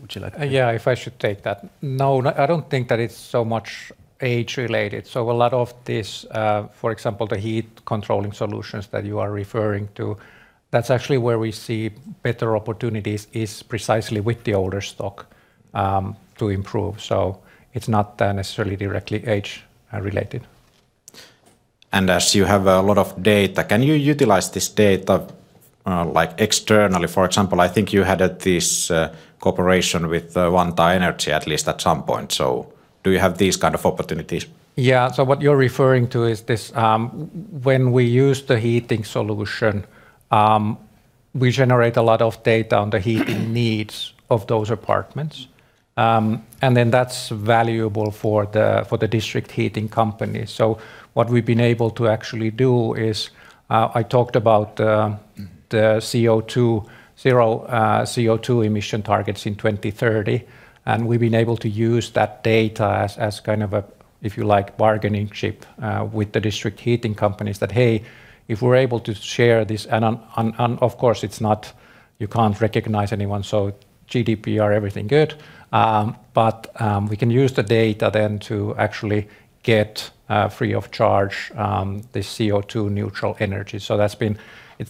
Would you like to. Yeah, if I should take that. No, I don't think that it's so much age-related. A lot of this, for example, the heat controlling solutions that you are referring to, that's actually where we see better opportunities is precisely with the older stock, to improve. It's not, necessarily directly age-related. As you have a lot of data, can you utilize this data like externally? For example, I think you had this cooperation with Vantaa Energy at least at some point. Do you have these kind of opportunities? Yeah. What you're referring to is this, when we use the heating solution, we generate a lot of data on the heating needs of those apartments. That's valuable for the district heating company. What we've been able to actually do is, I talked about the CO₂ zero CO₂ emission targets in 2030, and we've been able to use that data as kind of a, if you like, bargaining chip with the district heating companies. That, hey, if we're able to share this. Of course it's not you can't recognize anyone, so GDPR, everything good. We can use the data then to actually get free of charge the CO₂ neutral energy. That's been.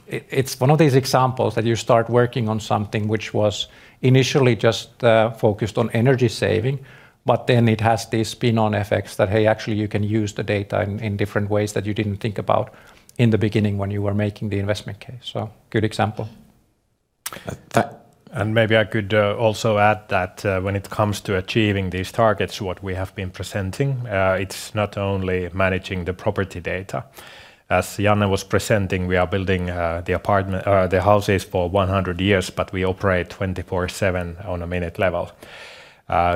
It's one of these examples that you start working on something which was initially just focused on energy saving, but then it has these spin-on effects that, hey, actually you can use the data in different ways that you didn't think about in the beginning when you were making the investment case. Good example. That. Maybe I could also add that when it comes to achieving these targets, what we have been presenting, it's not only managing the property data. As Janne was presenting, we are building the houses for 100 years, but we operate 24/7 on a minute level.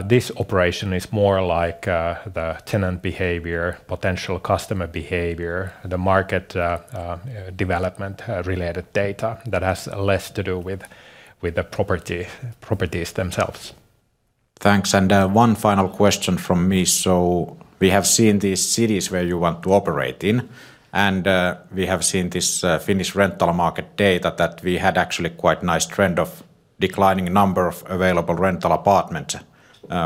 This operation is more like the tenant behavior, potential customer behavior, the market, development related data that has less to do with the property, properties themselves. Thanks. One final question from me. We have seen these cities where you want to operate in, and we have seen this Finnish rental market data that we had actually quite nice trend of declining number of available rental apartment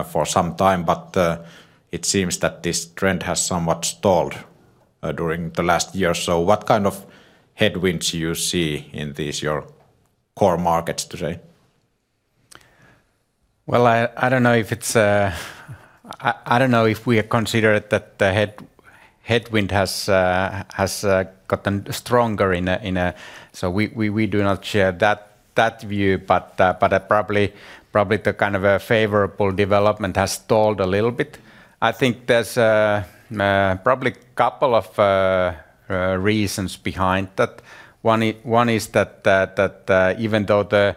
for some time. It seems that this trend has somewhat stalled during the last year. What kind of headwinds you see in these, your core markets today? Well, I don't know if it's considered that the headwind has gotten stronger in a, we do not share that view, but probably the kind of a favorable development has stalled a little bit. I think there's probably couple of reasons behind that. One is that even though the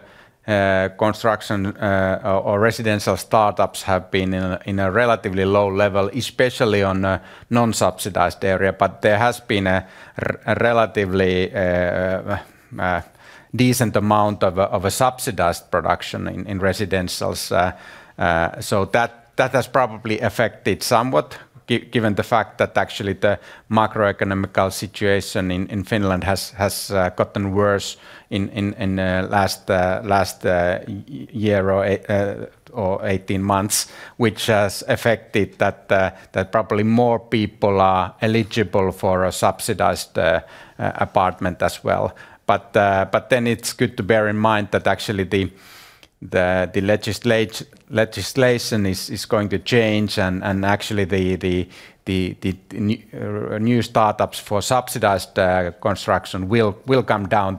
construction or residential startups have been in a relatively low level, especially on a non-subsidized area, but there has been a relatively decent amount of subsidized production in residentials. That has probably affected somewhat, given the fact that actually the macroeconomic situation in Finland has gotten worse in the last year or 18 months, which has affected that probably more people are eligible for a subsidized apartment as well. Then it's good to bear in mind that actually the legislation is going to change and actually the new starts for subsidized construction will come down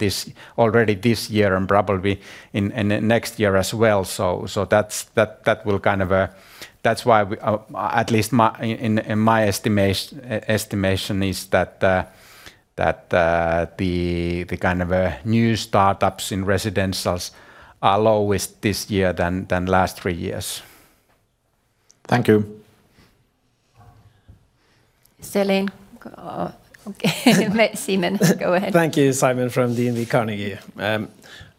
already this year and probably in the next year as well. That's why we, at least in my estimation is that the kind of new startups in residentials are lowest this year than last three years. Thank you. Celine. Okay. Simon, go ahead. Thank you. Simen from DNB Carnegie.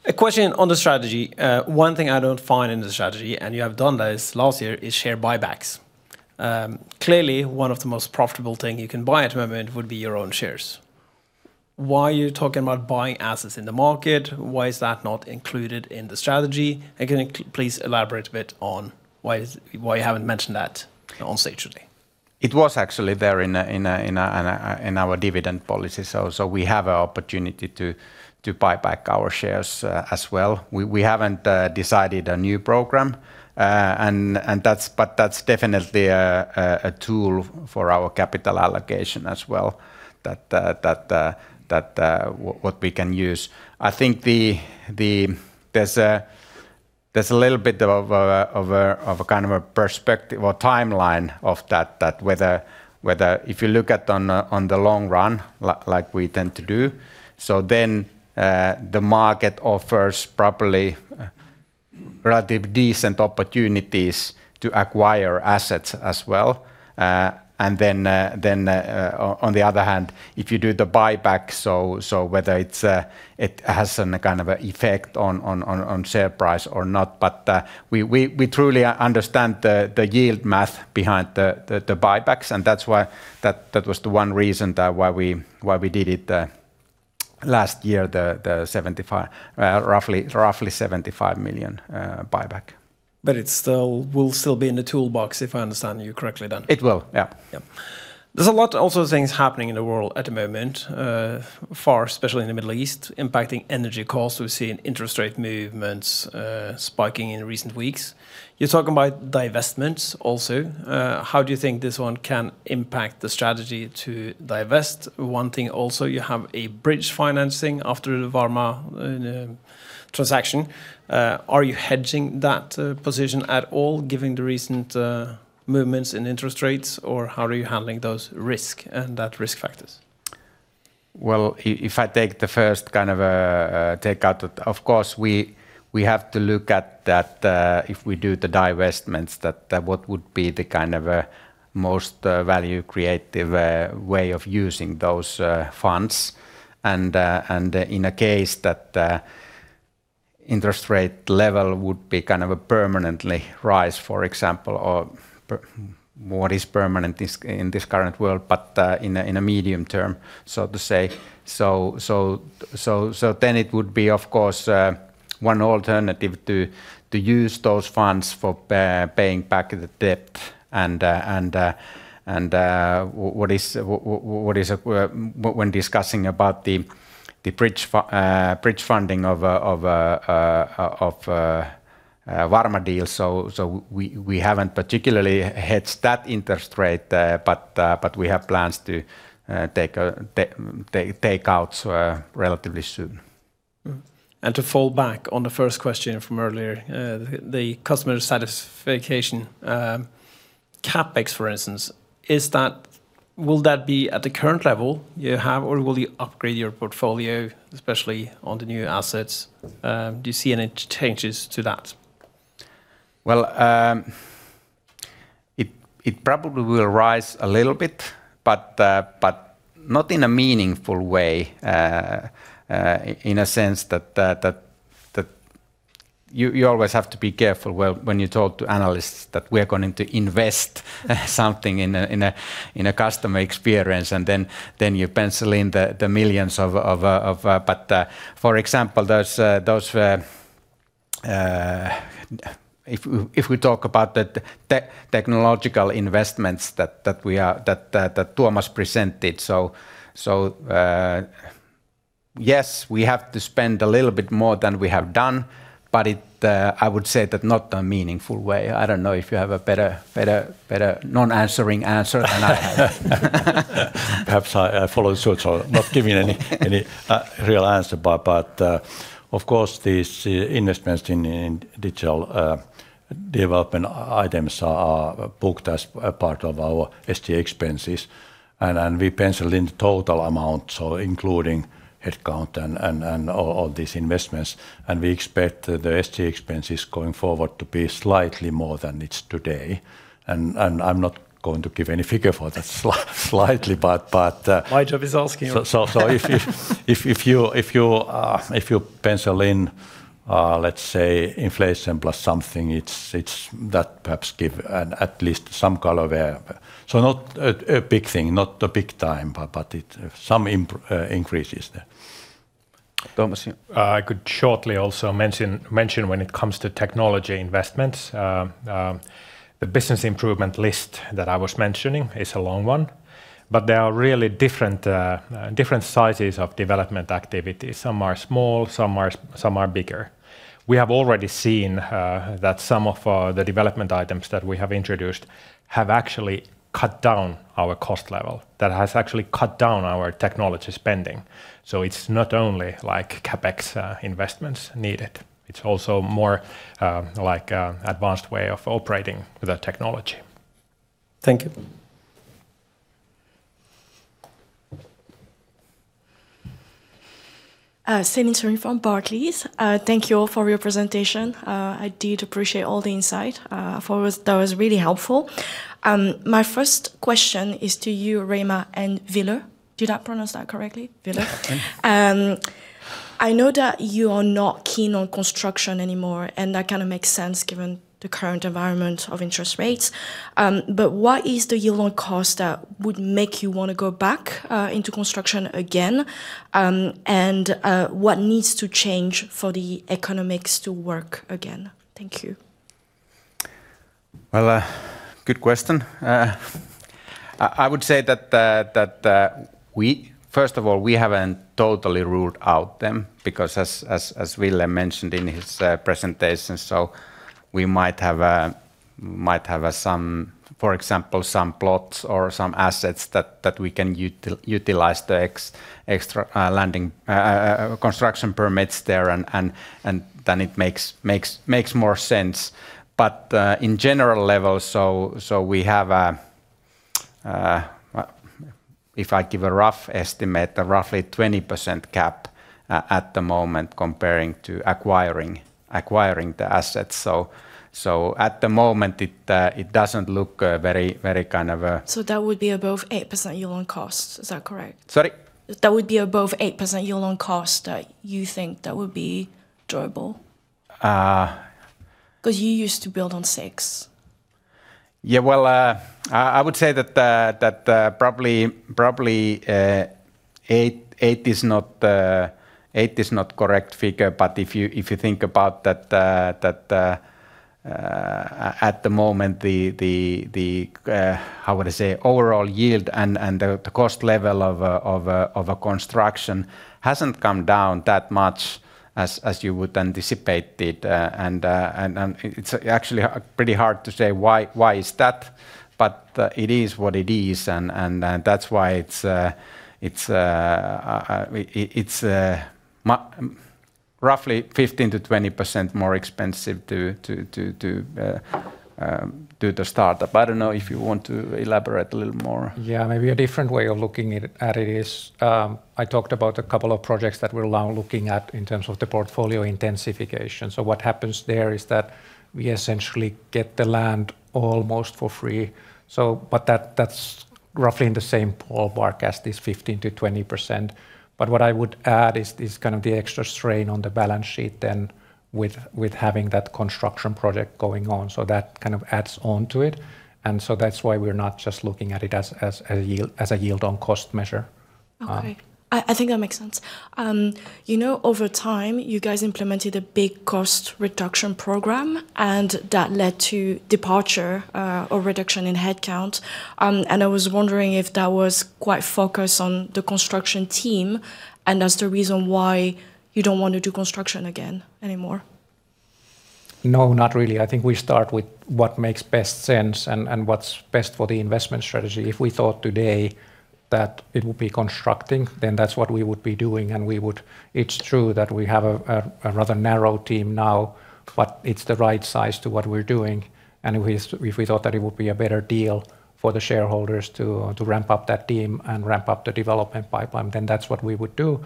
A question on the strategy. One thing I don't find in the strategy, and you have done this last year, is share buybacks. Clearly one of the most profitable thing you can buy at the moment would be your own shares. Why are you talking about buying assets in the market? Why is that not included in the strategy? Can you please elaborate a bit on why you haven't mentioned that on stage today? It was actually there in our dividend policy. We have a opportunity to buy back our shares as well. We haven't decided a new program. But that's definitely a tool for our capital allocation as well that what we can use. I think. There's a little bit of a kind of a perspective or timeline of that whether if you look at on the long run like we tend to do, then the market offers probably relative decent opportunities to acquire assets as well. On the other hand, if you do the buyback, whether it's a kind of effect on share price or not, we truly understand the yield math behind the buybacks and that's why that was the one reason why we did it last year, the roughly 75 million buyback. It will still be in the toolbox if I understand you correctly then? It will, yeah. Yeah. There's a lot also things happening in the world at the moment, war, especially in the Middle East, impacting energy costs. We're seeing interest rate movements, spiking in recent weeks. You're talking about divestments also. How do you think this one can impact the strategy to divest? One thing also, you have a bridge financing after the Varma transaction. Are you hedging that position at all given the recent movements in interest rates, or how are you handling those risk and that risk factors? Well, if I take the first kind of take out, of course, we have to look at that if we do the divestments, what would be the kind of most value creative way of using those funds. In a case that interest rate level would be kind of a permanent rise, for example, in this current world, but in a medium term, so to say. Then it would be, of course, one alternative to use those funds for paying back the debt and when discussing about the bridge funding of Varma deal. We haven't particularly hedged that interest rate, but we have plans to take out relatively soon. Mm-hmm. To fall back on the first question from earlier, the customer satisfaction, CapEx, for instance, is that will that be at the current level you have, or will you upgrade your portfolio, especially on the new assets? Do you see any changes to that? Well, it probably will rise a little bit, but not in a meaningful way, in a sense that you always have to be careful when you talk to analysts that we're going to invest something in a customer experience, and then you pencil in the millions. If we talk about the technological investments that Tuomas presented, yes, we have to spend a little bit more than we have done, but I would say that not a meaningful way. I don't know if you have a better non-answering answer than I have. Perhaps I follow suit, so not giving any real answer, but of course, these investments in digital development items are booked as a part of our SG&A expenses. We penciled in total amount, so including headcount and all these investments. We expect the SG&A expenses going forward to be slightly more than it's today. I'm not going to give any figure for that slightly, but My job is asking. If you pencil in, let's say inflation plus something, it's. That perhaps gives at least some color there. Not a big thing, not a big time, but it's some increases there. Tuomas. I could shortly also mention when it comes to technology investments, the business improvement list that I was mentioning is a long one. There are really different sizes of development activity. Some are small, some are bigger. We have already seen that some of the development items that we have introduced have actually cut down our cost level. That has actually cut down our technology spending. It's not only like CapEx investments needed. It's also more like advanced way of operating with our technology. Thank you. Céline Soo-Huynh from Barclays. Thank you all for your presentation. I did appreciate all the insight. For us that was really helpful. My first question is to you Reima and Ville. Did I pronounce that correctly, Ville? Yeah. I know that you are not keen on construction anymore, and that kind of makes sense given the current environment of interest rates. What is the yield on cost that would make you wanna go back into construction again? What needs to change for the economics to work again? Thank you. Well, good question. I would say that we first of all haven't totally ruled out them because as Ville mentioned in his presentation. We might have some, for example, some plots or some assets that we can utilize the extra land and construction permits there and then it makes more sense. In general levels, we have if I give a rough estimate roughly 20% cap at the moment comparing to acquiring the assets. At the moment it doesn't look very kind of. That would be above 8% yield on costs. Is that correct? Sorry. That would be above 8% yield on cost. Do you think that would be doable? Uh. 'Cause you used to build on six. Yeah. Well, I would say that probably 8 is not correct figure. If you think about that at the moment the how would I say overall yield and the cost level of a construction hasn't come down that much as you would anticipate it. It's actually pretty hard to say why is that, but it is what it is. That's why it's roughly 15%-20% more expensive to the start up. I don't know if you want to elaborate a little more. Yeah. Maybe a different way of looking at it is. I talked about a couple of projects that we're now looking at in terms of the portfolio intensification. What happens there is that we essentially get the land almost for free. That’s roughly in the same ballpark as this 15%-20%. What I would add is kind of the extra strain on the balance sheet then with having that construction project going on. That kind of adds on to it. That’s why we're not just looking at it as a yield on cost measure. Okay. I think that makes sense. You know, over time you guys implemented a big cost reduction program, and that led to departure or reduction in headcount. I was wondering if that was quite focused on the construction team, and that's the reason why you don't want to do construction again anymore. No, not really. I think we start with what makes best sense and what's best for the investment strategy. If we thought today that it would be constructing, then that's what we would be doing, and we would. It's true that we have a rather narrow team now, but it's the right size to what we're doing. If we thought that it would be a better deal for the shareholders to ramp up that team and ramp up the development pipeline, then that's what we would do.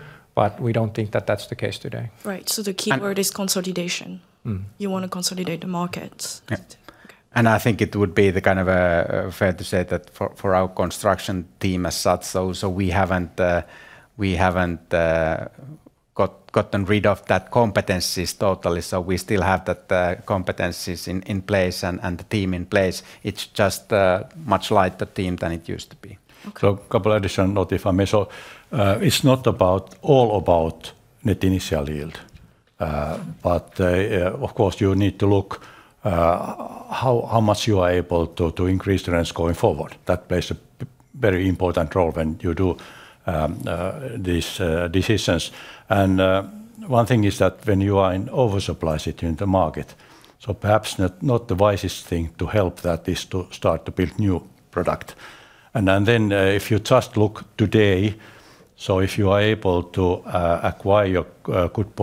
We don't think that that's the case today. Right. The keywor. And. is consolidation. Mm. You wanna consolidate the markets. Yeah. Okay. I think it would be fair to say that for our construction team as such, we haven't gotten rid of that competencies totally. We still have that competencies in place and the team in place. It's just a much lighter team than it used to be. Okay. A couple additional note if I may. It's not all about net initial yield, but of course, you need to look how much you are able to increase the rents going forward. That plays a very important role when you do these decisions. One thing is that when you are in oversupply situation in the market, perhaps not the wisest thing to help that is to start to build new product. Then if you just look today, if you are able to acquire a good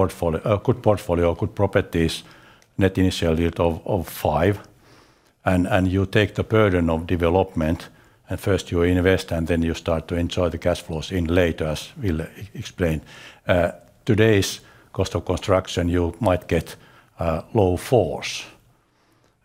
portfolio, good properties, net initial yield of 5%, and you take the burden of development, and first you invest, and then you start to enjoy the cash flows in later, as we'll explain. Today's cost of construction, you might get low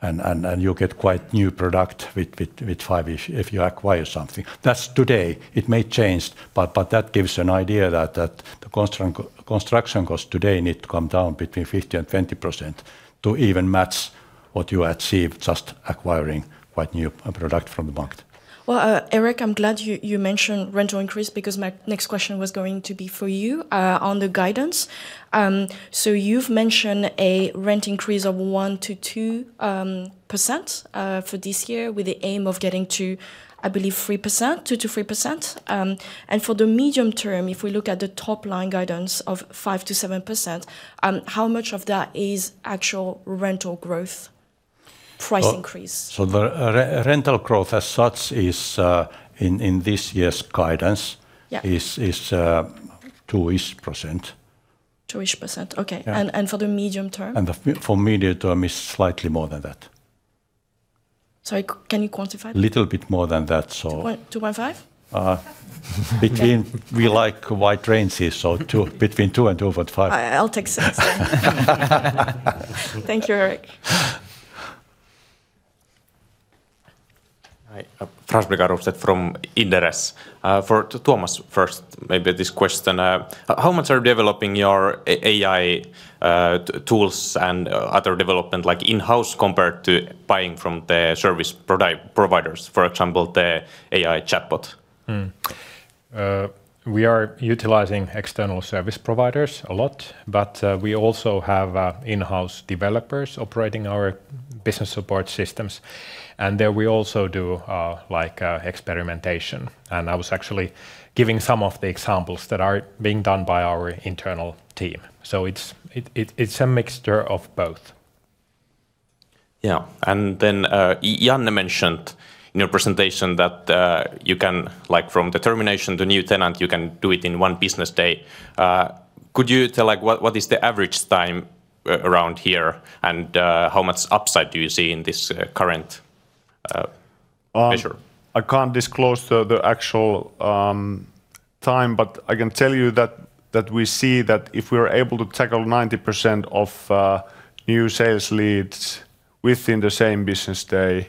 4s. You'll get quite new product with 5 if you acquire something. That's today. It may change, but that gives an idea that the construction costs today need to come down between 15%-20% to even match what you achieve just acquiring quite new product from the market. Well, Erik, I'm glad you mentioned rental increase because my next question was going to be for you on the guidance. You've mentioned a rent increase of 1%-2% for this year with the aim of getting to, I believe, 3%, 2%-3%. For the medium term, if we look at the top line guidance of 5%-7%, how much of that is actual rental growth price increase? The re-rental growth as such is in this year's guidance. Yeah Is, is, uh, two-ish percent. 2-ish%, okay. Yeah. for the medium term? The FFO for medium term is slightly more than that. Sorry, can you quantify? little bit more than that. 2. 2.5? We like wide ranges, so between 2 and 2.5. I'll take six then. Thank you, Erik. Hi. Frans Pekkarinen from Inderes. To Tuomas first, maybe this question. How much are developing your AI tools and other development, like in-house compared to buying from the service providers, for example, the AI chatbot? We are utilizing external service providers a lot, but we also have in-house developers operating our business support systems. There we also do like experimentation. I was actually giving some of the examples that are being done by our internal team. It's a mixture of both. Yeah. Janne mentioned in your presentation that you can, like from the termination to new tenant, you can do it in one business day. Could you tell, like what is the average time around here, and how much upside do you see in this current measure? I can't disclose the actual time, but I can tell you that we see that if we are able to tackle 90% of new sales leads within the same business day,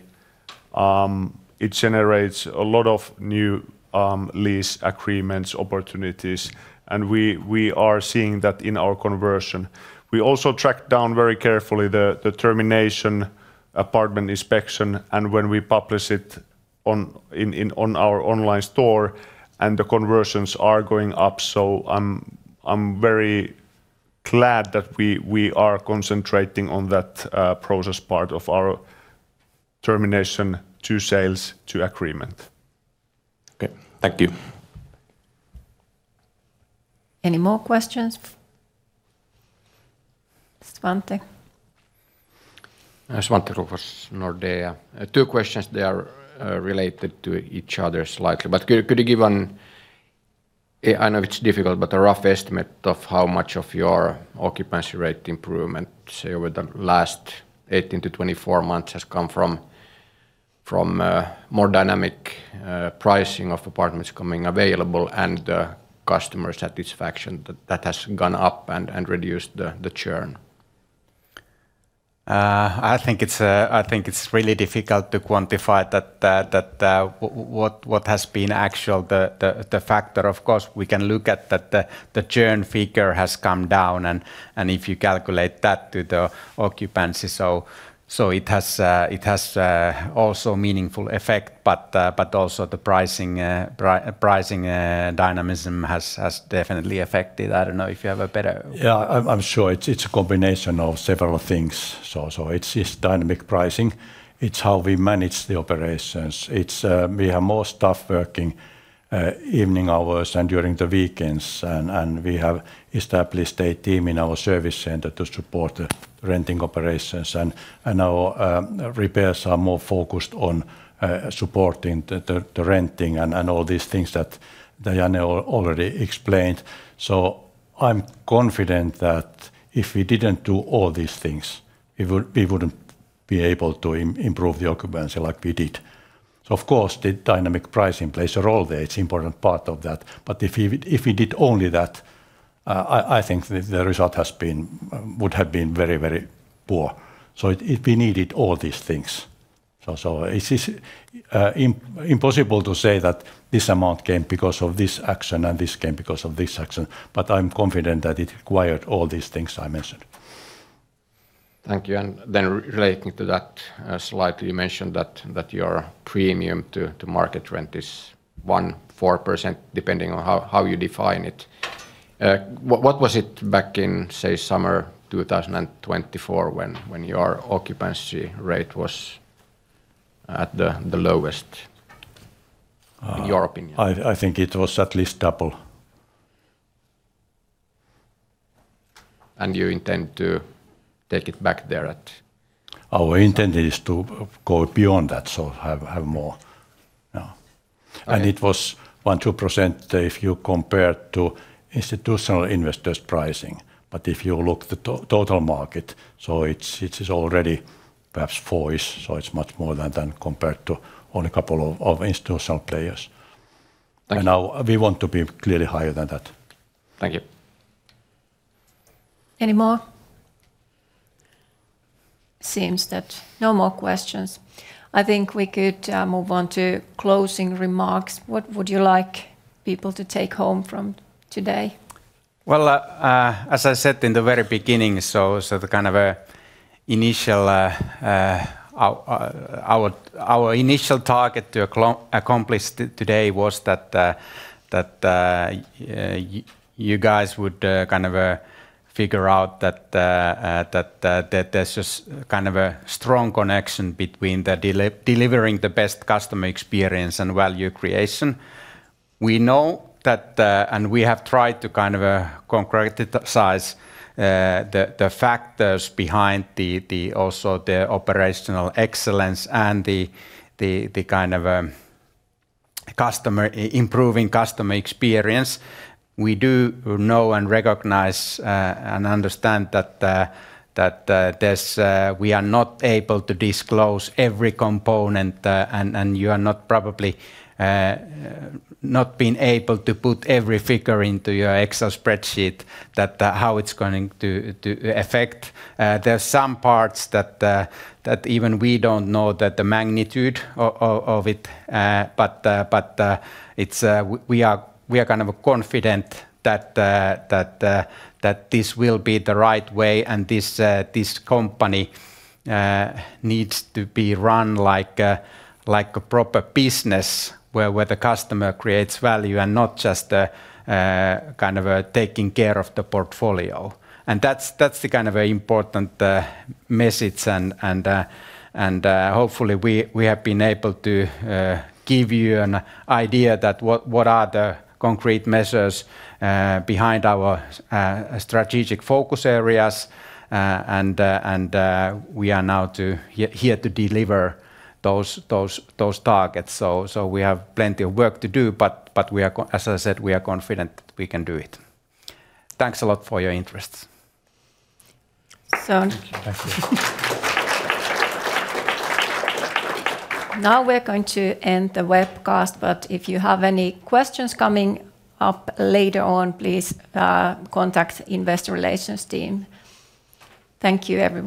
it generates a lot of new lease agreements, opportunities, and we are seeing that in our conversion. We also track down very carefully the termination apartment inspection and when we publish it on our online store, and the conversions are going up. I'm very glad that we are concentrating on that process part of our termination to sales to agreement. Okay. Thank you. Any more questions? Svante. Svante Krokfors, Nordea. Two questions. They are related to each other slightly. Could you give an, I know it's difficult, but a rough estimate of how much of your occupancy rate improvement, say, over the last 18-24 months has come from more dynamic pricing of apartments becoming available and customer satisfaction that has gone up and reduced the churn? I think it's really difficult to quantify that, what has actually been the factor. Of course, we can look at that. The churn figure has come down, and if you calculate that to the occupancy. It has also meaningful effect, but also the pricing dynamism has definitely affected. I don't know if you have a better Yeah. I'm sure it's a combination of several things. It's dynamic pricing. It's how we manage the operations. It's we have more staff working evening hours and during the weekends, and we have established a team in our service center to support the renting operations. Our repairs are more focused on supporting the renting and all these things that Janne already explained. I'm confident that if we didn't do all these things, we wouldn't be able to improve the occupancy like we did. Of course, the dynamic pricing plays a role there. It's important part of that. But if we did only that, I think the result would have been very poor. We needed all these things. It's impossible to say that this amount came because of this action and this came because of this action, but I'm confident that it required all these things I mentioned. Thank you. Relating to that, slide that you mentioned that your premium to market rent is 1.4% depending on how you define it. What was it back in, say, summer 2024 when your occupancy rate was at the lowest, in your opinion? I think it was at least double. You intend to take it back there. Our intent is to go beyond that, so have more. Yeah. And it. It was 1.2% if you compare to institutional investors' pricing. If you look the total market, it's it is already perhaps four-ish, so it's much more than compared to only a couple of institutional players. Thank you. Now we want to be clearly higher than that. Thank you. Any more? Seems that no more questions. I think we could move on to closing remarks. What would you like people to take home from today? Well, as I said in the very beginning, the kind of our initial target to accomplish today was that you guys would kind of figure out that there's just kind of a strong connection between delivering the best customer experience and value creation. We know that and we have tried to kind of concretize the factors behind that also the operational excellence and the kind of improving customer experience. We do know and recognize and understand that there's. We are not able to disclose every component, and you are not probably not been able to put every figure into your Excel spreadsheet that how it's going to affect. There are some parts that even we don't know that the magnitude of it. We are kind of confident that this will be the right way, and this company needs to be run like a proper business where the customer creates value and not just kind of taking care of the portfolio. That's the kind of an important message, and hopefully we have been able to give you an idea of what the concrete measures behind our strategic focus areas are. We are now here to deliver those targets. We have plenty of work to do, but as I said, we are confident we can do it. Thanks a lot for your interest. So. Thank you. Now we're going to end the webcast, but if you have any questions coming up later on, please, contact investor relations team. Thank you, everyone.